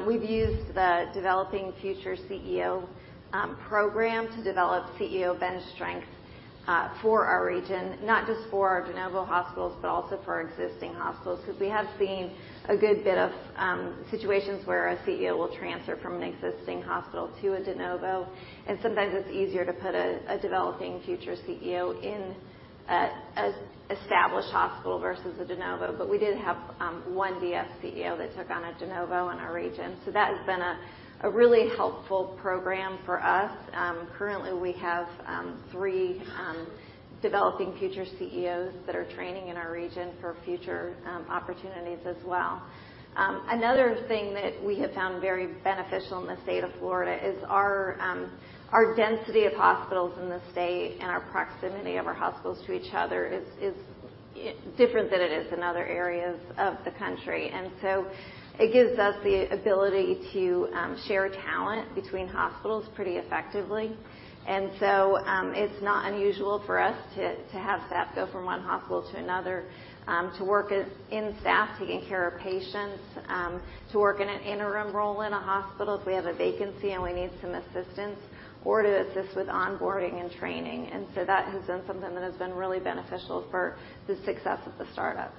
we've used the Developing Future CEO Program to develop CEO bench strength for our region, not just for our de novo hospitals, but also for our existing hospitals. Because we have seen a good bit of situations where a CEO will transfer from an existing hospital to a de novo, and sometimes it's easier to put a developing future CEO in an established hospital versus a de novo. But we did have one DFCEO that took on a de novo in our region, so that has been a really helpful program for us. Currently, we have three developing future CEOs that are training in our region for future opportunities as well. Another thing that we have found very beneficial in the state of Florida is our density of hospitals in the state and our proximity of our hospitals to each other is different than it is in other areas of the country. And so it gives us the ability to share talent between hospitals pretty effectively. It's not unusual for us to have staff go from one hospital to another to work as in-staff, taking care of patients, to work in an interim role in a hospital if we have a vacancy and we need some assistance, or to assist with onboarding and training. That has been something that has been really beneficial for the success of the startup.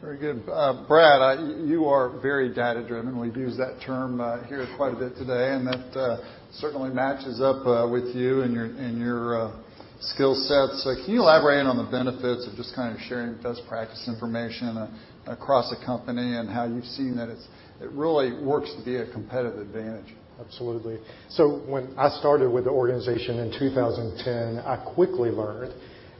Very good. Brad, you are very data-driven. We've used that term here quite a bit today, and that certainly matches up with you and your skill set. So can you elaborate on the benefits of just kind of sharing best practice information across the company and how you've seen that it really works to be a competitive advantage? Absolutely. So when I started with the organization in 2010, I quickly learned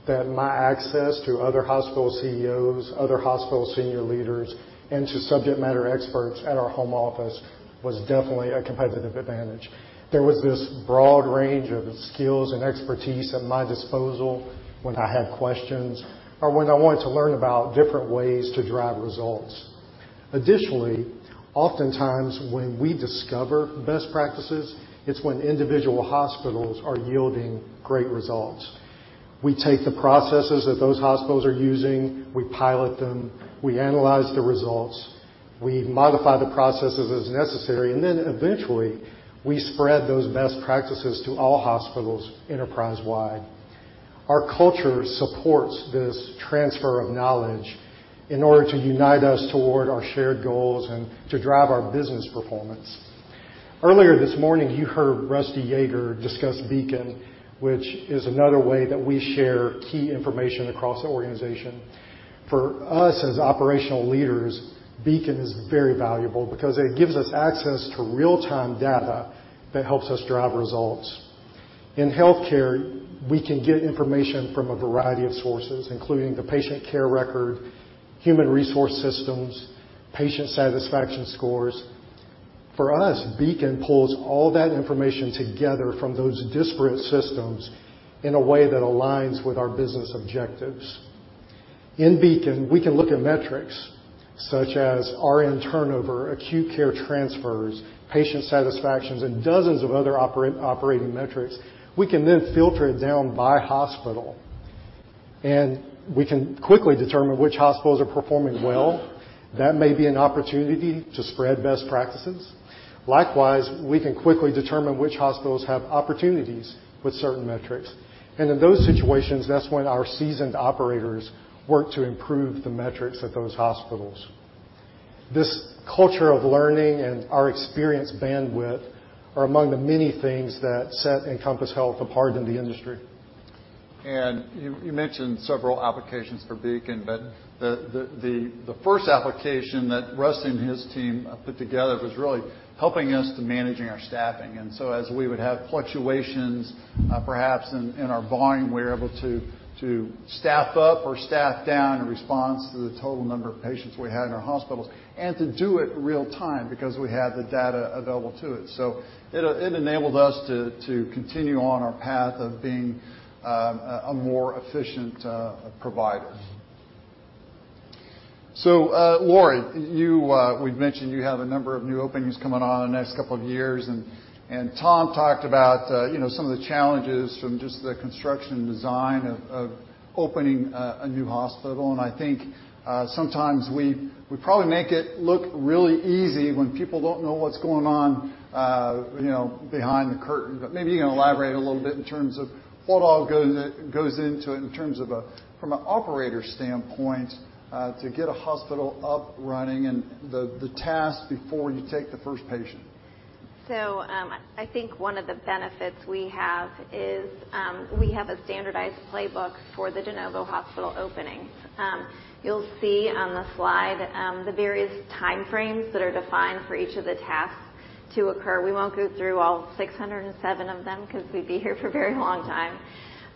that my access to other hospital CEOs, other hospital senior leaders, and to subject matter experts at our home office, was definitely a competitive advantage. There was this broad range of skills and expertise at my disposal when I had questions or when I wanted to learn about different ways to drive results. Additionally, oftentimes, when we discover best practices, it's when individual hospitals are yielding great results. We take the processes that those hospitals are using, we pilot them, we analyze the results, we modify the processes as necessary, and then eventually, we spread those best practices to all hospitals enterprise-wide. Our culture supports this transfer of knowledge in order to unite us toward our shared goals and to drive our business performance. Earlier this morning, you heard Rusty Yeager discuss Beacon, which is another way that we share key information across the organization. For us, as operational leaders, Beacon is very valuable because it gives us access to real-time data that helps us drive results. In healthcare, we can get information from a variety of sources, including the patient care record, human resource systems, patient satisfaction scores. For us, Beacon pulls all that information together from those disparate systems in a way that aligns with our business objectives. In Beacon, we can look at metrics such as RN turnover, acute care transfers, patient satisfaction, and dozens of other operating metrics. We can then filter it down by hospital, and we can quickly determine which hospitals are performing well. That may be an opportunity to spread best practices. Likewise, we can quickly determine which hospitals have opportunities with certain metrics, and in those situations, that's when our seasoned operators work to improve the metrics at those hospitals. This culture of learning and our experience bandwidth are among the many things that set Encompass Health apart in the industry. And you mentioned several applications for Beacon, but the first application that Russ and his team put together was really helping us to managing our staffing. And so as we would have fluctuations, perhaps in our volume, we were able to staff up or staff down in response to the total number of patients we had in our hospitals, and to do it in real time because we had the data available to it. So it enabled us to continue on our path of being a more efficient provider. So, Lori, you—we've mentioned you have a number of new openings coming on in the next couple of years, and Tom talked about, you know, some of the challenges from just the construction and design of opening a new hospital. I think sometimes we probably make it look really easy when people don't know what's going on, you know, behind the curtain. But maybe you can elaborate a little bit in terms of what all goes into it in terms of from an operator standpoint to get a hospital up, running, and the tasks before you take the first patient. ...So, I think one of the benefits we have is, we have a standardized playbook for the de novo hospital openings. You'll see on the slide, the various timeframes that are defined for each of the tasks to occur. We won't go through all 607 of them because we'd be here for a very long time.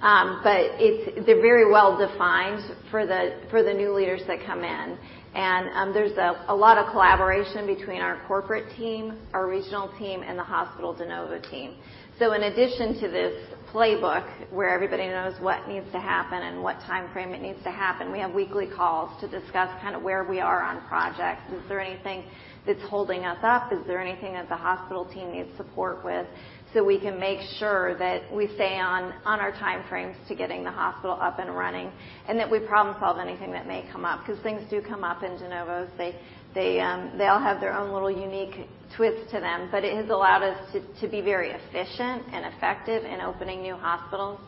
But they're very well-defined for the new leaders that come in. And, there's a lot of collaboration between our corporate team, our regional team, and the hospital de novo team. So in addition to this playbook, where everybody knows what needs to happen and what timeframe it needs to happen, we have weekly calls to discuss kind of where we are on projects. Is there anything that's holding us up? Is there anything that the hospital team needs support with? So we can make sure that we stay on our timeframes to getting the hospital up and running, and that we problem-solve anything that may come up, because things do come up in de novos. They all have their own little unique twist to them, but it has allowed us to be very efficient and effective in opening new hospitals.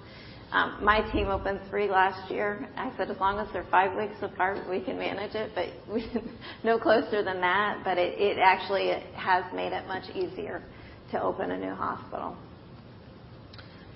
My team opened three last year. I said, as long as they're five weeks apart, we can manage it, but we no closer than that. But it actually has made it much easier to open a new hospital.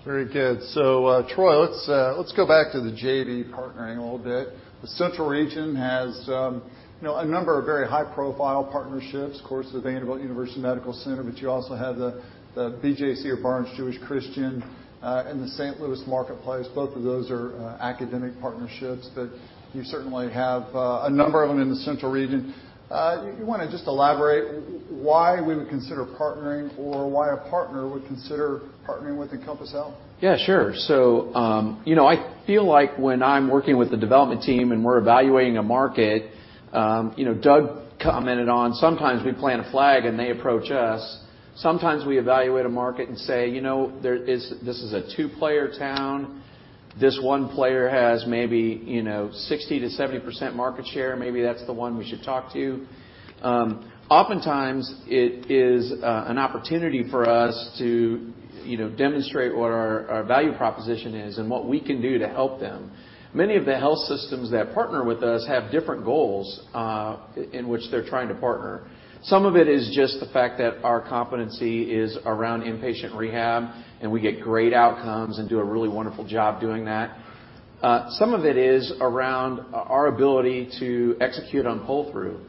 Very good. So, Troy, let's, let's go back to the JV partnering a little bit. The Central region has, you know, a number of very high-profile partnerships, of course, the Vanderbilt University Medical Center, but you also have the, the BJC or Barnes-Jewish Christian, and the St. Louis marketplace. Both of those are, academic partnerships, but you certainly have, a number of them in the Central region. You want to just elaborate why we would consider partnering or why a partner would consider partnering with Encompass Health? Yeah, sure. So, you know, I feel like when I'm working with the development team and we're evaluating a market, you know, Doug commented on sometimes we plant a flag, and they approach us. Sometimes we evaluate a market and say, "You know, this is a two-player town. This one player has maybe, you know, 60%-70% market share. Maybe that's the one we should talk to." Oftentimes, it is an opportunity for us to, you know, demonstrate what our value proposition is and what we can do to help them. Many of the health systems that partner with us have different goals in which they're trying to partner. Some of it is just the fact that our competency is around inpatient rehab, and we get great outcomes and do a really wonderful job doing that. Some of it is around our ability to execute on pull-through.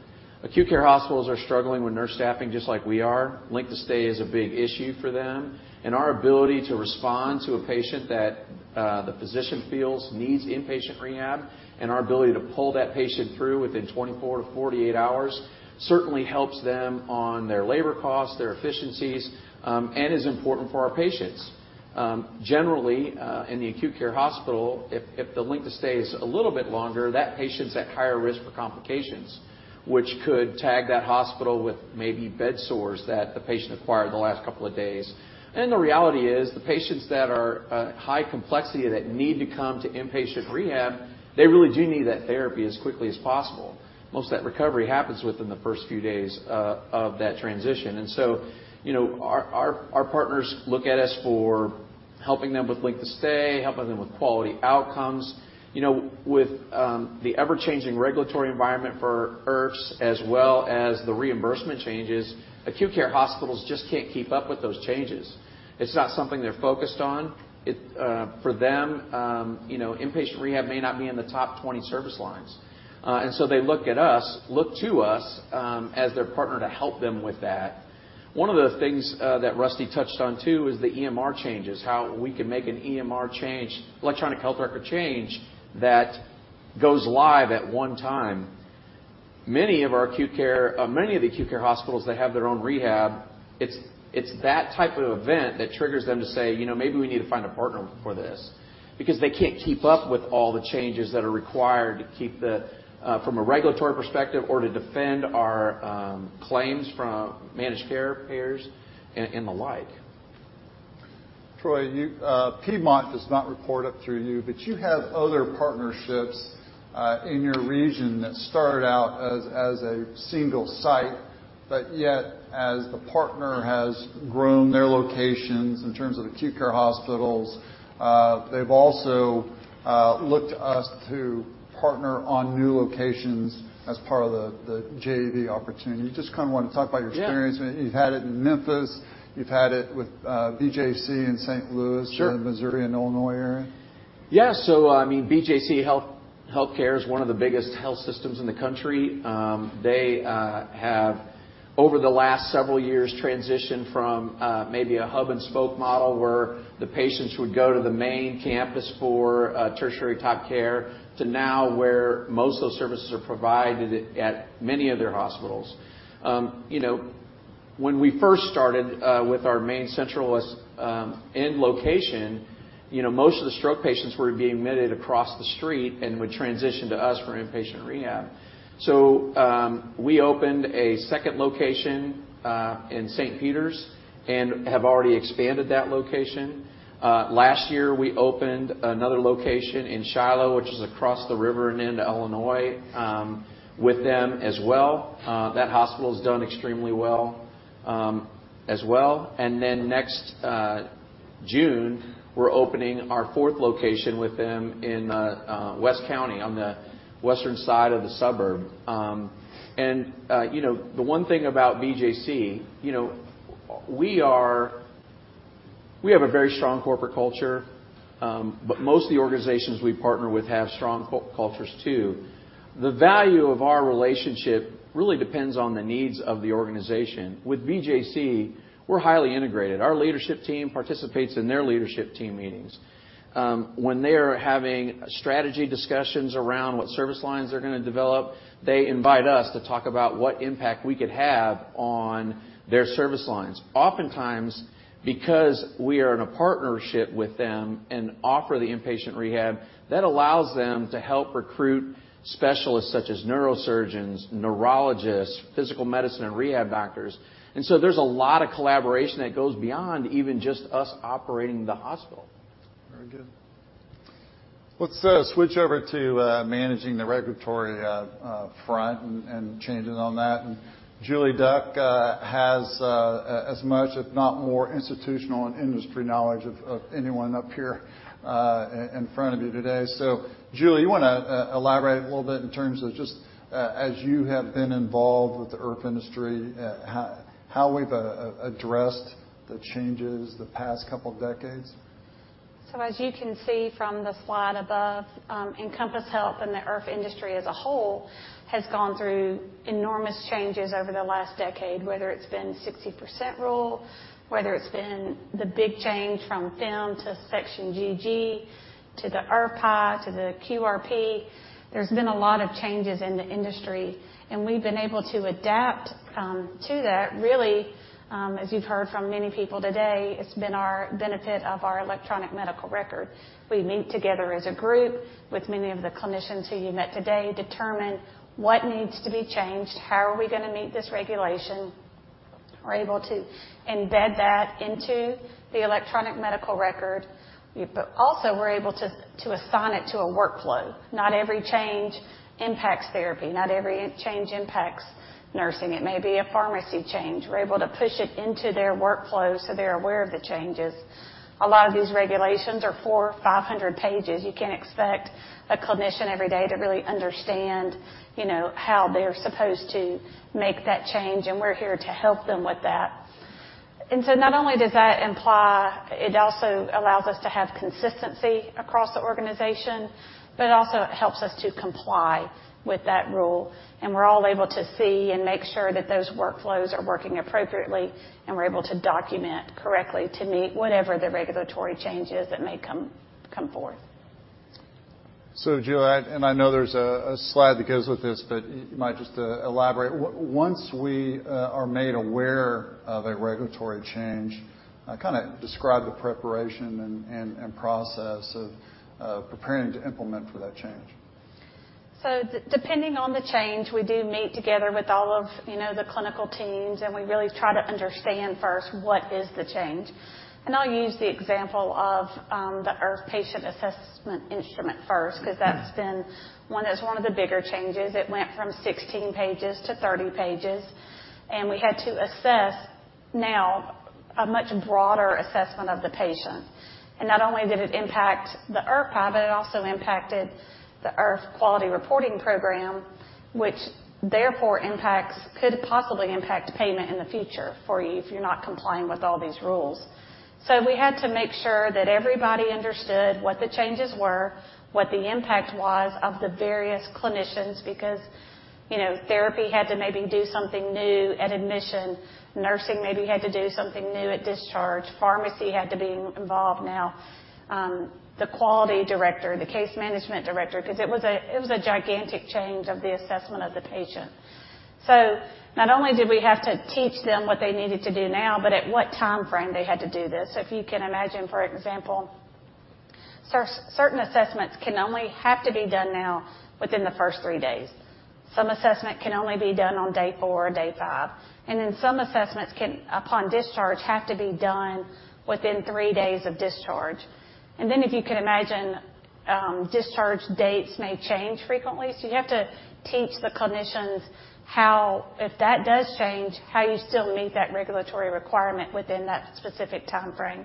Acute care hospitals are struggling with nurse staffing, just like we are. Length of stay is a big issue for them, and our ability to respond to a patient that the physician feels needs inpatient rehab, and our ability to pull that patient through within 24-48 hours, certainly helps them on their labor costs, their efficiencies, and is important for our patients. Generally, in the acute care hospital, if the length of stay is a little bit longer, that patient's at higher risk for complications, which could tag that hospital with maybe bedsores that the patient acquired the last couple of days. And the reality is, the patients that are high complexity that need to come to inpatient rehab, they really do need that therapy as quickly as possible. Most of that recovery happens within the first few days of that transition. And so, you know, our partners look at us for helping them with length of stay, helping them with quality outcomes. You know, with the ever-changing regulatory environment for IRFs, as well as the reimbursement changes, acute care hospitals just can't keep up with those changes. It's not something they're focused on. It for them, you know, inpatient rehab may not be in the top 20 service lines. And so they look at us, look to us as their partner to help them with that. One of the things that Rusty touched on, too, is the EMR changes, how we can make an EMR change, electronic health record change, that goes live at one time. Many of the acute care hospitals, they have their own rehab. It's that type of event that triggers them to say, "You know, maybe we need to find a partner for this." Because they can't keep up with all the changes that are required to keep the from a regulatory perspective or to defend our claims from managed care payers and the like. Troy, you, Piedmont does not report up through you, but you have other partnerships in your region that started out as a single site, but yet as the partner has grown their locations in terms of acute care hospitals, they've also looked to us to partner on new locations as part of the JV opportunity. You just kind of want to talk about your experience? Yeah. You've had it in Memphis. You've had it with BJC in St. Louis- Sure. in the Missouri and Illinois area. Yeah. So I mean, BJC HealthCare is one of the biggest health systems in the country. They have, over the last several years, transitioned from maybe a hub-and-spoke model, where the patients would go to the main campus for tertiary top care, to now where most of those services are provided at many of their hospitals. You know, when we first started with our main Central West End location, you know, most of the stroke patients were being admitted across the street and would transition to us for inpatient rehab. So we opened a second location in St. Peters and have already expanded that location. Last year, we opened another location in Shiloh, which is across the river and into Illinois, with them as well. That hospital's done extremely well, as well. And then next... June, we're opening our fourth location with them in West County, on the western side of the suburb. You know, the one thing about BJC, you know, we have a very strong corporate culture, but most of the organizations we partner with have strong cultures, too. The value of our relationship really depends on the needs of the organization. With BJC, we're highly integrated. Our leadership team participates in their leadership team meetings. When they are having strategy discussions around what service lines they're gonna develop, they invite us to talk about what impact we could have on their service lines. Oftentimes, because we are in a partnership with them and offer the inpatient rehab, that allows them to help recruit specialists such as neurosurgeons, neurologists, physical medicine and rehab doctors. There's a lot of collaboration that goes beyond even just us operating the hospital. Very good. Let's switch over to managing the regulatory front and changes on that. Julie Duck has as much, if not more, institutional and industry knowledge of anyone up here in front of you today. So, Julie, you wanna elaborate a little bit in terms of just as you have been involved with the IRF industry how we've addressed the changes the past couple decades? So as you can see from the slide above, Encompass Health and the IRF industry as a whole has gone through enormous changes over the last decade, whether it's been 60% rule, whether it's been the big change from FIM to Section GG, to the IRF-PAI, to the QRP. There's been a lot of changes in the industry, and we've been able to adapt to that. Really, as you've heard from many people today, it's been our benefit of our electronic medical record. We meet together as a group with many of the clinicians who you met today, determine what needs to be changed, how are we gonna meet this regulation. We're able to embed that into the electronic medical record. But also we're able to, to assign it to a workflow. Not every change impacts therapy. Not every change impacts nursing. It may be a pharmacy change. We're able to push it into their workflow, so they're aware of the changes. A lot of these regulations are 400-500 pages. You can't expect a clinician every day to really understand, you know, how they're supposed to make that change, and we're here to help them with that. And so not only does that imply, it also allows us to have consistency across the organization, but it also helps us to comply with that rule, and we're all able to see and make sure that those workflows are working appropriately, and we're able to document correctly to meet whatever the regulatory changes that may come, come forth. So, Julie, and I know there's a slide that goes with this, but you might just elaborate. Once we are made aware of a regulatory change, kind of describe the preparation and process of preparing to implement for that change. So depending on the change, we do meet together with all of, you know, the clinical teams, and we really try to understand first what the change is. And I'll use the example of the IRF Patient Assessment Instrument first, because that's been one. That's one of the bigger changes. It went from 16 pages to 30 pages, and we had to assess now a much broader assessment of the patient. And not only did it impact the IRF-PAI, but it also impacted the IRF Quality Reporting Program, which therefore impacts-could possibly impact payment in the future for you if you're not complying with all these rules. So we had to make sure that everybody understood what the changes were, what the impact was of the various clinicians, because, you know, therapy had to maybe do something new at admission. Nursing maybe had to do something new at discharge. Pharmacy had to be involved now. The quality director, the case management director, because it was a, it was a gigantic change of the assessment of the patient. So not only did we have to teach them what they needed to do now, but at what timeframe they had to do this. So if you can imagine, for example, certain assessments can only have to be done now within the first three days. Some assessment can only be done on day four or day five, and then some assessments can, upon discharge, have to be done within three days of discharge. And then, if you can imagine, discharge dates may change frequently. So you have to teach the clinicians how, if that does change, how you still meet that regulatory requirement within that specific timeframe.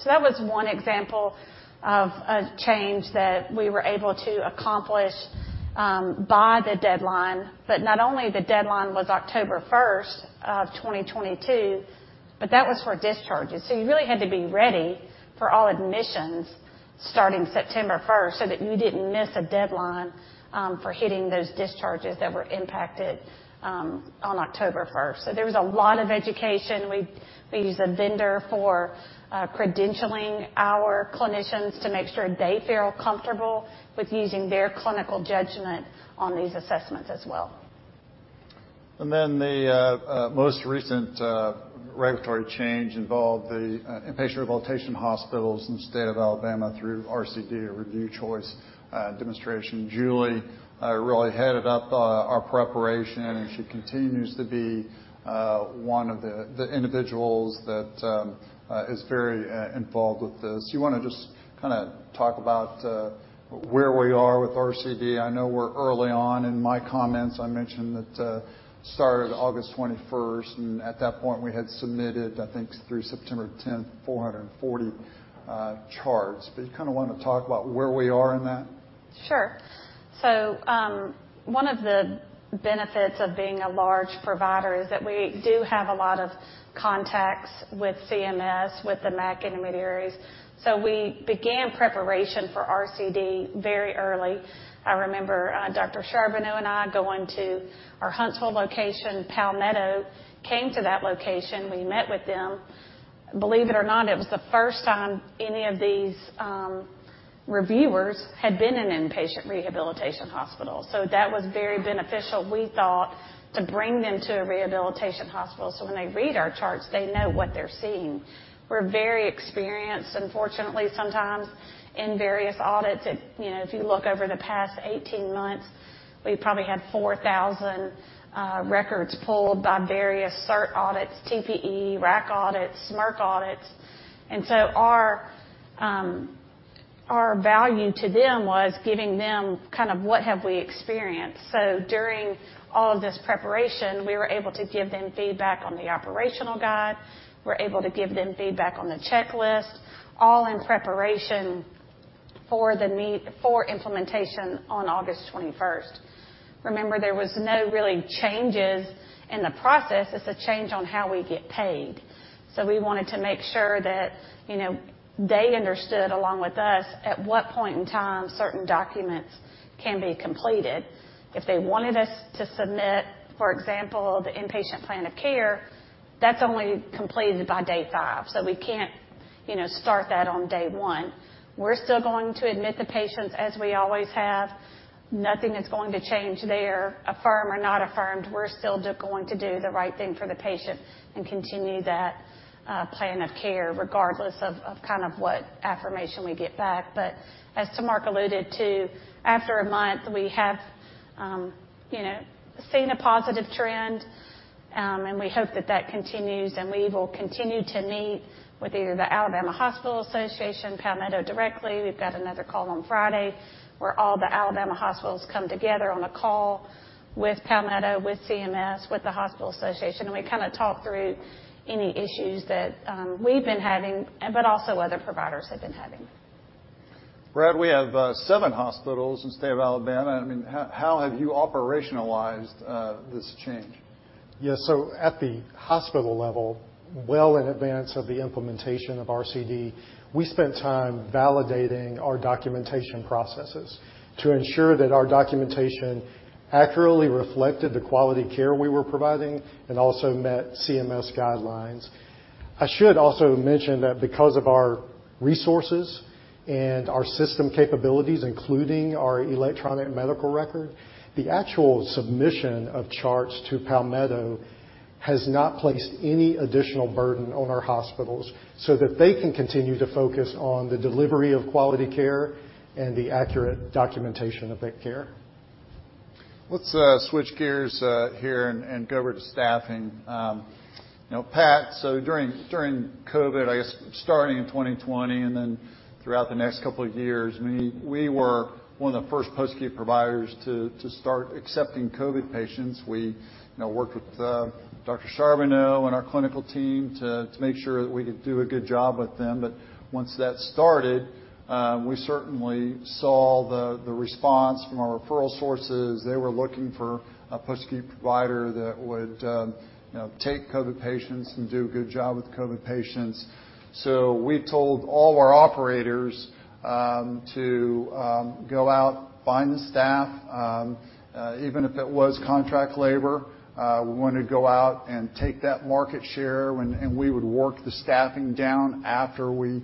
So that was one example of a change that we were able to accomplish, by the deadline. But not only the deadline was October 1st of 2022, but that was for discharges. So you really had to be ready for all admissions starting September 1st, so that you didn't miss a deadline, for hitting those discharges that were impacted, on October 1st. So there was a lot of education. We used a vendor for credentialing our clinicians to make sure they feel comfortable with using their clinical judgment on these assessments as well. And then the most recent regulatory change involved the inpatient rehabilitation hospitals in the state of Alabama through RCD, Review Choice Demonstration. Julie really headed up our preparation, and she continues to be one of the individuals that is very involved with this. You wanna just kinda talk about where we are with RCD? I know we're early on. In my comments, I mentioned that it started August 21st, and at that point, we had submitted, I think, through September 10th, 440 charts. But you kinda want to talk about where we are in that? Sure. So, one of the benefits of being a large provider is that we do have a lot of contacts with CMS, with the MAC intermediaries. So we began preparation for RCD very early. I remember, Dr. Charbonneau and I going to our Huntsville location. Palmetto came to that location. We met with them. Believe it or not, it was the first time any of these reviewers had been in an inpatient rehabilitation hospital. So that was very beneficial, we thought, to bring them to a rehabilitation hospital, so when they read our charts, they know what they're seeing. We're very experienced, unfortunately, sometimes in various audits that, you know, if you look over the past 18 months, we've probably had 4,000 records pulled by various cert audits, TPE, RAC audits, SMRC audits. Our value to them was giving them kind of what have we experienced. So during all of this preparation, we were able to give them feedback on the operational guide. We're able to give them feedback on the checklist, all in preparation for the need for implementation on August 21st. Remember, there was no real changes in the process. It's a change on how we get paid. So we wanted to make sure that, you know, they understood, along with us, at what point in time certain documents can be completed. If they wanted us to submit, for example, the inpatient plan of care, that's only completed by day five, so we can't, you know, start that on day one. We're still going to admit the patients as we always have. Nothing is going to change there, affirmed or not affirmed. We're still going to do the right thing for the patient and continue that plan of care, regardless of kind of what affirmation we get back. But as Mark alluded to, after a month, we have, you know, seen a positive trend, and we hope that that continues, and we will continue to meet with either the Alabama Hospital Association, Palmetto directly. We've got another call on Friday, where all the Alabama hospitals come together on a call with Palmetto, with CMS, with the Hospital Association, and we kinda talk through any issues that we've been having, but also other providers have been having. Brad, we have seven hospitals in the state of Alabama. I mean, how have you operationalized this change? Yes, so at the hospital level, well in advance of the implementation of RCD, we spent time validating our documentation processes to ensure that our documentation accurately reflected the quality of care we were providing and also met CMS guidelines. I should also mention that because of our resources and our system capabilities, including our electronic medical record, the actual submission of charts to Palmetto has not placed any additional burden on our hospitals, so that they can continue to focus on the delivery of quality care and the accurate documentation of that care. Let's switch gears here and go over to staffing. You know, Pat, so during COVID, I guess starting in 2020 and then throughout the next couple of years, I mean, we were one of the first post-acute providers to start accepting COVID patients. We, you know, worked with Dr. Charbonneau and our clinical team to make sure that we could do a good job with them. But once that started, we certainly saw the response from our referral sources. They were looking for a post-acute provider that would, you know, take COVID patients and do a good job with COVID patients. So we told all our operators to go out, find the staff. Even if it was contract labor, we wanted to go out and take that market share when and we would work the staffing down after we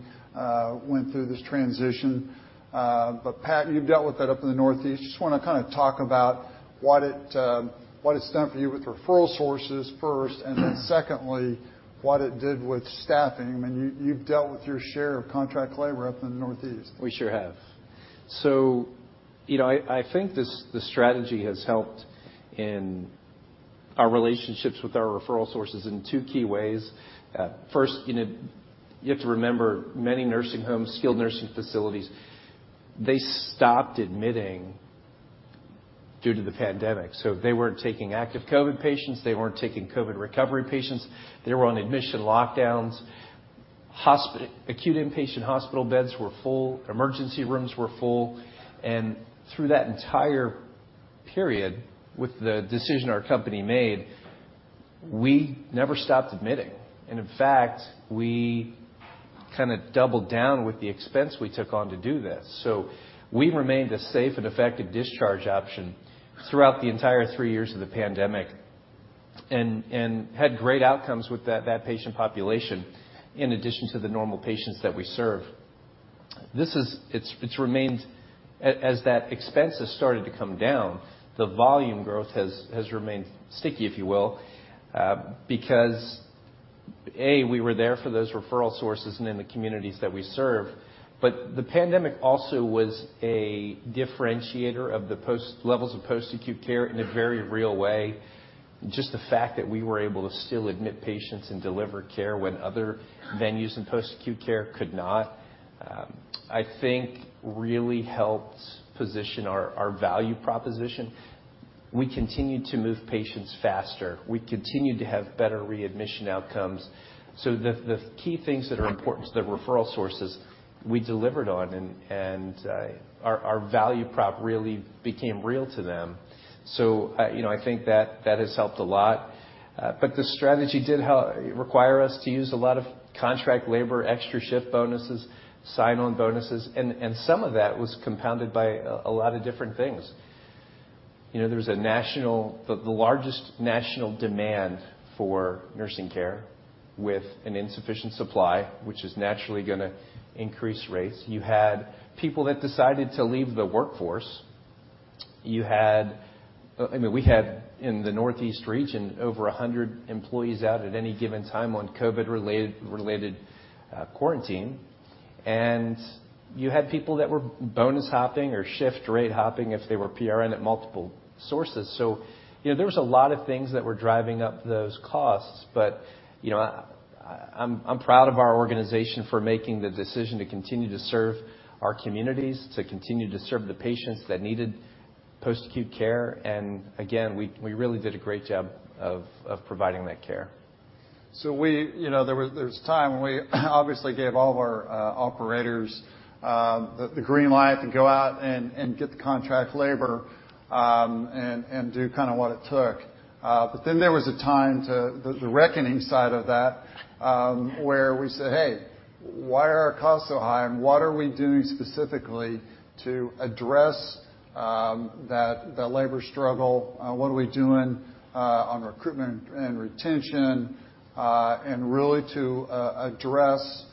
went through this transition. But, Pat, you've dealt with that up in the Northeast. Just wanna kinda talk about what it, what it's done for you with referral sources first, and then secondly, what it did with staffing. I mean, you, you've dealt with your share of contract labor up in the Northeast. We sure have. So, you know, I think this the strategy has helped in our relationships with our referral sources in two key ways. First, you know, you have to remember, many nursing homes, skilled nursing facilities, they stopped admitting due to the pandemic, so they weren't taking active COVID patients. They weren't taking COVID recovery patients. They were on admission lockdowns. Hospital acute inpatient hospital beds were full, emergency rooms were full, and through that entire period, with the decision our company made, we never stopped admitting, and in fact, we kinda doubled down with the expense we took on to do this. So we remained a safe and effective discharge option throughout the entire three years of the pandemic and had great outcomes with that patient population, in addition to the normal patients that we serve. This is, it's remained... As that expense has started to come down, the volume growth has remained sticky, if you will, because A, we were there for those referral sources and in the communities that we serve. But the pandemic also was a differentiator of the post-acute levels of post-acute care in a very real way. Just the fact that we were able to still admit patients and deliver care when other venues in post-acute care could not, I think really helped position our value proposition. We continued to move patients faster. We continued to have better readmission outcomes. So the key things that are important to the referral sources, we delivered on, and our value prop really became real to them. So, you know, I think that has helped a lot. But the strategy did help require us to use a lot of contract labor, extra shift bonuses, sign-on bonuses, and some of that was compounded by a lot of different things. You know, there was the largest national demand for nursing care with an insufficient supply, which is naturally going to increase rates. You had people that decided to leave the workforce. You had, I mean, we had, in the Northeast region, over 100 employees out at any given time on COVID-related quarantine. And you had people that were bonus hopping or shift rate hopping if they were PRN at multiple sources. So, you know, there was a lot of things that were driving up those costs, but, you know, I'm proud of our organization for making the decision to continue to serve our communities, to continue to serve the patients that needed post-acute care. And again, we really did a great job of providing that care. So we you know, there was a time when we obviously gave all of our operators the green light to go out and get the contract labor and do kind of what it took. But then there was a time to the reckoning side of that, where we said, "Hey, why are our costs so high, and what are we doing specifically to address the labor struggle? What are we doing on recruitment and retention?" and really to address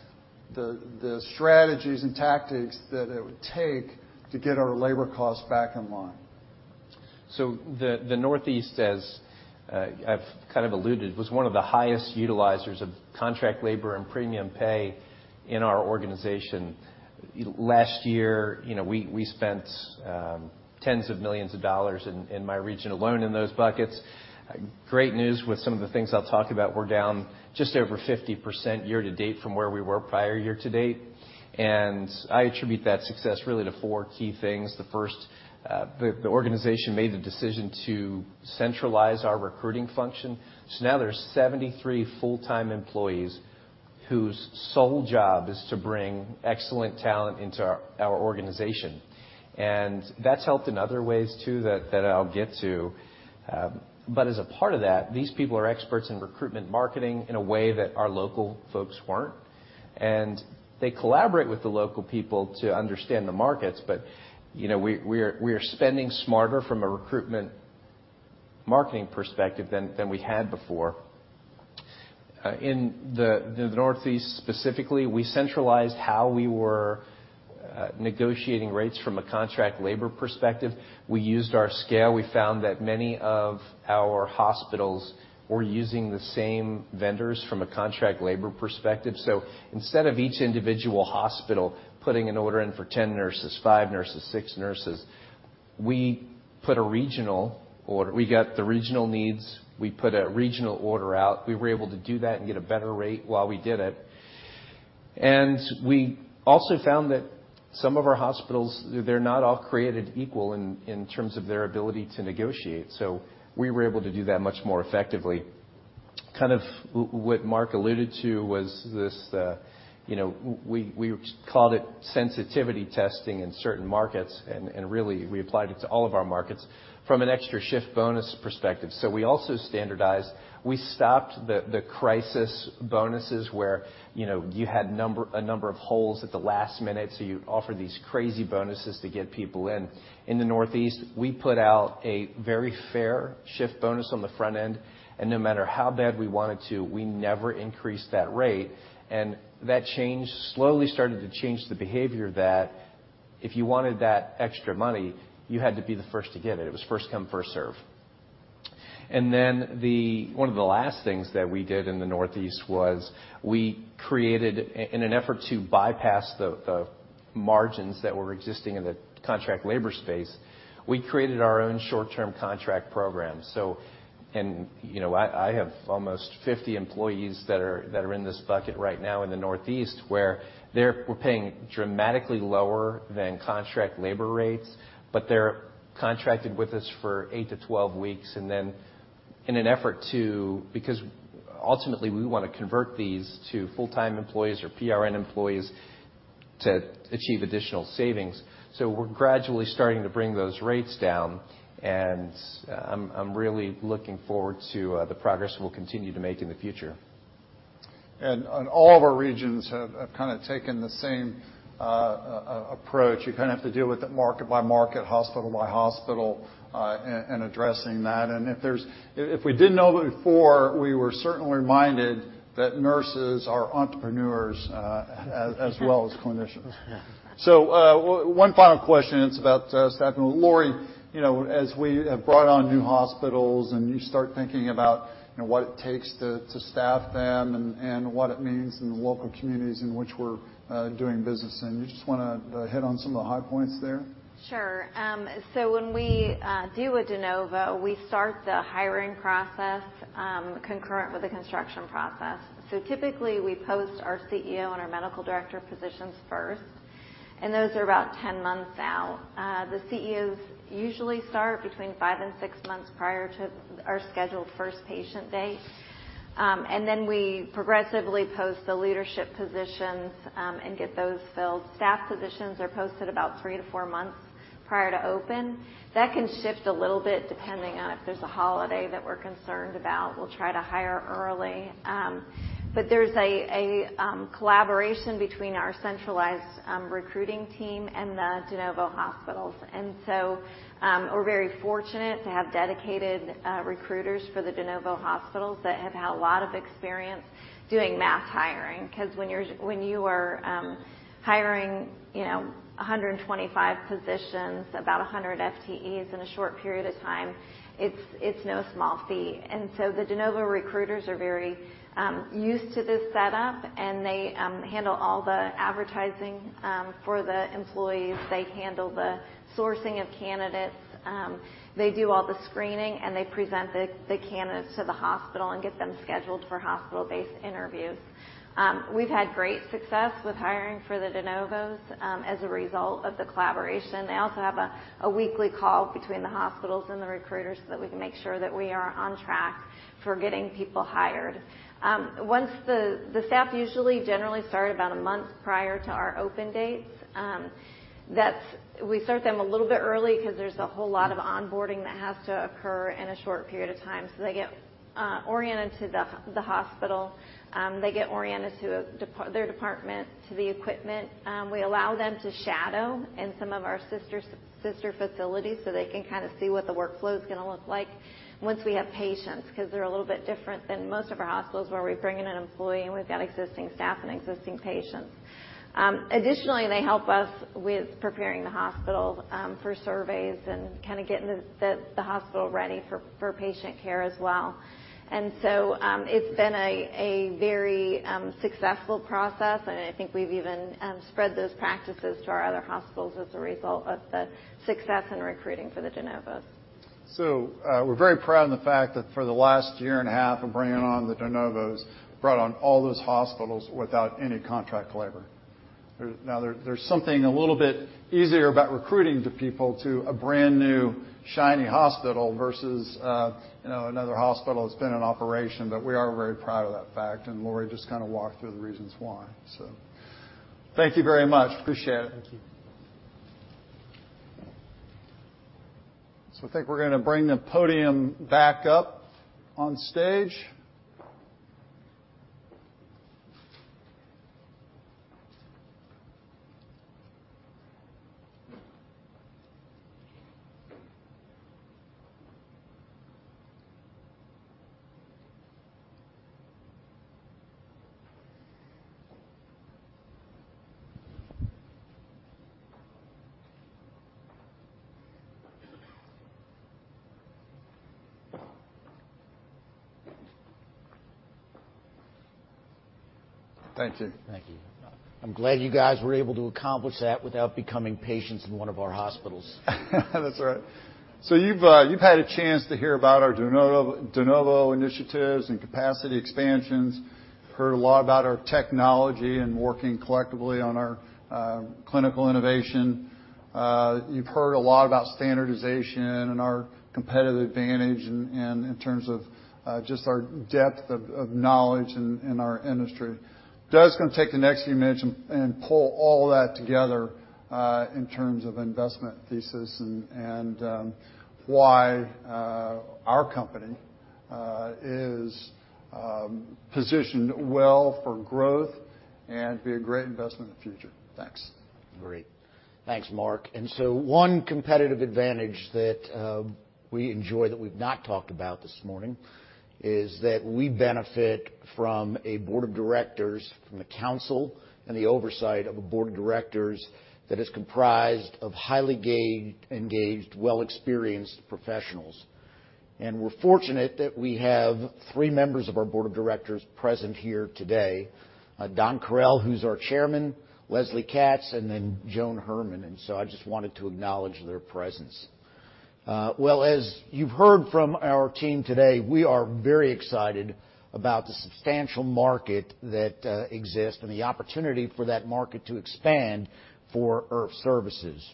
the strategies and tactics that it would take to get our labor costs back in line. So the Northeast, as I've kind of alluded, was one of the highest utilizers of contract labor and premium pay in our organization. Last year, you know, we spent tens of millions of dollars in my region alone in those buckets. Great news, with some of the things I'll talk about, we're down just over 50% year to date from where we were prior year to date. And I attribute that success really to four key things. The first, the organization made the decision to centralize our recruiting function. So now there's 73 full-time employees whose sole job is to bring excellent talent into our organization. And that's helped in other ways, too, that I'll get to. But as a part of that, these people are experts in recruitment marketing in a way that our local folks weren't, and they collaborate with the local people to understand the markets, but, you know, we are spending smarter from a recruitment marketing perspective than we had before. In the Northeast specifically, we centralized how we were negotiating rates from a contract labor perspective. We used our scale. We found that many of our hospitals were using the same vendors from a contract labor perspective. So instead of each individual hospital putting an order in for 10 nurses, five nurses, six nurses, we put a regional order. We got the regional needs, we put a regional order out. We were able to do that and get a better rate while we did it. And we also found that some of our hospitals, they're not all created equal in terms of their ability to negotiate, so we were able to do that much more effectively. Kind of what Mark alluded to was this, you know, we called it sensitivity testing in certain markets, and really, we applied it to all of our markets from an extra shift bonus perspective. So we also standardized. We stopped the crisis bonuses where, you know, you had a number of holes at the last minute, so you offer these crazy bonuses to get people in. In the Northeast, we put out a very fair shift bonus on the front end, and no matter how bad we wanted to, we never increased that rate. That change slowly started to change the behavior that if you wanted that extra money, you had to be the first to get it. It was first come, first serve. Then one of the last things that we did in the Northeast was we created, in an effort to bypass the margins that were existing in the contract labor space, we created our own short-term contract program. So... And, you know, I have almost 50 employees that are in this bucket right now in the Northeast, where we're paying dramatically lower than contract labor rates, but they're contracted with us for eight to 12 weeks, and then in an effort to because ultimately, we want to convert these to full-time employees or PRN employees to achieve additional savings. So we're gradually starting to bring those rates down, and I'm really looking forward to the progress we'll continue to make in the future.... And all of our regions have kind of taken the same approach. You kind of have to deal with it market by market, hospital by hospital, in addressing that. And if we didn't know before, we were certainly reminded that nurses are entrepreneurs as well as clinicians. Yeah. So, one final question, it's about staffing. Lori, you know, as we have brought on new hospitals, and you start thinking about, you know, what it takes to staff them and what it means in the local communities in which we're doing business in, you just wanna hit on some of the high points there? Sure. So when we do a de novo, we start the hiring process concurrent with the construction process. So typically, we post our CEO and our medical director positions first, and those are about 10 months out. The CEOs usually start between five and six months prior to our scheduled first patient date. And then we progressively post the leadership positions and get those filled. Staff positions are posted about three to four months prior to open. That can shift a little bit, depending on if there's a holiday that we're concerned about, we'll try to hire early. But there's a collaboration between our centralized recruiting team and the de novo hospitals. And so, we're very fortunate to have dedicated recruiters for the de novo hospitals that have had a lot of experience doing mass hiring. Because when you are hiring, you know, 125 positions, about 100 FTEs in a short period of time, it's no small feat. So the de novo recruiters are very used to this setup, and they handle all the advertising for the employees. They handle the sourcing of candidates, they do all the screening, and they present the candidates to the hospital and get them scheduled for hospital-based interviews. We've had great success with hiring for the de novos as a result of the collaboration. They also have a weekly call between the hospitals and the recruiters, so that we can make sure that we are on track for getting people hired. Once the staff usually generally start about a month prior to our open dates. We start them a little bit early because there's a whole lot of onboarding that has to occur in a short period of time. So they get oriented to the hospital, they get oriented to their department, to the equipment. We allow them to shadow in some of our sister facilities, so they can kind of see what the workflow is gonna look like once we have patients. Because they're a little bit different than most of our hospitals, where we bring in an employee, and we've got existing staff and existing patients. Additionally, they help us with preparing the hospital for surveys and kind of getting the hospital ready for patient care as well. And so, it's been a very successful process, and I think we've even spread those practices to our other hospitals as a result of the success in recruiting for the de novos. So, we're very proud of the fact that for the last year and a half of bringing on the de novos, brought on all those hospitals without any contract labor. There's something a little bit easier about recruiting the people to a brand-new, shiny hospital versus, you know, another hospital that's been in operation. But we are very proud of that fact, and Lori just kind of walked through the reasons why. So thank you very much. Appreciate it. Thank you. I think we're gonna bring the podium back up on stage. Thank you. Thank you. I'm glad you guys were able to accomplish that without becoming patients in one of our hospitals. That's right. So you've had a chance to hear about our de novo, de novo initiatives and capacity expansions, heard a lot about our technology and working collectively on our clinical innovation. You've heard a lot about standardization and our competitive advantage in terms of just our depth of knowledge in our industry. Doug's gonna take the next few minutes and pull all that together in terms of investment thesis and why our company is positioned well for growth and be a great investment in the future. Thanks. Great. Thanks, Mark. And so one competitive advantage that we enjoy that we've not talked about this morning is that we benefit from a board of directors, from the council and the oversight of a Board of Directors that is comprised of highly engaged, well-experienced professionals. And we're fortunate that we have three members of our Board of Directors present here today. Don Correll, who's our chairman, Leslye Katz, and then Joan Herman, and so I just wanted to acknowledge their presence. Well, as you've heard from our team today, we are very excited about the substantial market that exists and the opportunity for that market to expand for IRF services.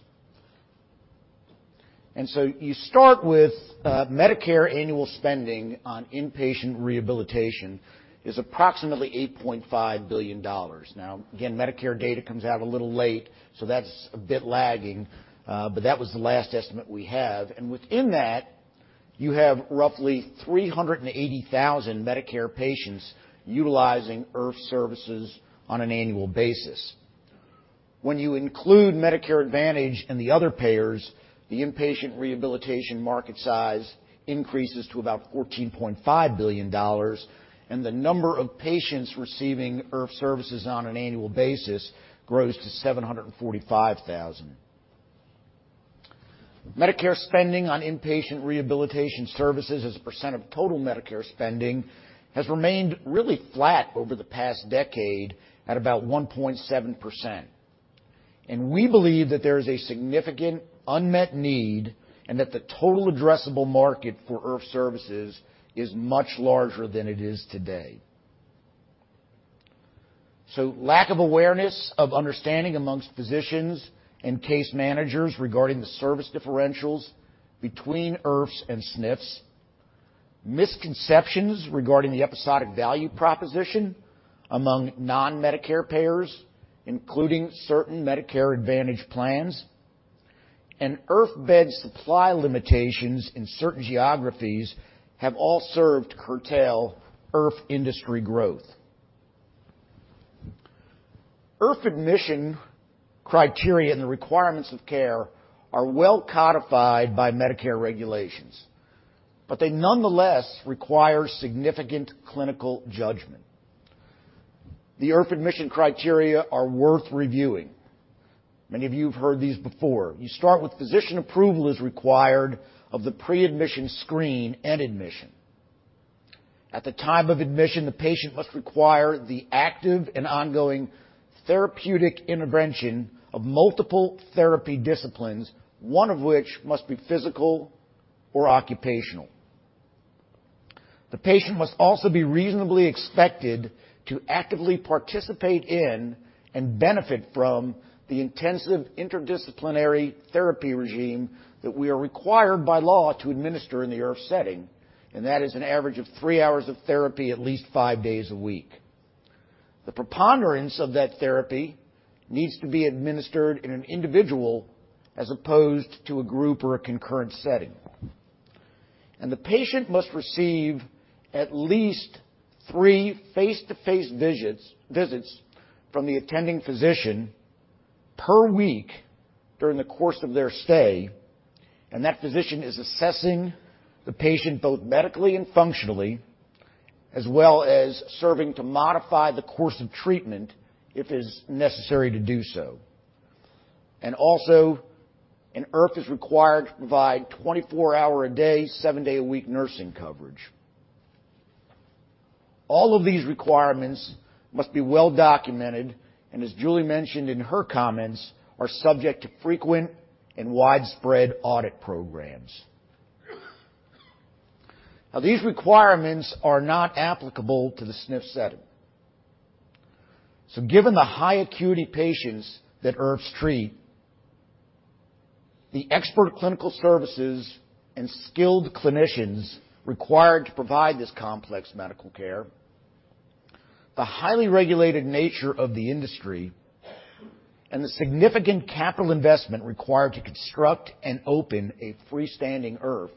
And so you start with Medicare annual spending on inpatient rehabilitation is approximately $8.5 billion. Now, again, Medicare data comes out a little late, so that's a bit lagging, but that was the last estimate we have. And within that, you have roughly 380,000 Medicare patients utilizing IRF services on an annual basis. When you include Medicare Advantage and the other payers, the inpatient rehabilitation market size increases to about $14.5 billion, and the number of patients receiving IRF services on an annual basis grows to 745,000. Medicare spending on inpatient rehabilitation services as a percent of total Medicare spending has remained really flat over the past decade at about 1.7%. And we believe that there is a significant unmet need, and that the total addressable market for IRF services is much larger than it is today. Lack of awareness of understanding among physicians and case managers regarding the service differentials between IRFs and SNFs, misconceptions regarding the episodic value proposition among non-Medicare payers, including certain Medicare Advantage plans, and IRF bed supply limitations in certain geographies, have all served to curtail IRF industry growth. IRF admission criteria and the requirements of care are well codified by Medicare regulations, but they nonetheless require significant clinical judgment. The IRF admission criteria are worth reviewing. Many of you have heard these before. You start with physician approval is required of the pre-admission screen and admission. At the time of admission, the patient must require the active and ongoing therapeutic intervention of multiple therapy disciplines, one of which must be physical or occupational. The patient must also be reasonably expected to actively participate in and benefit from the intensive interdisciplinary therapy regime that we are required by law to administer in the IRF setting, and that is an average of three hours of therapy, at least five days a week. The preponderance of that therapy needs to be administered in an individual as opposed to a group or a concurrent setting. The patient must receive at least three face-to-face visits, visits from the attending physician per week during the course of their stay, and that physician is assessing the patient both medically and functionally, as well as serving to modify the course of treatment, if it is necessary to do so. Also, an IRF is required to provide 24-hour a day, seven-day a week nursing coverage. All of these requirements must be well documented, and as Julie mentioned in her comments, are subject to frequent and widespread audit programs. Now, these requirements are not applicable to the SNF setting. So given the high acuity patients that IRFs treat, the expert clinical services and skilled clinicians required to provide this complex medical care, the highly regulated nature of the industry, and the significant capital investment required to construct and open a freestanding IRF,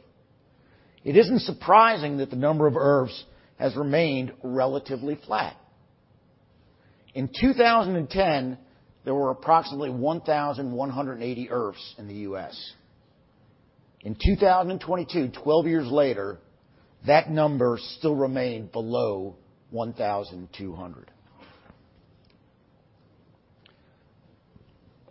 it isn't surprising that the number of IRFs has remained relatively flat. In 2010, there were approximately 1,180 IRFs in the U.S. In 2022, 12 years later, that number still remained below 1,200.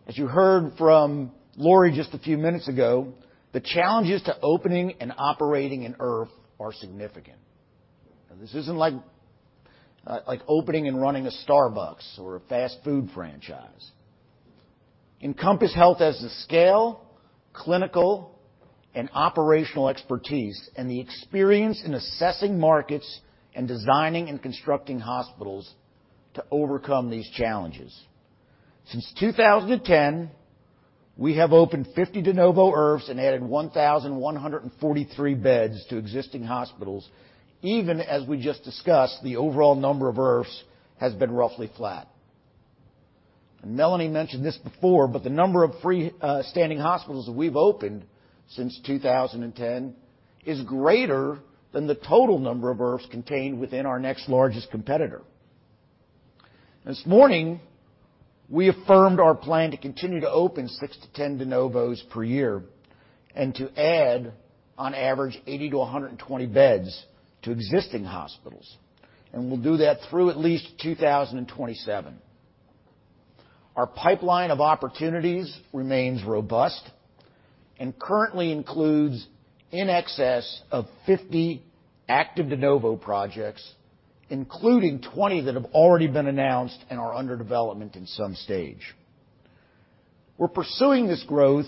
As you heard from Lori just a few minutes ago, the challenges to opening and operating an IRF are significant. Now, this isn't like, like opening and running a Starbucks or a fast food franchise. Encompass Health has the scale, clinical and operational expertise, and the experience in assessing markets and designing and constructing hospitals to overcome these challenges. Since 2010, we have opened 50 de novo IRFs and added 1,143 beds to existing hospitals, even as we just discussed, the overall number of IRFs has been roughly flat. And Melanie mentioned this before, but the number of freestanding hospitals that we've opened since 2010 is greater than the total number of IRFs contained within our next largest competitor. This morning, we affirmed our plan to continue to open six to 10 de novos per year and to add, on average, 80-120 beds to existing hospitals, and we'll do that through at least 2027. Our pipeline of opportunities remains robust and currently includes in excess of 50 active de novo projects, including 20 that have already been announced and are under development in some stage. We're pursuing this growth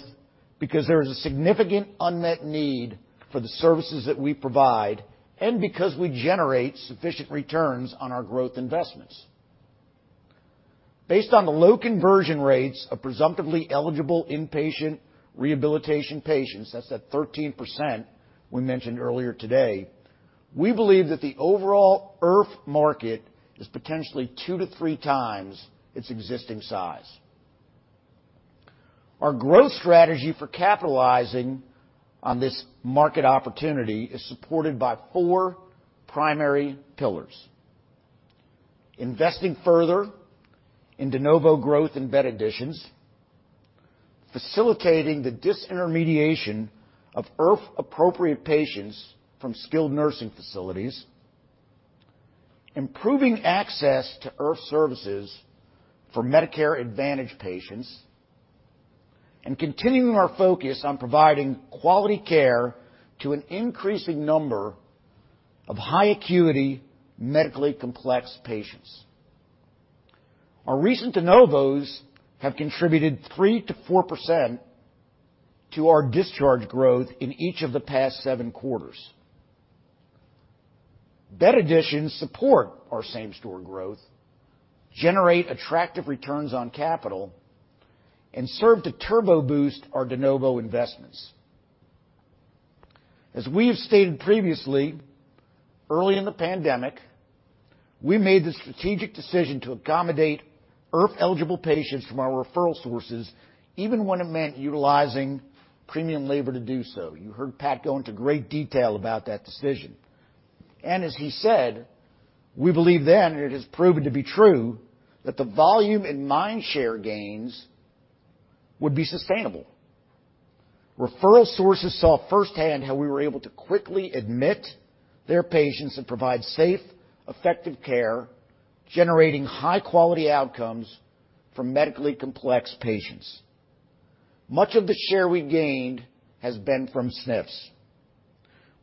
because there is a significant unmet need for the services that we provide and because we generate sufficient returns on our growth investments. Based on the low conversion rates of presumptively eligible inpatient rehabilitation patients, that's that 13% we mentioned earlier today, we believe that the overall IRF market is potentially 2x-3x its existing size. Our growth strategy for capitalizing on this market opportunity is supported by four primary pillars: investing further in de novo growth and bed additions, facilitating the disintermediation of IRF-appropriate patients from skilled nursing facilities, improving access to IRF services for Medicare Advantage patients, and continuing our focus on providing quality care to an increasing number of high acuity, medically complex patients. Our recent de novos have contributed 3%-4% to our discharge growth in each of the past seven quarters. Bed additions support our same-store growth, generate attractive returns on capital, and serve to turbo boost our de novo investments. As we have stated previously, early in the pandemic, we made the strategic decision to accommodate IRF-eligible patients from our referral sources, even when it meant utilizing premium labor to do so. You heard Pat go into great detail about that decision. As he said, we believed then, and it has proven to be true, that the volume and mindshare gains would be sustainable. Referral sources saw firsthand how we were able to quickly admit their patients and provide safe, effective care, generating high-quality outcomes for medically complex patients. Much of the share we gained has been from SNFs.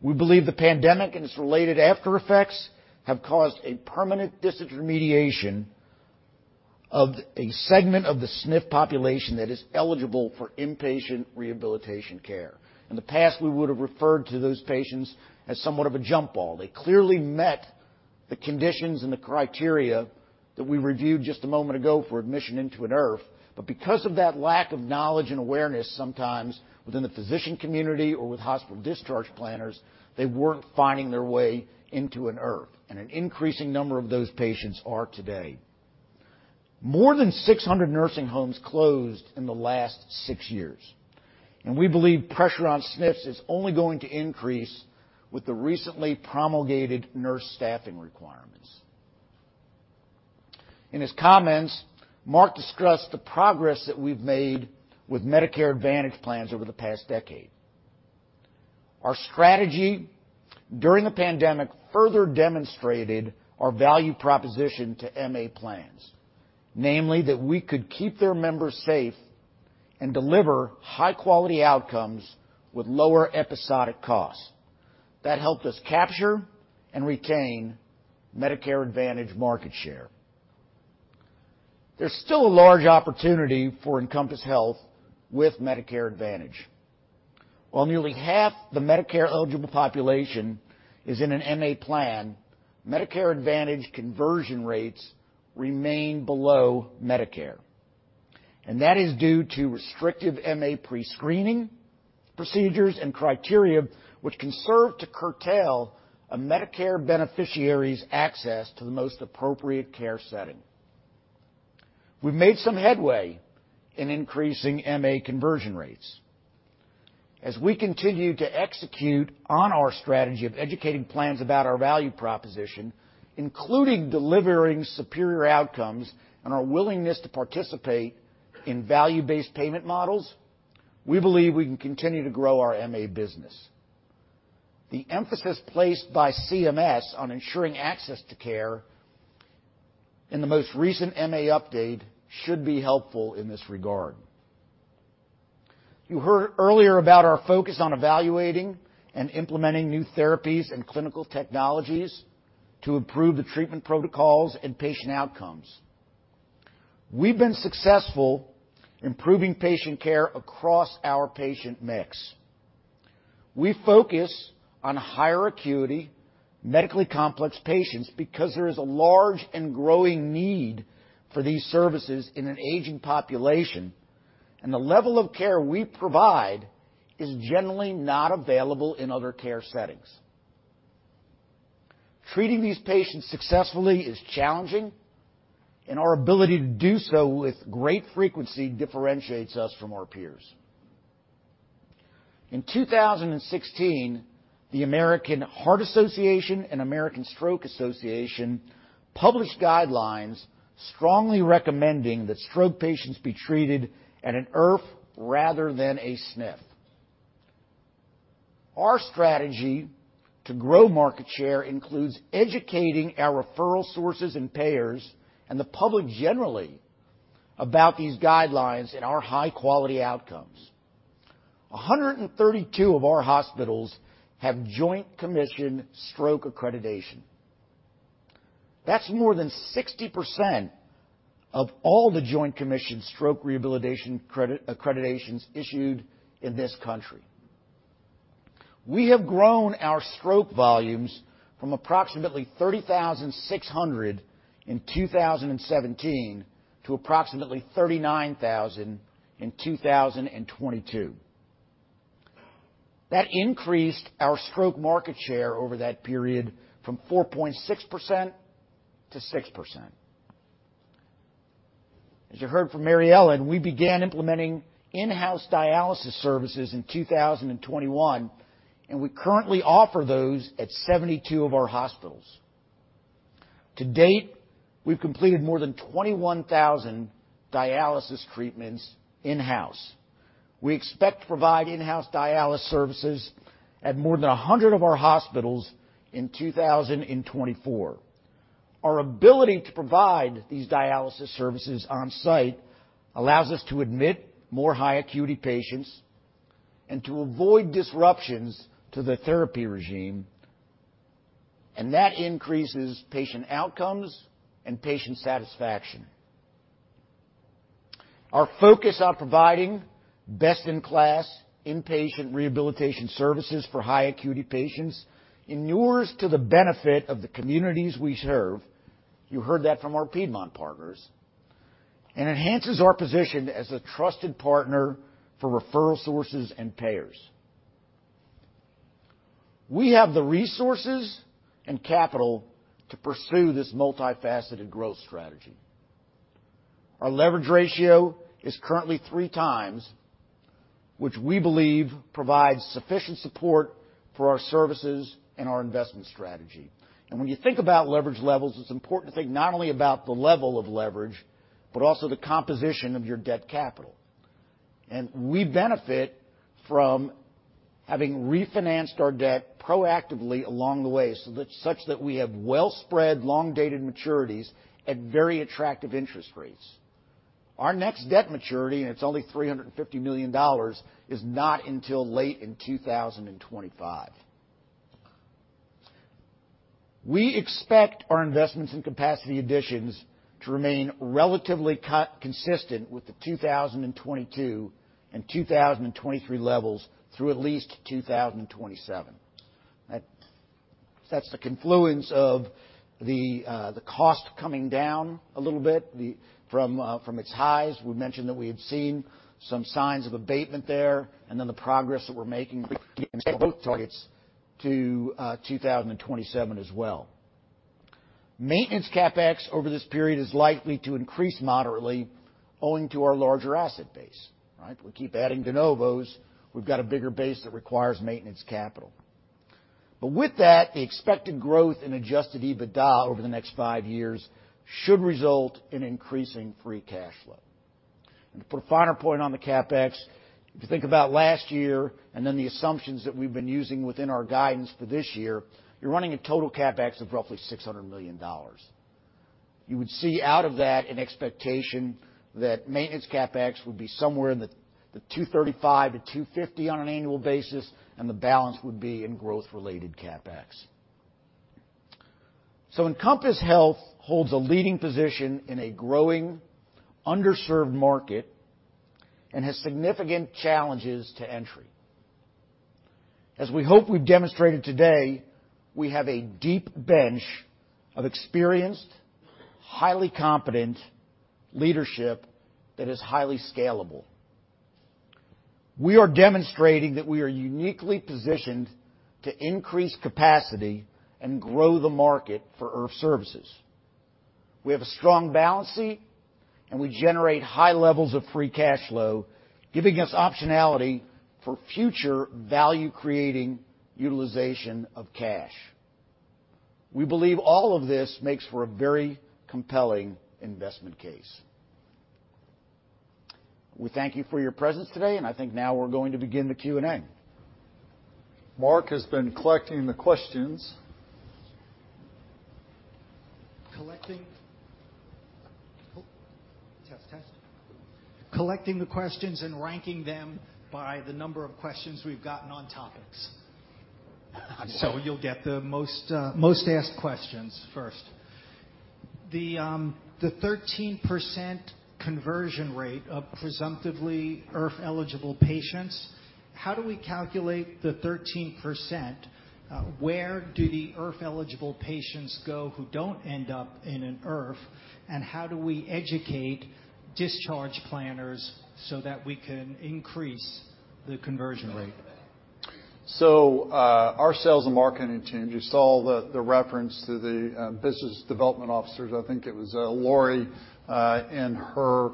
We believe the pandemic and its related aftereffects have caused a permanent disintermediation of a segment of the SNF population that is eligible for inpatient rehabilitation care. In the past, we would have referred to those patients as somewhat of a jump ball. They clearly met the conditions and the criteria that we reviewed just a moment ago for admission into an IRF, but because of that lack of knowledge and awareness, sometimes within the physician community or with hospital discharge planners, they weren't finding their way into an IRF, and an increasing number of those patients are today. More than 600 nursing homes closed in the last six years, and we believe pressure on SNFs is only going to increase with the recently promulgated nurse staffing requirements. In his comments, Mark discussed the progress that we've made with Medicare Advantage plans over the past decade. Our strategy during the pandemic further demonstrated our value proposition to MA plans, namely, that we could keep their members safe and deliver high-quality outcomes with lower episodic costs. That helped us capture and retain Medicare Advantage market share. There's still a large opportunity for Encompass Health with Medicare Advantage. While nearly half the Medicare-eligible population is in an MA plan, Medicare Advantage conversion rates remain below Medicare, and that is due to restrictive MA prescreening procedures and criteria, which can serve to curtail a Medicare beneficiary's access to the most appropriate care setting. We've made some headway in increasing MA conversion rates. As we continue to execute on our strategy of educating plans about our value proposition, including delivering superior outcomes and our willingness to participate in value-based payment models, we believe we can continue to grow our MA business. The emphasis placed by CMS on ensuring access to care in the most recent MA update should be helpful in this regard. You heard earlier about our focus on evaluating and implementing new therapies and clinical technologies to improve the treatment protocols and patient outcomes. We've been successful improving patient care across our patient mix. We focus on higher acuity, medically complex patients because there is a large and growing need for these services in an aging population, and the level of care we provide is generally not available in other care settings. Treating these patients successfully is challenging, and our ability to do so with great frequency differentiates us from our peers. In 2016, the American Heart Association and American Stroke Association published guidelines strongly recommending that stroke patients be treated at an IRF rather than a SNF. Our strategy to grow market share includes educating our referral sources and payers, and the public generally, about these guidelines and our high-quality outcomes. 132 of our hospitals have Joint Commission stroke accreditation. That's more than 60% of all the Joint Commission stroke rehabilitation accreditations issued in this country. We have grown our stroke volumes from approximately 30,600 in 2017 to approximately 39,000 in 2022. That increased our stroke market share over that period from 4.6% to 6%. As you heard from Mary Ellen, we began implementing in-house dialysis services in 2021, and we currently offer those at 72 of our hospitals. To date, we've completed more than 21,000 dialysis treatments in-house. We expect to provide in-house dialysis services at more than 100 of our hospitals in 2024. Our ability to provide these dialysis services on-site allows us to admit more high acuity patients and to avoid disruptions to the therapy regime, and that increases patient outcomes and patient satisfaction. Our focus on providing best-in-class inpatient rehabilitation services for high acuity patients inures to the benefit of the communities we serve, you heard that from our Piedmont partners, and enhances our position as a trusted partner for referral sources and payers. We have the resources and capital to pursue this multifaceted growth strategy. Our leverage ratio is currently 3x, which we believe provides sufficient support for our services and our investment strategy. When you think about leverage levels, it's important to think not only about the level of leverage, but also the composition of your debt capital. We benefit from having refinanced our debt proactively along the way, so that we have well-spread, long-dated maturities at very attractive interest rates. Our next debt maturity, and it's only $350 million, is not until late in 2025. We expect our investments in capacity additions to remain relatively consistent with the 2022 and 2023 levels through at least 2027. That's the confluence of the cost coming down a little bit, from its highs. We mentioned that we had seen some signs of abatement there, and then the progress that we're making both targets to 2027 as well. Maintenance CapEx over this period is likely to increase moderately owing to our larger asset base, right? We keep adding de novos. We've got a bigger base that requires maintenance capital. But with that, the expected growth in adjusted EBITDA over the next five years should result in increasing free cash flow. To put a finer point on the CapEx, if you think about last year and then the assumptions that we've been using within our guidance for this year, you're running a total CapEx of roughly $600 million. You would see out of that an expectation that maintenance CapEx would be somewhere in the 235-250 on an annual basis, and the balance would be in growth-related CapEx. So Encompass Health holds a leading position in a growing, underserved market and has significant challenges to entry. As we hope we've demonstrated today, we have a deep bench of experienced, highly competent leadership that is highly scalable. We are demonstrating that we are uniquely positioned to increase capacity and grow the market for IRF services. We have a strong balance sheet, and we generate high levels of free cash flow, giving us optionality for future value-creating utilization of cash. We believe all of this makes for a very compelling investment case. We thank you for your presence today, and I think now we're going to begin the Q&A. Mark has been collecting the questions. Collecting the questions and ranking them by the number of questions we've gotten on topics. So you'll get the most asked questions first. The 13% conversion rate of presumptively IRF-eligible patients, how do we calculate the 13%? Where do the IRF-eligible patients go who don't end up in an IRF? And how do we educate discharge planners so that we can increase the conversion rate? So, our sales and marketing team, you saw the, the reference to the business development officers. I think it was Lori in her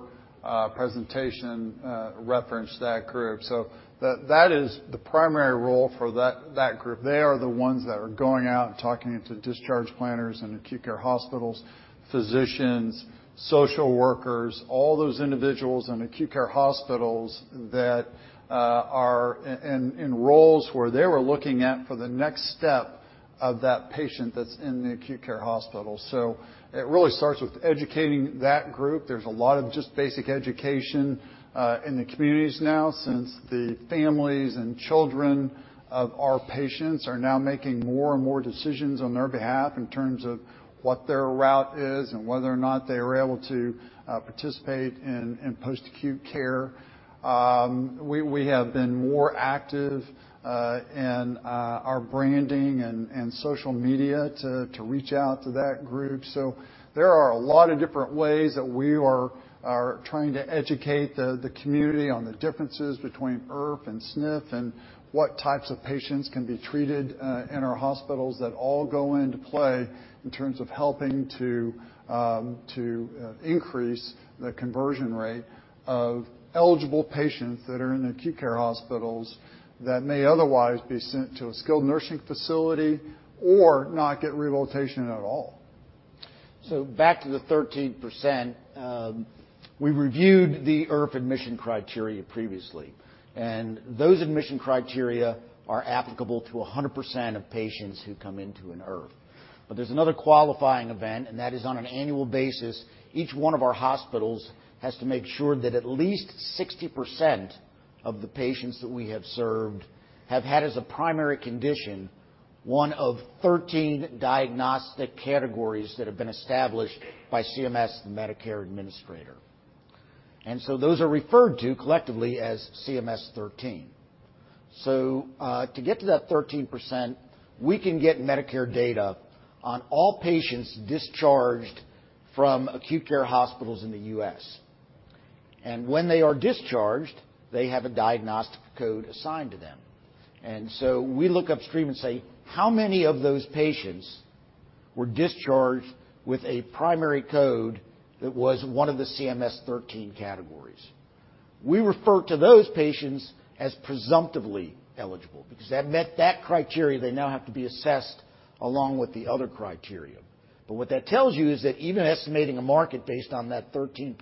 presentation referenced that group. So that is the primary role for that group. They are the ones that are going out and talking to discharge planners and acute care hospitals, physicians, social workers, all those individuals in acute care hospitals that are in roles where they were looking at for the next step of that patient that's in the acute care hospital. So it really starts with educating that group. There's a lot of just basic education in the communities now, since the families and children of our patients are now making more and more decisions on their behalf in terms of what their route is and whether or not they are able to participate in post-acute care. We have been more active in our branding and social media to reach out to that group. So there are a lot of different ways that we are trying to educate the community on the differences between IRF and SNF, and what types of patients can be treated in our hospitals. That all go into play in terms of helping to increase the conversion rate of eligible patients that are in the acute care hospitals that may otherwise be sent to a skilled nursing facility or not get rehabilitation at all.... So back to the 13%, we reviewed the IRF admission criteria previously, and those admission criteria are applicable to 100% of patients who come into an IRF. But there's another qualifying event, and that is, on an annual basis, each one of our hospitals has to make sure that at least 60% of the patients that we have served have had, as a primary condition, one of 13 diagnostic categories that have been established by CMS, the Medicare administrator. And so those are referred to collectively as CMS 13. So, to get to that 13%, we can get Medicare data on all patients discharged from acute care hospitals in the U.S. And when they are discharged, they have a diagnostic code assigned to them. And so we look upstream and say, "How many of those patients were discharged with a primary code that was one of the CMS 13 categories?" We refer to those patients as presumptively eligible, because they have met that criteria, they now have to be assessed along with the other criteria. But what that tells you is that even estimating a market based on that 13%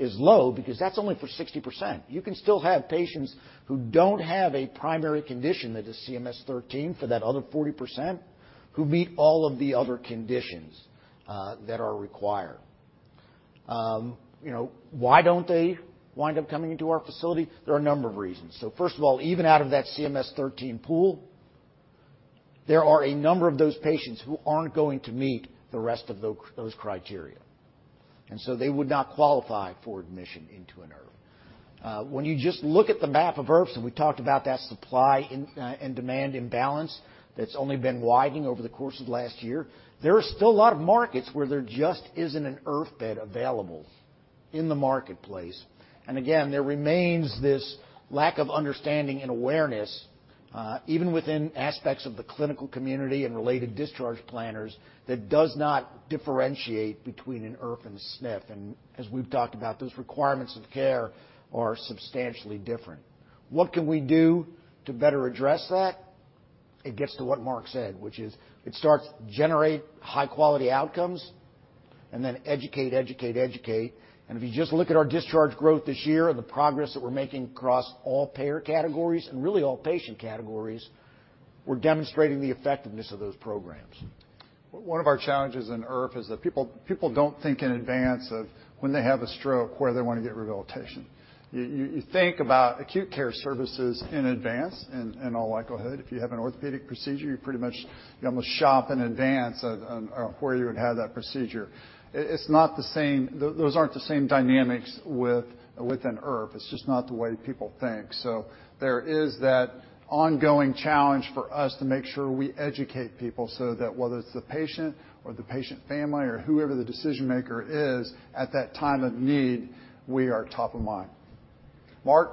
is low, because that's only for 60%. You can still have patients who don't have a primary condition that is CMS 13 for that other 40%, who meet all of the other conditions that are required. You know, why don't they wind up coming into our facility? There are a number of reasons. So first of all, even out of that CMS 13 pool, there are a number of those patients who aren't going to meet the rest of those criteria, and so they would not qualify for admission into an IRF. When you just look at the map of IRFs, and we talked about that supply and demand imbalance that's only been widening over the course of last year, there are still a lot of markets where there just isn't an IRF bed available in the marketplace. And again, there remains this lack of understanding and awareness, even within aspects of the clinical community and related discharge planners, that does not differentiate between an IRF and a SNF. And as we've talked about, those requirements of care are substantially different. What can we do to better address that? It gets to what Mark said, which is it starts, generate high-quality outcomes and then educate, educate, educate. And if you just look at our discharge growth this year and the progress that we're making across all payer categories and really all patient categories, we're demonstrating the effectiveness of those programs. One of our challenges in IRF is that people don't think in advance of when they have a stroke, where they want to get rehabilitation. You think about acute care services in advance. In all likelihood, if you have an orthopedic procedure, you pretty much almost shop in advance on where you would have that procedure. It's not the same. Those aren't the same dynamics with an IRF. It's just not the way people think. So there is that ongoing challenge for us to make sure we educate people so that whether it's the patient or the patient family, or whoever the decision maker is, at that time of need, we are top of mind. Mark?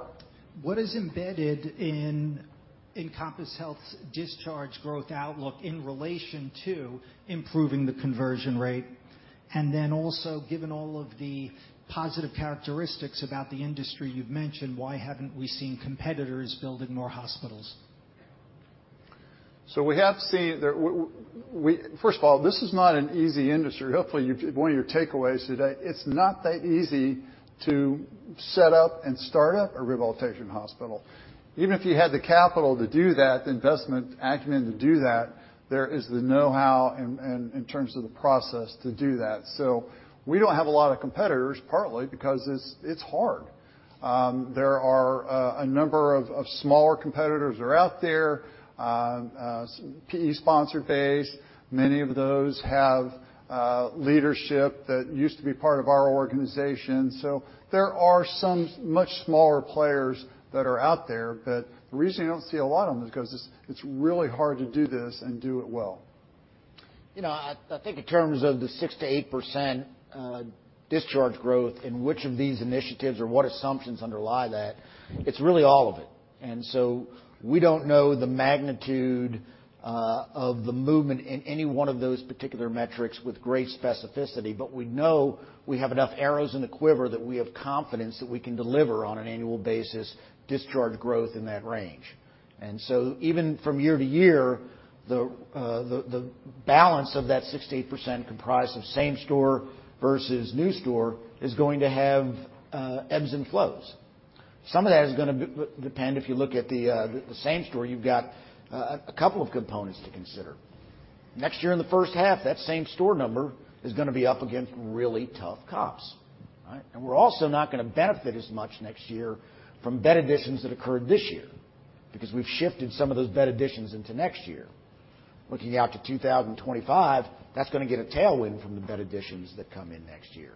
What is embedded in Encompass Health's discharge growth outlook in relation to improving the conversion rate? And then also, given all of the positive characteristics about the industry you've mentioned, why haven't we seen competitors building more hospitals? So we have seen that. First of all, this is not an easy industry. Hopefully, you, one of your takeaways today, it's not that easy to set up and start up a rehabilitation hospital. Even if you had the capital to do that, the investment acumen to do that, there is the know-how in terms of the process to do that. So we don't have a lot of competitors, partly because it's hard. There are a number of smaller competitors out there, PE sponsor-based. Many of those have leadership that used to be part of our organization. So there are some much smaller players that are out there, but the reason you don't see a lot of them is because it's really hard to do this and do it well. You know, I, I think in terms of the 6%-8%, discharge growth, in which of these initiatives or what assumptions underlie that, it's really all of it. And so we don't know the magnitude of the movement in any one of those particular metrics with great specificity, but we know we have enough arrows in the quiver that we have confidence that we can deliver on an annual basis, discharge growth in that range. And so even from year to year, the balance of that 6%-8% comprised of same store versus new store is going to have ebbs and flows. Some of that is gonna depend. If you look at the same store, you've got a couple of components to consider. Next year, in the first half, that same store number is gonna be up against really tough comps, right? And we're also not gonna benefit as much next year from bed additions that occurred this year, because we've shifted some of those bed additions into next year. Looking out to 2025, that's gonna get a tailwind from the bed additions that come in next year.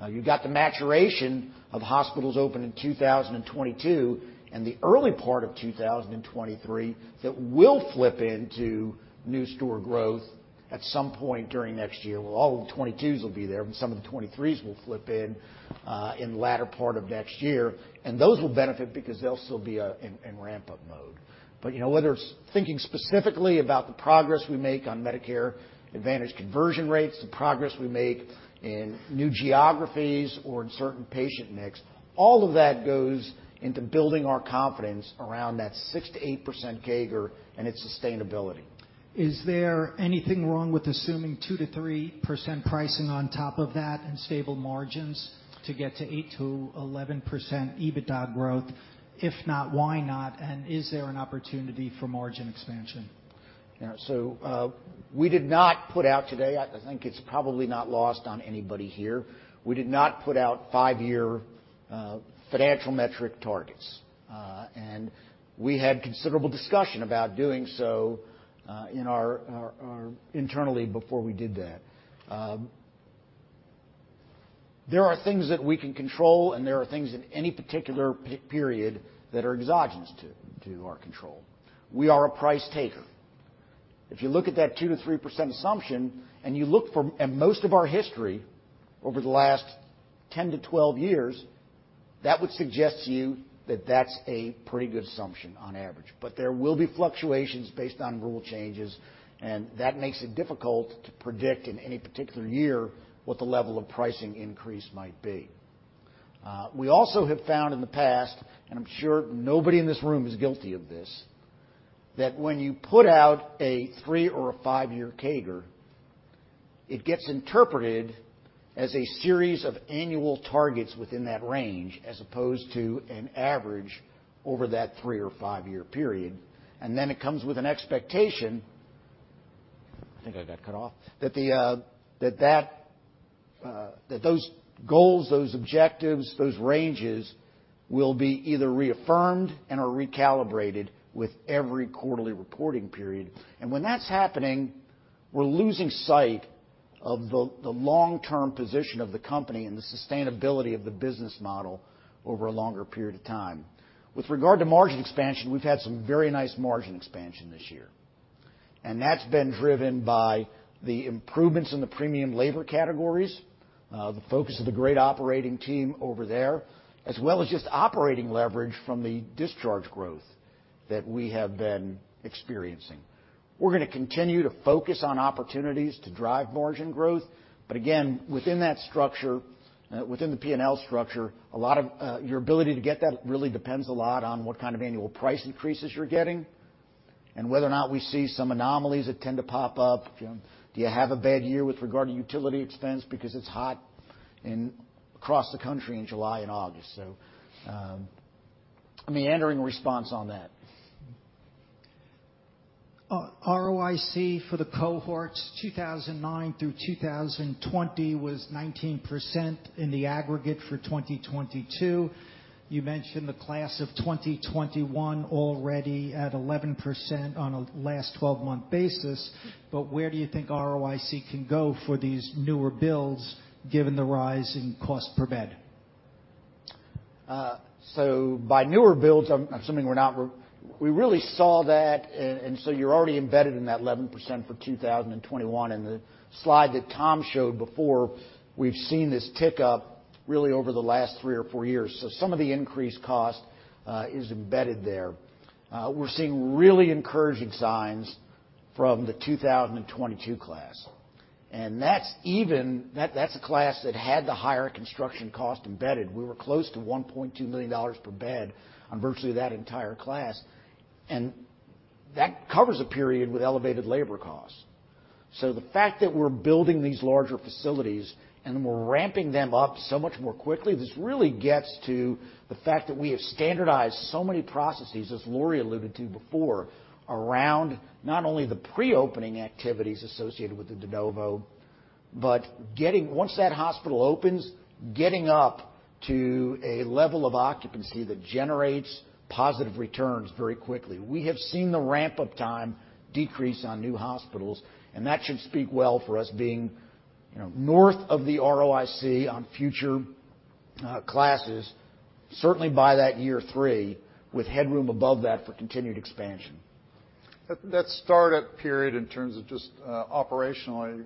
Now, you've got the maturation of hospitals opening in 2022 and the early part of 2023, that will flip into new store growth at some point during next year. Well, all of the 2022s will be there, and some of the 2023s will flip in, in the latter part of next year, and those will benefit because they'll still be in ramp-up mode. You know, whether it's thinking specifically about the progress we make on Medicare Advantage conversion rates, the progress we make in new geographies or in certain patient mix, all of that goes into building our confidence around that 6%-8% CAGR and its sustainability. Is there anything wrong with assuming 2%-3% pricing on top of that and stable margins to get to 8%-11% EBITDA growth? If not, why not? And is there an opportunity for margin expansion? Yeah. So, we did not put out today, I think it's probably not lost on anybody here, we did not put out five-year financial metric targets, and we had considerable discussion about doing so in our internally before we did that. There are things that we can control, and there are things in any particular period that are exogenous to our control. We are a price taker. If you look at that 2%-3% assumption, and you look at most of our history over the last 10-12 years, that would suggest to you that that's a pretty good assumption on average. But there will be fluctuations based on rule changes, and that makes it difficult to predict in any particular year what the level of pricing increase might be. We also have found in the past, and I'm sure nobody in this room is guilty of this, that when you put out a three- or five-year CAGR, it gets interpreted as a series of annual targets within that range, as opposed to an average over that three- or five-year period. And then it comes with an expectation, I think I got cut off, that those goals, those objectives, those ranges, will be either reaffirmed and are recalibrated with every quarterly reporting period. And when that's happening, we're losing sight of the long-term position of the company and the sustainability of the business model over a longer period of time. With regard to margin expansion, we've had some very nice margin expansion this year, and that's been driven by the improvements in the premium labor categories, the focus of the great operating team over there, as well as just operating leverage from the discharge growth that we have been experiencing. We're going to continue to focus on opportunities to drive margin growth, but again, within that structure, within the P&L structure, a lot of your ability to get that really depends a lot on what kind of annual price increases you're getting and whether or not we see some anomalies that tend to pop up. Do you have a bad year with regard to utility expense because it's hot across the country in July and August? So, a meandering response on that. ROIC for the cohorts, 2009 through 2020 was 19% in the aggregate for 2022. You mentioned the class of 2021 already at 11% on a last twelve-month basis, but where do you think ROIC can go for these newer builds, given the rise in cost per bed? So by newer builds, I'm assuming we're not... We really saw that, and so you're already embedded in that 11% for 2021. In the slide that Tom showed before, we've seen this tick up really over the last three or four years. So some of the increased cost is embedded there. We're seeing really encouraging signs from the 2022 class, and that's even, that's a class that had the higher construction cost embedded. We were close to $1.2 million per bed on virtually that entire class, and that covers a period with elevated labor costs. So the fact that we're building these larger facilities and we're ramping them up so much more quickly, this really gets to the fact that we have standardized so many processes, as Lori alluded to before, around not only the pre-opening activities associated with the de novo, but getting once that hospital opens, getting up to a level of occupancy that generates positive returns very quickly. We have seen the ramp-up time decrease on new hospitals, and that should speak well for us being, you know, north of the ROIC on future classes, certainly by that year three, with headroom above that for continued expansion. That startup period, in terms of just operationally,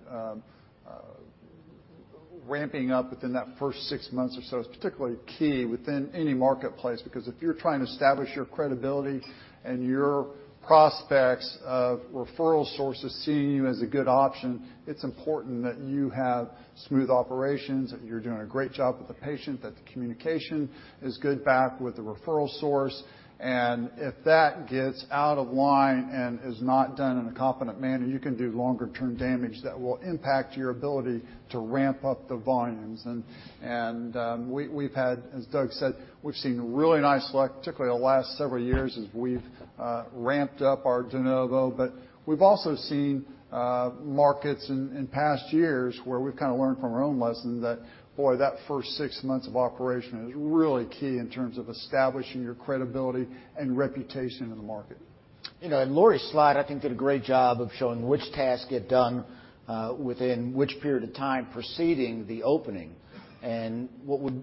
ramping up within that first six months or so, is particularly key within any marketplace, because if you're trying to establish your credibility and your prospects of referral sources seeing you as a good option, it's important that you have smooth operations, that you're doing a great job with the patient, that the communication is good back with the referral source. And if that gets out of line and is not done in a competent manner, you can do longer-term damage that will impact your ability to ramp up the volumes. And we, we've had, as Doug said, we've seen really nice luck, particularly the last several years, as we've ramped up our de novo. But we've also seen markets in past years where we've kind of learned from our own lesson that, boy, that first six months of operation is really key in terms of establishing your credibility and reputation in the market. You know, Lori's slide, I think, did a great job of showing which tasks get done within which period of time preceding the opening. What would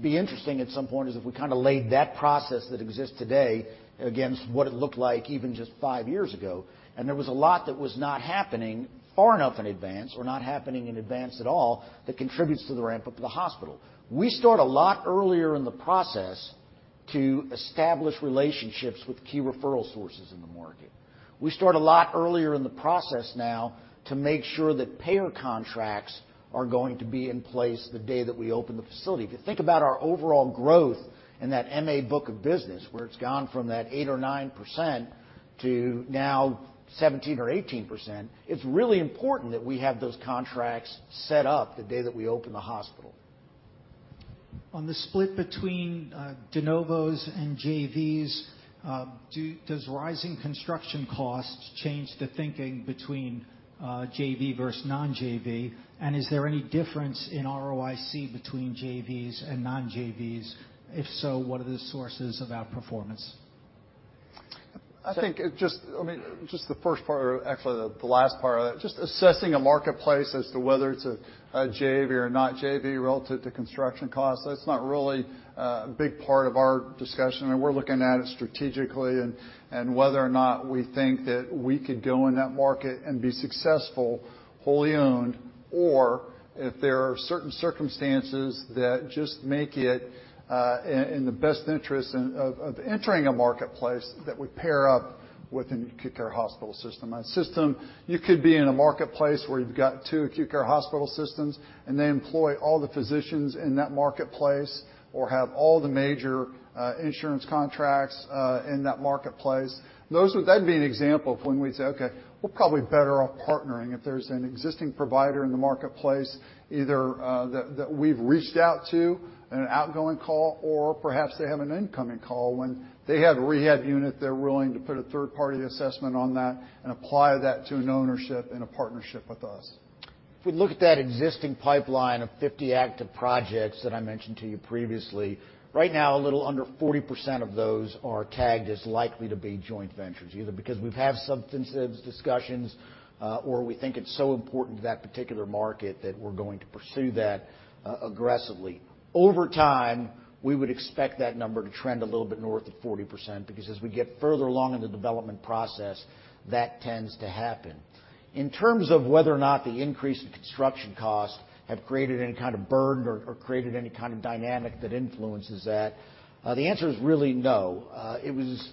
be interesting at some point is if we kind of laid that process that exists today against what it looked like even just five years ago, and there was a lot that was not happening far enough in advance or not happening in advance at all, that contributes to the ramp-up of the hospital. We start a lot earlier in the process to establish relationships with key referral sources in the market. We start a lot earlier in the process now to make sure that payer contracts are going to be in place the day that we open the facility. If you think about our overall growth in that MA book of business, where it's gone from 8% or 9% to now 17% or 18%, it's really important that we have those contracts set up the day that we open the hospital. On the split between de novos and JVs, does rising construction costs change the thinking between JV versus non-JV? And is there any difference in ROIC between JVs and non-JVs? If so, what are the sources of outperformance? ... I think it just, I mean, just the first part, or actually the last part of that, just assessing a marketplace as to whether it's a JV or not JV relative to construction costs, that's not really a big part of our discussion, and we're looking at it strategically, and whether or not we think that we could go in that market and be successful, wholly owned, or if there are certain circumstances that just make it in the best interest of entering a marketplace that we pair up with an acute care hospital system. A system. You could be in a marketplace where you've got two acute care hospital systems, and they employ all the physicians in that marketplace or have all the major insurance contracts in that marketplace. That'd be an example of when we'd say, "Okay, we're probably better off partnering," if there's an existing provider in the marketplace, either that we've reached out to in an outgoing call, or perhaps they have an incoming call. When they have a rehab unit, they're willing to put a third-party assessment on that and apply that to an ownership and a partnership with us. If we look at that existing pipeline of 50 active projects that I mentioned to you previously, right now, a little under 40% of those are tagged as likely to be joint ventures, either because we've had substantive discussions, or we think it's so important to that particular market that we're going to pursue that, aggressively. Over time, we would expect that number to trend a little bit north of 40%, because as we get further along in the development process, that tends to happen. In terms of whether or not the increase in construction costs have created any kind of burden or created any kind of dynamic that influences that, the answer is really no. It was...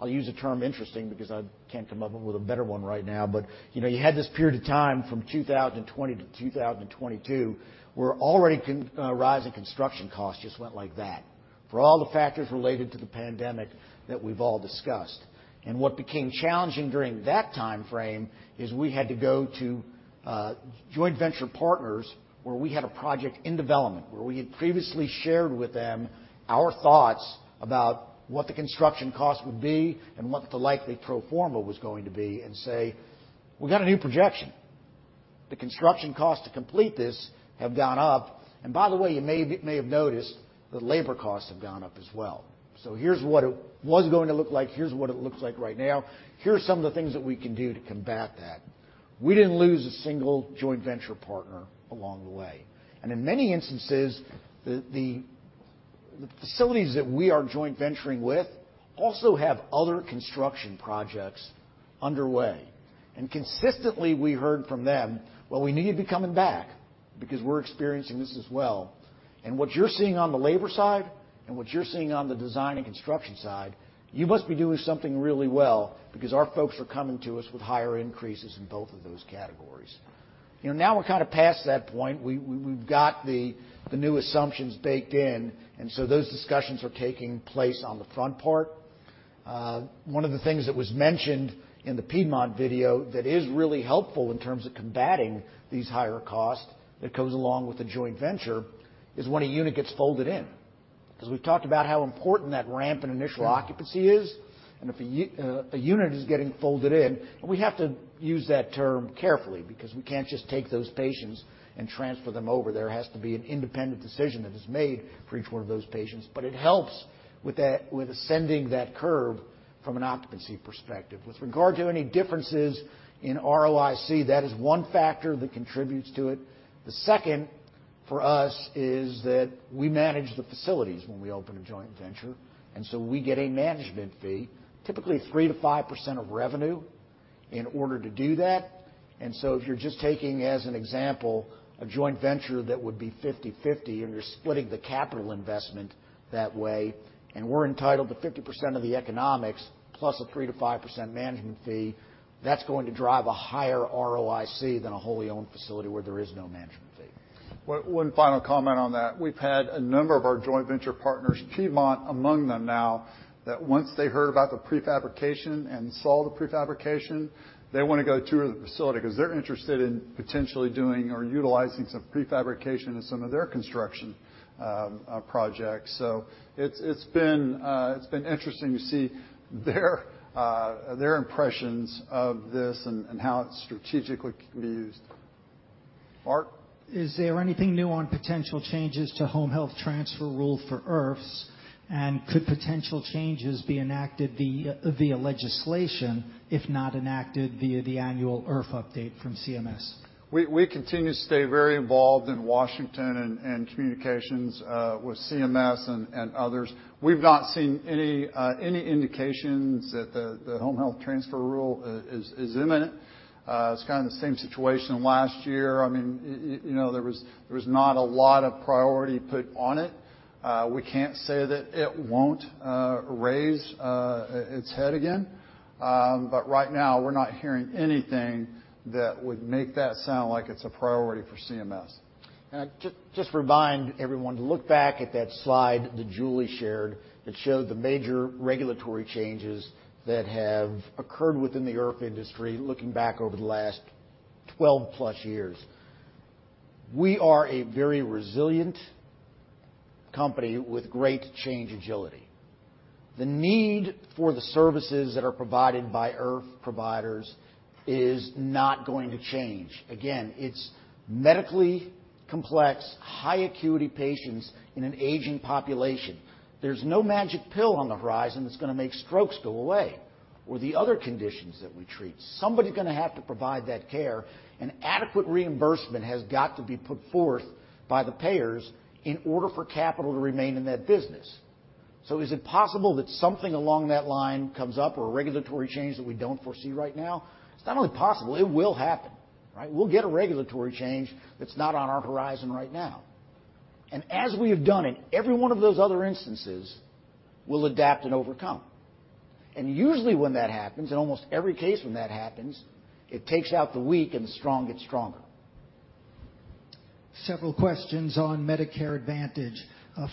I'll use the term interesting because I can't come up with a better one right now, but, you know, you had this period of time from 2020 to 2022, where already CON, rising construction costs just went like that, for all the factors related to the pandemic that we've all discussed. And what became challenging during that timeframe is we had to go to, joint venture partners where we had a project in development, where we had previously shared with them our thoughts about what the construction cost would be and what the likely pro forma was going to be, and say, "We've got a new projection. The construction costs to complete this have gone up. And by the way, you may have noticed that labor costs have gone up as well. So here's what it was going to look like. Here's what it looks like right now. Here are some of the things that we can do to combat that." We didn't lose a single joint venture partner along the way. In many instances, the facilities that we are joint venturing with also have other construction projects underway, and consistently we heard from them, "Well, we knew you'd be coming back because we're experiencing this as well. And what you're seeing on the labor side, and what you're seeing on the design and construction side, you must be doing something really well because our folks are coming to us with higher increases in both of those categories." You know, now we're kind of past that point. We've got the new assumptions baked in, and so those discussions are taking place on the front part. One of the things that was mentioned in the Piedmont video that is really helpful in terms of combating these higher costs that goes along with a joint venture, is when a unit gets folded in. Because we've talked about how important that ramp in initial occupancy is, and if a unit is getting folded in, and we have to use that term carefully because we can't just take those patients and transfer them over. There has to be an independent decision that is made for each one of those patients, but it helps with that, with ascending that curve from an occupancy perspective. With regard to any differences in ROIC, that is one factor that contributes to it. The second, for us, is that we manage the facilities when we open a joint venture, and so we get a management fee, typically 3%-5% of revenue, in order to do that. And so if you're just taking, as an example, a joint venture that would be 50/50, and you're splitting the capital investment that way, and we're entitled to 50% of the economics, plus a 3%-5% management fee, that's going to drive a higher ROIC than a wholly owned facility where there is no management fee. One final comment on that. We've had a number of our joint venture partners, Piedmont among them now, that once they heard about the prefabrication and saw the prefabrication, they want to go tour the facility because they're interested in potentially doing or utilizing some prefabrication in some of their construction projects. So it's been interesting to see their impressions of this and how it strategically can be used. Mark? Is there anything new on potential changes to home health transfer rule for IRFs, and could potential changes be enacted via legislation, if not enacted via the annual IRF update from CMS? We continue to stay very involved in Washington and communications with CMS and others. We've not seen any indications that the home health transfer rule is imminent. It's kind of the same situation last year. I mean, you know, there was not a lot of priority put on it. We can't say that it won't raise its head again, but right now we're not hearing anything that would make that sound like it's a priority for CMS. Just, just remind everyone to look back at that slide that Julie shared, that showed the major regulatory changes that have occurred within the IRF industry, looking back over the last 12+ years. We are a very resilient company with great change agility. The need for the services that are provided by IRF providers is not going to change. Again, it's medically complex, high acuity patients in an aging population. There's no magic pill on the horizon that's going to make strokes go away or the other conditions that we treat. Somebody's going to have to provide that care, and adequate reimbursement has got to be put forth by the payers in order for capital to remain in that business. So is it possible that something along that line comes up or a regulatory change that we don't foresee right now? It's not only possible, it will happen, right? We'll get a regulatory change that's not on our horizon right now. As we have done in every one of those other instances, we'll adapt and overcome. Usually, when that happens, in almost every case when that happens, it takes out the weak, and the strong get stronger. Several questions on Medicare Advantage.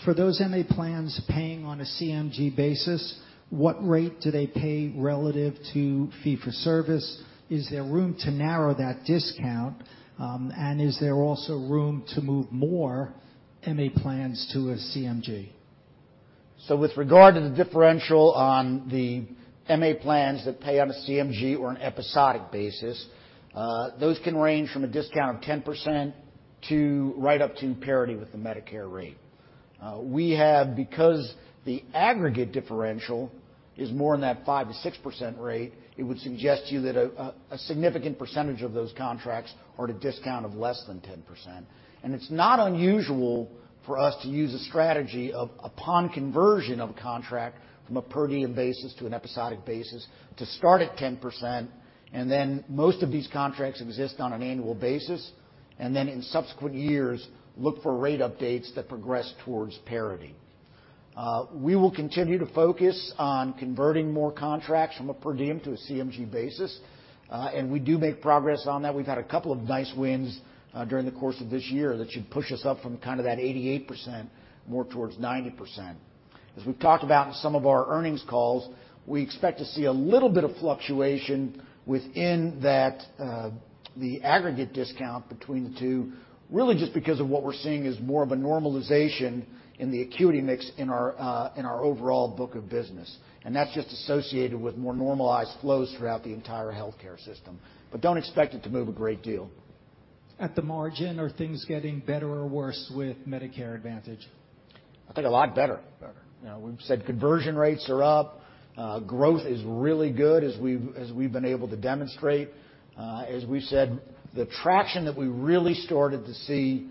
For those MA plans paying on a CMG basis, what rate do they pay relative to fee-for-service? Is there room to narrow that discount, and is there also room to move more MA plans to a CMG? So with regard to the differential on the MA plans that pay on a CMG or an episodic basis, those can range from a discount of 10% to right up to parity with the Medicare rate. We have, because the aggregate differential is more than that 5%-6% rate, it would suggest to you that a significant percentage of those contracts are at a discount of less than 10%. And it's not unusual for us to use a strategy of upon conversion of a contract from a per diem basis to an episodic basis, to start at 10%, and then most of these contracts exist on an annual basis, and then in subsequent years, look for rate updates that progress towards parity. We will continue to focus on converting more contracts from a per diem to a CMG basis, and we do make progress on that. We've had a couple of nice wins, during the course of this year that should push us up from kind of that 88% more towards 90%. As we've talked about in some of our earnings calls, we expect to see a little bit of fluctuation within that, the aggregate discount between the two, really just because of what we're seeing as more of a normalization in the acuity mix in our, in our overall book of business, and that's just associated with more normalized flows throughout the entire healthcare system. But don't expect it to move a great deal. At the margin, are things getting better or worse with Medicare Advantage? I think a lot better. You know, we've said conversion rates are up. Growth is really good as we've been able to demonstrate. As we've said, the traction that we really started to see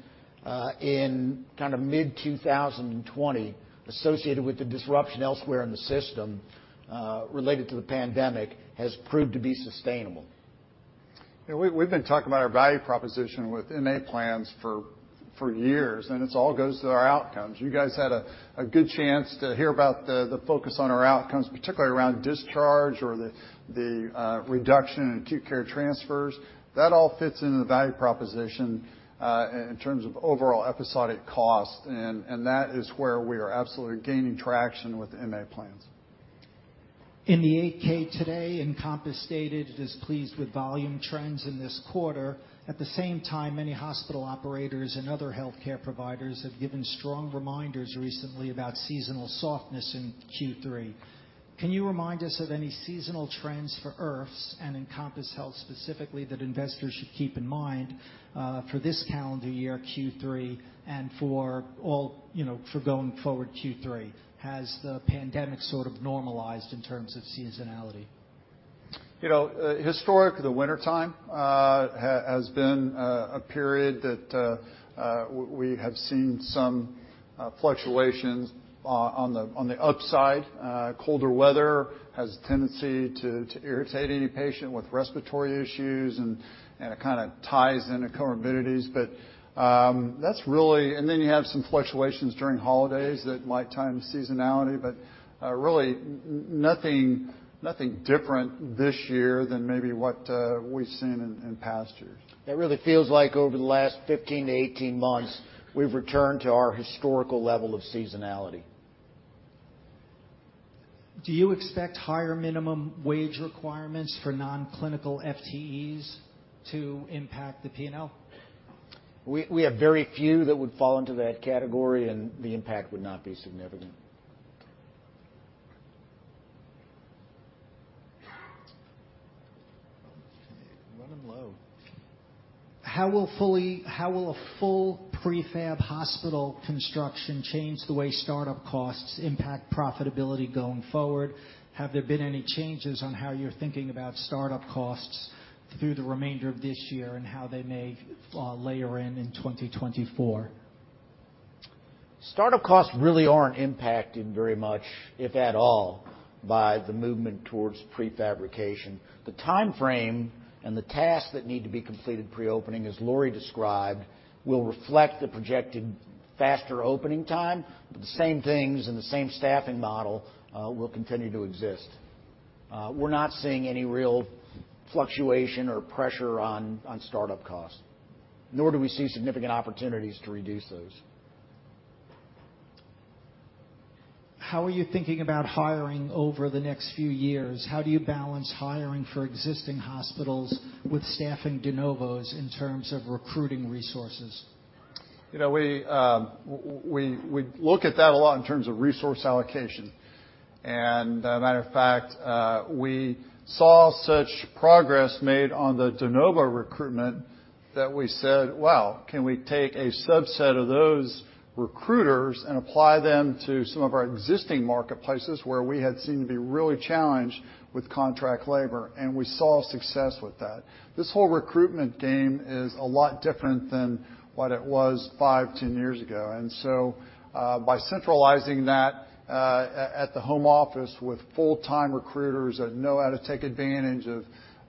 in kind of mid-2020, associated with the disruption elsewhere in the system related to the pandemic, has proved to be sustainable. Yeah, we've been talking about our value proposition with MA plans for years, and it's all goes to our outcomes. You guys had a good chance to hear about the focus on our outcomes, particularly around discharge or the reduction in acute care transfers. That all fits into the value proposition in terms of overall episodic cost, and that is where we are absolutely gaining traction with MA plans. In the 8-K today, Encompass stated it is pleased with volume trends in this quarter. At the same time, many hospital operators and other healthcare providers have given strong reminders recently about seasonal softness in Q3. Can you remind us of any seasonal trends for IRFs and Encompass Health, specifically, that investors should keep in mind for this calendar year, Q3, and for all, you know, for going forward Q3? Has the pandemic sort of normalized in terms of seasonality? You know, historically, the wintertime has been a period that we have seen some fluctuations on the upside. Colder weather has a tendency to irritate any patient with respiratory issues, and it kind of ties into comorbidities. But that's really, and then you have some fluctuations during holidays that might time seasonality, but really nothing different this year than maybe what we've seen in past years. It really feels like over the last 15-18 months, we've returned to our historical level of seasonality. Do you expect higher minimum wage requirements for non-clinical FTEs to impact the P&L? We have very few that would fall into that category, and the impact would not be significant. Running low. How will a full prefab hospital construction change the way startup costs impact profitability going forward? Have there been any changes on how you're thinking about startup costs through the remainder of this year and how they may layer in in 2024? Startup costs really aren't impacted very much, if at all, by the movement towards prefabrication. The time frame and the tasks that need to be completed pre-opening, as Lori described, will reflect the projected faster opening time, but the same things and the same staffing model, will continue to exist. We're not seeing any real fluctuation or pressure on startup costs, nor do we see significant opportunities to reduce those. How are you thinking about hiring over the next few years? How do you balance hiring for existing hospitals with staffing de novos in terms of recruiting resources? You know, we look at that a lot in terms of resource allocation. And, matter of fact, we saw such progress made on the de novo recruitment that we said: Well, can we take a subset of those recruiters and apply them to some of our existing marketplaces where we had seemed to be really challenged with contract labor? And we saw success with that. This whole recruitment game is a lot different than what it was five, 10 years ago, and so, by centralizing that, at the home office with full-time recruiters that know how to take advantage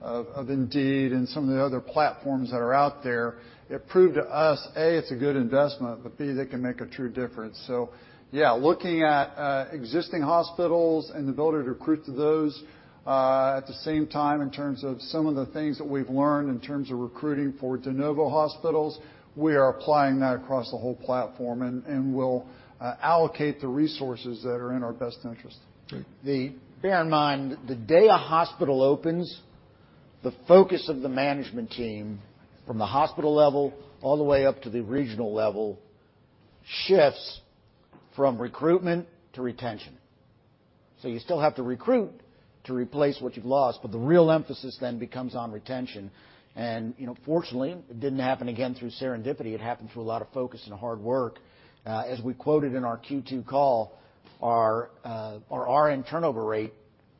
of Indeed and some of the other platforms that are out there, it proved to us, A, it's a good investment, but B, they can make a true difference. So yeah, looking at existing hospitals and the ability to recruit to those, at the same time, in terms of some of the things that we've learned in terms of recruiting for de novo hospitals, we are applying that across the whole platform and, and we'll allocate the resources that are in our best interest. Bear in mind, the day a hospital opens, the focus of the management team, from the hospital level all the way up to the regional level, shifts from recruitment to retention. So you still have to recruit to replace what you've lost, but the real emphasis then becomes on retention. And, you know, fortunately, it didn't happen again through serendipity. It happened through a lot of focus and hard work. As we quoted in our Q2 call, our RN turnover rate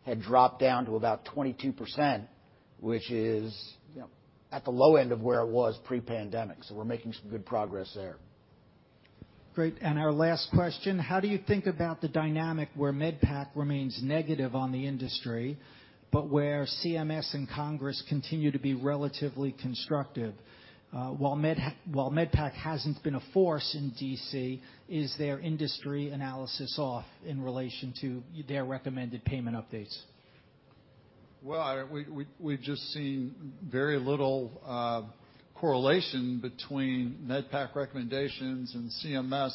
had dropped down to about 22%, which is, you know, at the low end of where it was pre-pandemic, so we're making some good progress there. Great. Our last question: How do you think about the dynamic where MedPAC remains negative on the industry, but where CMS and Congress continue to be relatively constructive? While MedPAC hasn't been a force in D.C., is their industry analysis off in relation to their recommended payment updates? Well, we've just seen very little correlation between MedPAC recommendations and CMS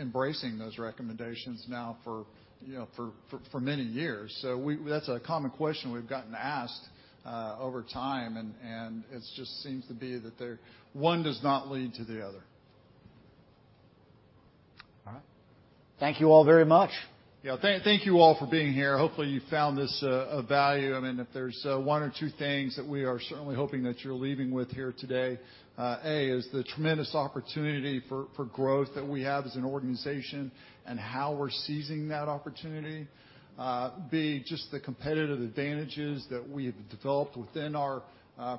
embracing those recommendations for, you know, many years. So that's a common question we've gotten asked over time, and it just seems to be that there, one does not lead to the other. All right. Thank you all very much. Yeah. Thank you all for being here. Hopefully, you found this of value. I mean, if there's one or two things that we are certainly hoping that you're leaving with here today, A, is the tremendous opportunity for growth that we have as an organization and how we're seizing that opportunity. B, just the competitive advantages that we've developed within our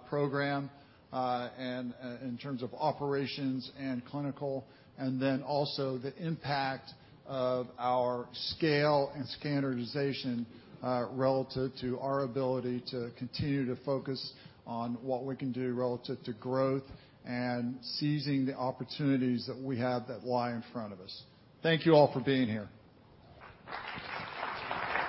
program, and in terms of operations and clinical, and then also the impact of our scale and standardization, relative to our ability to continue to focus on what we can do relative to growth and seizing the opportunities that we have that lie in front of us. Thank you all for being here.